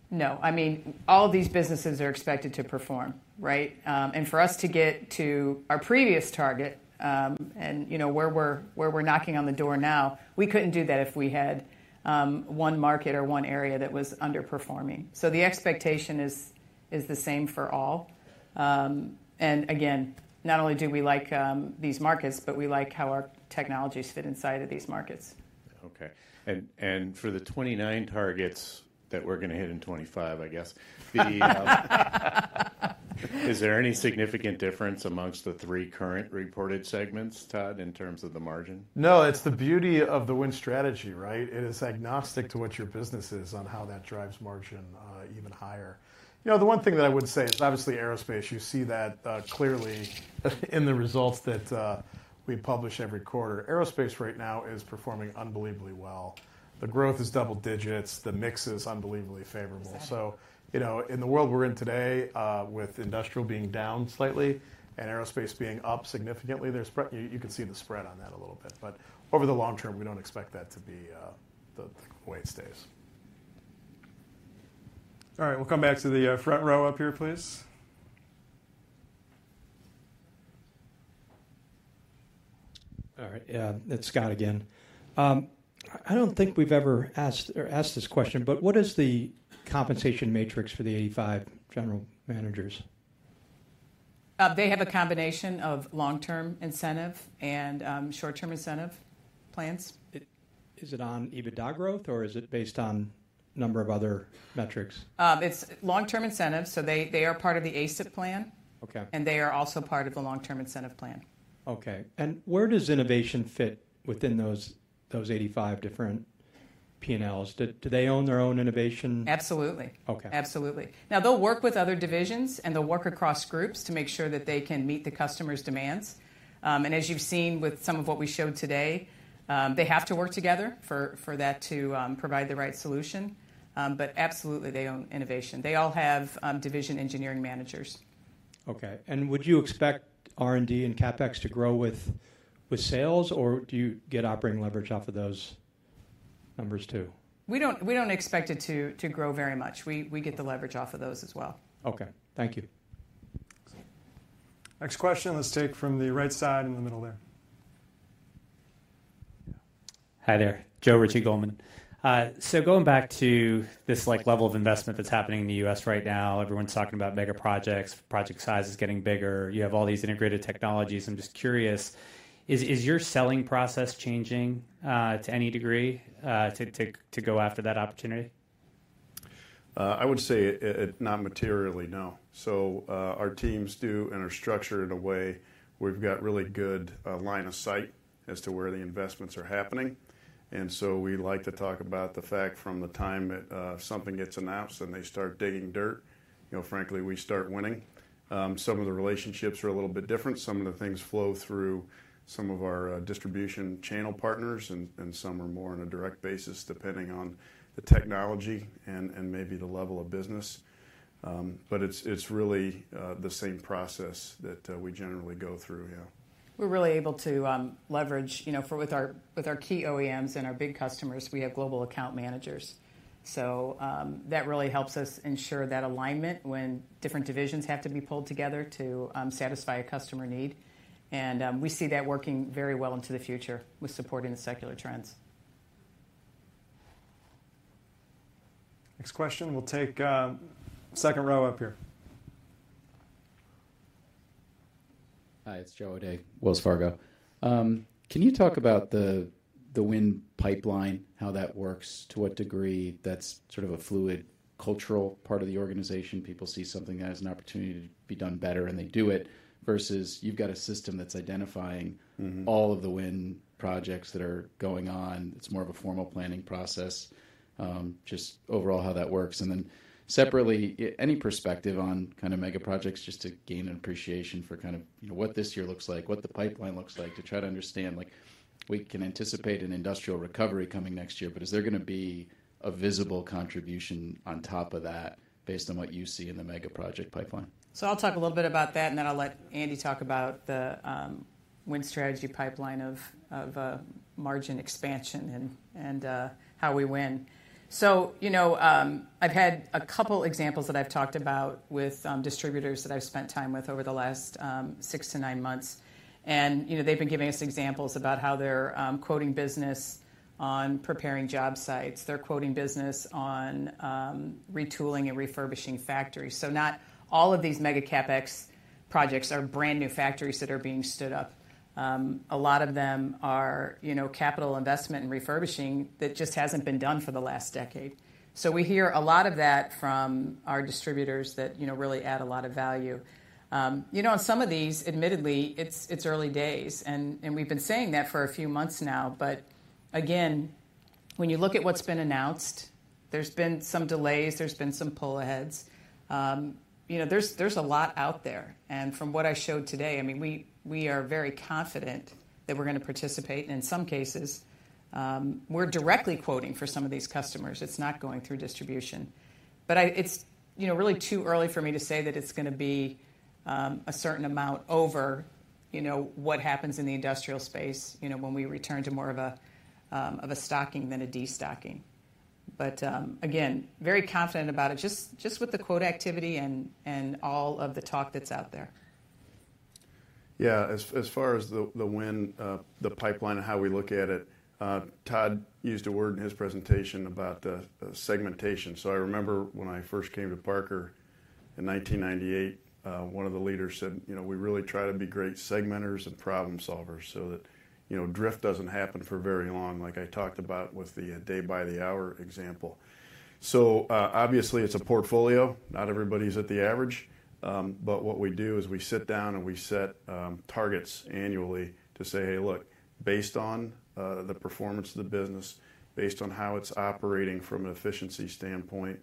No. I mean, all these businesses are expected to perform, right? And for us to get to our previous target, and you know, where we're knocking on the door now, we couldn't do that if we had one market or one area that was underperforming. So the expectation is the same for all. And again, not only do we like these markets, but we like how our technologies fit inside of these markets. Okay. And, and for the 29 targets that we're gonna hit in 2025, I guess, is there any significant difference among the three current reported segments, Todd, in terms of the margin? No, it's the beauty of the win strategy, right? It is agnostic to what your business is on how that drives margin, even higher. You know, the one thing that I would say is obviously aerospace. You see that, clearly in the results that, we publish every quarter. Aerospace right now is performing unbelievably well. The growth is double digits, the mix is unbelievably favorable. Exactly. So, you know, in the world we're in today, with industrial being down slightly and aerospace being up significantly, there's, you can see the spread on that a little bit, but over the long term, we don't expect that to be the way it stays. All right, we'll come back to the front row up here, please. All right, it's Scott again. I don't think we've ever asked this question, but what is the compensation matrix for the 85 general managers? They have a combination of long-term incentive and short-term incentive plans. Is it on EBITDA growth, or is it based on a number of other metrics? It's long-term incentives, so they are part of the ACIP plan. Okay. They are also part of the long-term incentive plan. Okay. And where does innovation fit within those 85 different P&Ls? Do they own their own innovation? Absolutely. Okay. Absolutely. Now, they'll work with other divisions, and they'll work across groups to make sure that they can meet the customer's demands. And as you've seen with some of what we showed today, they have to work together for that to provide the right solution. But absolutely, they own innovation. They all have division engineering managers. Okay. Would you expect R&D and CapEx to grow with sales, or do you get operating leverage off of those numbers, too? We don't expect it to grow very much. We get the leverage off of those as well. Okay. Thank you. Next question, let's take from the right side in the middle there. Hi there. Joe Ritchie, Goldman. So going back to this, like, level of investment that's happening in the U.S. right now, everyone's talking about mega projects, project size is getting bigger. You have all these integrated technologies. I'm just curious, is your selling process changing to any degree to go after that opportunity? I would say not materially, no. So, our teams do and are structured in a way we've got really good line of sight as to where the investments are happening, and so we like to talk about the fact from the time that something gets announced, and they start digging dirt, you know, frankly, we start winning. Some of the relationships are a little bit different. Some of the things flow through some of our distribution channel partners, and some are more on a direct basis, depending on the technology and maybe the level of business. But it's really the same process that we generally go through, yeah. We're really able to leverage, you know, with our, with our key OEMs and our big customers, we have global account managers. So, that really helps us ensure that alignment when different divisions have to be pulled together to satisfy a customer need. And, we see that working very well into the future with supporting the secular trends. Next question. We'll take second row up here. Hi, it's Joe O'Dea, Wells Fargo. Can you talk about the win pipeline, how that works, to what degree that's sort of a fluid, cultural part of the organization? People see something that has an opportunity to be done better, and they do it, versus you've got a system that's identifying- Mm-hmm. All of the win projects that are going on, it's more of a formal planning process. Just overall how that works. And then separately, any perspective on kind of mega projects, just to gain an appreciation for kind of, you know, what this year looks like, what the pipeline looks like, to try to understand, like, we can anticipate an industrial recovery coming next year, but is there gonna be a visible contribution on top of that, based on what you see in the mega project pipeline? So I'll talk a little bit about that, and then I'll let Andy talk about the win strategy pipeline of margin expansion and how we win. So, you know, I've had a couple examples that I've talked about with distributors that I've spent time with over the last 6-9 months, and, you know, they've been giving us examples about how they're quoting business on preparing job sites. They're quoting business on retooling and refurbishing factories. So not all of these Mega CapEx projects are brand new factories that are being stood up. A lot of them are, you know, capital investment and refurbishing that just hasn't been done for the last decade. So we hear a lot of that from our distributors that, you know, really add a lot of value. You know, on some of these, admittedly, it's early days, and we've been saying that for a few months now. But again, when you look at what's been announced, there's been some delays, there's been some pull-aheads. You know, there's a lot out there. And from what I showed today, I mean, we are very confident that we're gonna participate, and in some cases, we're directly quoting for some of these customers. It's not going through distribution. But it's, you know, really too early for me to say that it's gonna be a certain amount over, you know, what happens in the industrial space, you know, when we return to more of a stocking than a destocking. But again, very confident about it. Just with the quote activity and all of the talk that's out there. Yeah. As far as the win, the pipeline and how we look at it, Todd used a word in his presentation about the segmentation. So I remember when I first came to Parker in 1998, one of the leaders said, "You know, we really try to be great segmenters and problem solvers so that, you know, drift doesn't happen for very long," like I talked about with the day-by-the-hour example. So, obviously, it's a portfolio. Not everybody's at the average, but what we do is we sit down, and we set targets annually to say, "Hey, look, based on the performance of the business, based on how it's operating from an efficiency standpoint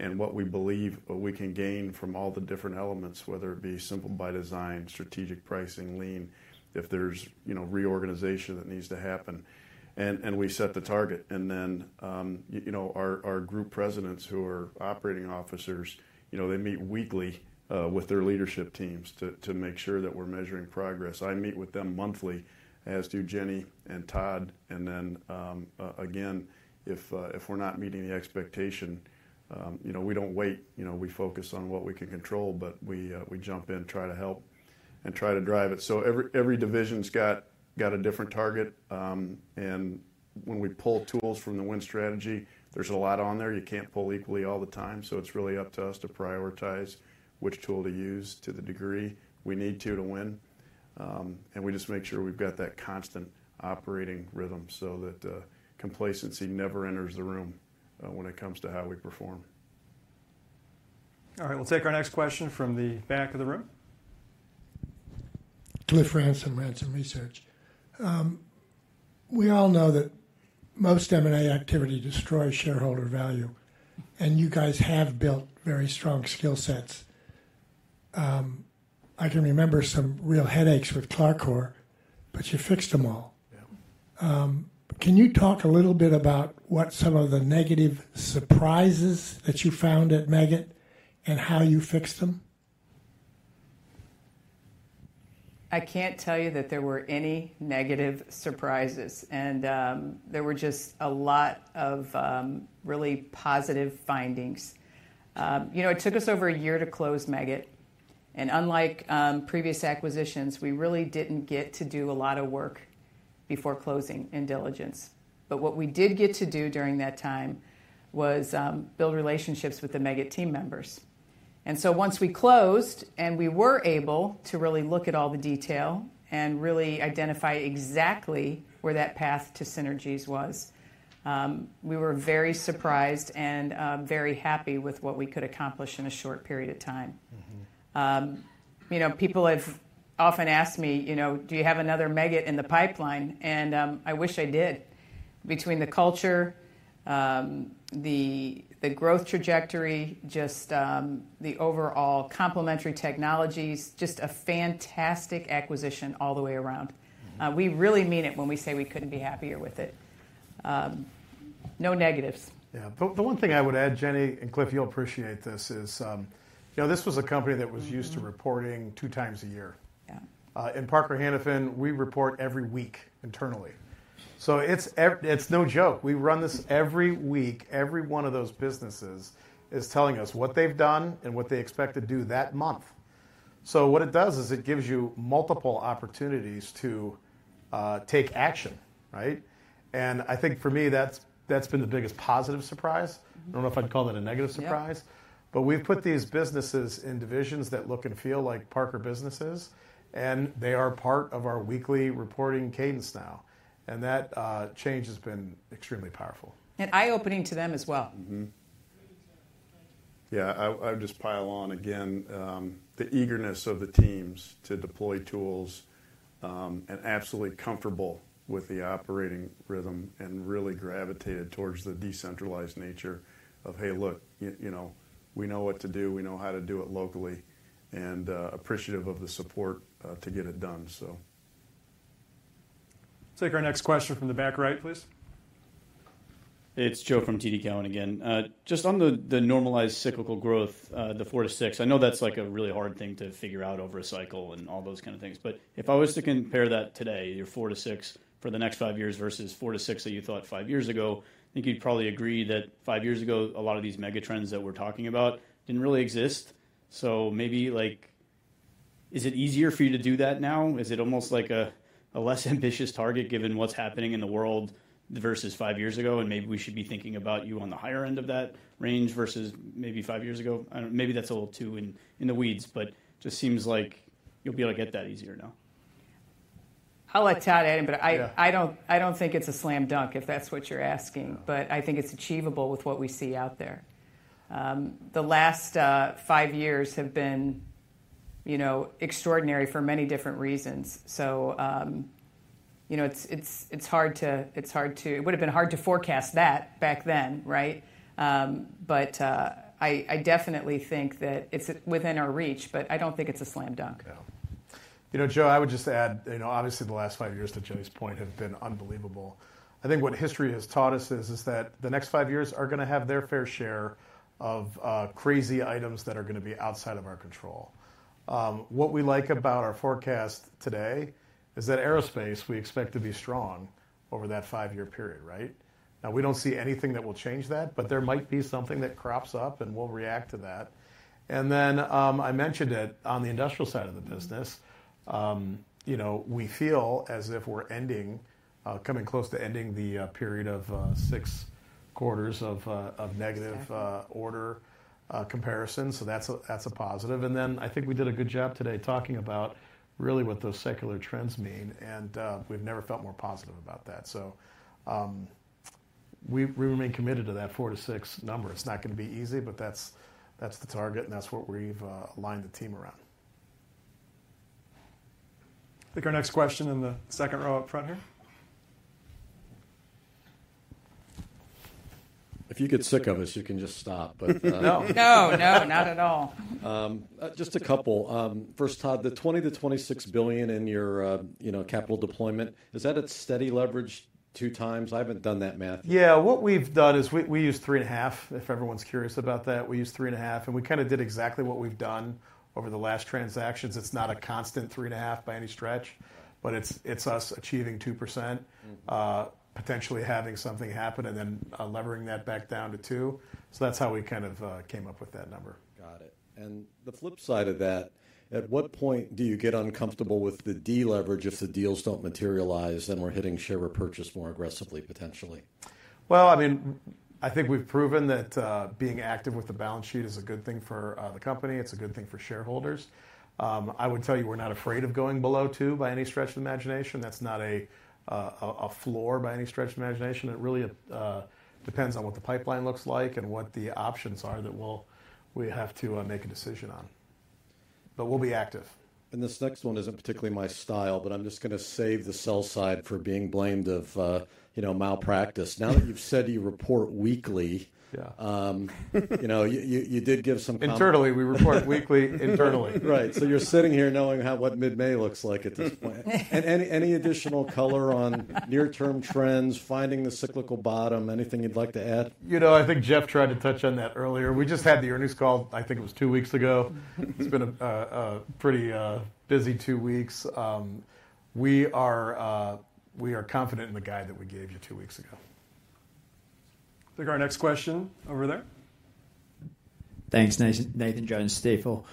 and what we believe we can gain from all the different elements, whether it be Simple by Design, strategic pricing, Lean, if there's, you know, reorganization that needs to happen," and we set the target. And then, you know, our group presidents, who are operating officers, you know, they meet weekly with their leadership teams to make sure that we're measuring progress. I meet with them monthly, as do Jenny and Todd, and then, again, if we're not meeting the expectation, you know, we don't wait. You know, we focus on what we can control, but we jump in and try to help and try to drive it. So every division's got a different target. And when we pull tools from the Win Strategy, there's a lot on there. You can't pull equally all the time, so it's really up to us to prioritize which tool to use to the degree we need to to win. And we just make sure we've got that constant operating rhythm so that complacency never enters the room when it comes to how we perform. All right, we'll take our next question from the back of the room. Cliff Ransom, Ransom Research. We all know that most M&A activity destroys shareholder value, and you guys have built very strong skill sets. I can remember some real headaches with Clarcor, but you fixed them all. Yeah. Can you talk a little bit about what some of the negative surprises that you found at Meggitt and how you fixed them? I can't tell you that there were any negative surprises, and there were just a lot of really positive findings. You know, it took us over a year to close Meggitt, and unlike previous acquisitions, we really didn't get to do a lot of work before closing in diligence. But what we did get to do during that time was build relationships with the Meggitt team members. And so once we closed, and we were able to really look at all the detail and really identify exactly where that path to synergies was, we were very surprised and very happy with what we could accomplish in a short period of time. Mm-hmm. You know, people have often asked me, you know, "Do you have another Meggitt in the pipeline?" And, I wish I did. Between the culture, the, the growth trajectory, just, the overall complementary technologies, just a fantastic acquisition all the way around. Mm-hmm. We really mean it when we say we couldn't be happier with it. No negatives. Yeah. The one thing I would add, Jenny, and, Cliff, you'll appreciate this, is, you know, this was a company- Mm-hmm... that was used to reporting two times a year. Yeah. In Parker Hannifin, we report every week internally. So it's no joke. We run this every week. Every one of those businesses is telling us what they've done and what they expect to do that month. So what it does is it gives you multiple opportunities to take action, right? And I think for me, that's been the biggest positive surprise. Mm-hmm. I don't know if I'd call it a negative surprise. Yeah. But we've put these businesses in divisions that look and feel like Parker businesses, and they are part of our weekly reporting cadence now, and that change has been extremely powerful. Eye-opening to them as well. Mm-hmm.... Yeah, I would, I would just pile on again, the eagerness of the teams to deploy tools, and absolutely comfortable with the operating rhythm and really gravitated towards the decentralized nature of, "Hey, look, you know, we know what to do. We know how to do it locally," and, appreciative of the support, to get it done, so. Take our next question from the back right, please. It's Joe from TD Cowen again. Just on the normalized cyclical growth, the 4-6, I know that's, like, a really hard thing to figure out over a cycle and all those kind of things, but if I was to compare that today, your 4-6 for the next five years versus 4-6 that you thought five years ago, I think you'd probably agree that five years ago, a lot of these megatrends that we're talking about didn't really exist. So maybe, like, is it easier for you to do that now? Is it almost like a-... a less ambitious target, given what's happening in the world versus five years ago, and maybe we should be thinking about you on the higher end of that range versus maybe five years ago? I don't maybe that's a little too in the weeds, but just seems like you'll be able to get that easier now. I'll let Todd add in, but I- Yeah. I don't think it's a slam dunk, if that's what you're asking. Yeah. But I think it's achievable with what we see out there. The last five years have been, you know, extraordinary for many different reasons. So, you know, it's hard to. It would have been hard to forecast that back then, right? But I definitely think that it's within our reach, but I don't think it's a slam dunk. Yeah. You know, Joe, I would just add, you know, obviously, the last five years, to Jenny's point, have been unbelievable. I think what history has taught us is that the next five years are going to have their fair share of crazy items that are going to be outside of our control. What we like about our forecast today is that aerospace, we expect to be strong over that five-year period, right? Now, we don't see anything that will change that, but there might be something that crops up, and we'll react to that. And then, I mentioned it on the industrial side of the business, you know, we feel as if we're ending, coming close to ending the period of six quarters of negative- Exactly... order, comparison. So that's a, that's a positive. And then I think we did a good job today talking about really what those secular trends mean, and, we've never felt more positive about that. So, we, we remain committed to that 4-6 number. It's not going to be easy, but that's, that's the target, and that's what we've, aligned the team around. I think our next question in the second row up front here. If you get sick of us, you can just stop. But... No. No, no, not at all. Just a couple. First, Todd, the $20-26 billion in your, you know, capital deployment, is that at steady leverage 2x? I haven't done that math. Yeah, what we've done is we used 3.5, if everyone's curious about that. We used 3.5, and we kinda did exactly what we've done over the last transactions. It's not a constant 3.5 by any stretch- Yeah... but it's, it's us achieving 2%. Mm-hmm. Potentially having something happen and then, levering that back down to two. So that's how we kind of came up with that number. Got it. And the flip side of that, at what point do you get uncomfortable with the deleverage if the deals don't materialize, and we're hitting share repurchase more aggressively, potentially? Well, I mean, I think we've proven that, being active with the balance sheet is a good thing for the company, it's a good thing for shareholders. I would tell you we're not afraid of going below two by any stretch of the imagination. That's not a floor by any stretch of the imagination. It really depends on what the pipeline looks like and what the options are that we have to make a decision on. But we'll be active. This next one isn't particularly my style, but I'm just going to save the sell side for being blamed of, you know, malpractice. Now that you've said you report weekly- Yeah. ... you know, you did give some con- Internally, we report weekly, internally. Right. So you're sitting here knowing how, what mid-May looks like at this point. And any, any additional color on near-term trends, finding the cyclical bottom, anything you'd like to add? You know, I think Jeff tried to touch on that earlier. We just had the earnings call, I think it was two weeks ago. Mm-hmm. It's been a pretty busy two weeks. We are confident in the guide that we gave you two weeks ago. I think our next question over there. Thanks. Nathan, Nathan Jones at Stifel.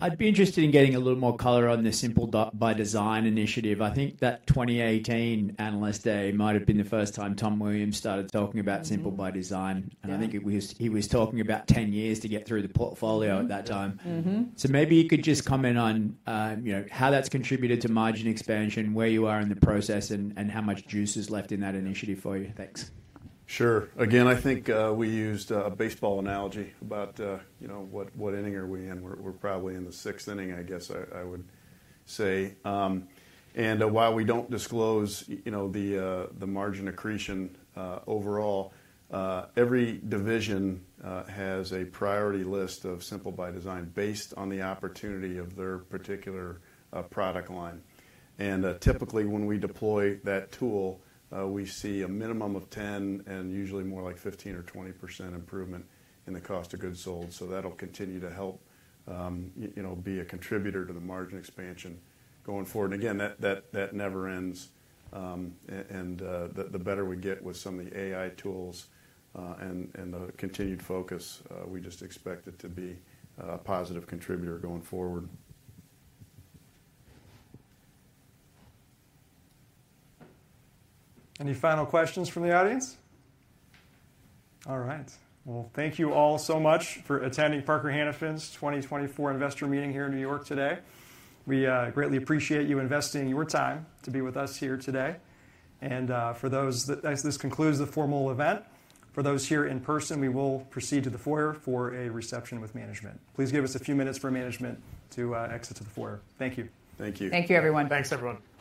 I'd be interested in getting a little more color on the Simple by Design initiative. I think that 2018 Analyst Day might have been the first time Tom Williams started talking about- Mm-hmm... Simple by Design. Yeah. I think he was talking about 10 years to get through the portfolio at that time. Mm-hmm. Mm-hmm. Maybe you could just comment on, you know, how that's contributed to margin expansion, where you are in the process, and how much juice is left in that initiative for you? Thanks. Sure. Again, I think, we used a baseball analogy about, you know, what inning are we in? We're probably in the sixth inning, I guess, I would say. And while we don't disclose, you know, the margin accretion, overall, every division has a priority list of Simple by Design, based on the opportunity of their particular product line. And typically, when we deploy that tool, we see a minimum of 10, and usually more like 15 or 20% improvement in the cost of goods sold. So that'll continue to help, you know, be a contributor to the margin expansion going forward. And again, that never ends. And the better we get with some of the AI tools and the continued focus, we just expect it to be a positive contributor going forward. Any final questions from the audience? All right. Well, thank you all so much for attending Parker Hannifin's 2024 Investor Meeting here in New York today. We greatly appreciate you investing your time to be with us here today. And, for those here in person, as this concludes the formal event, we will proceed to the foyer for a reception with management. Please give us a few minutes for management to exit to the foyer. Thank you. Thank you. Thank you, everyone. Thanks, everyone.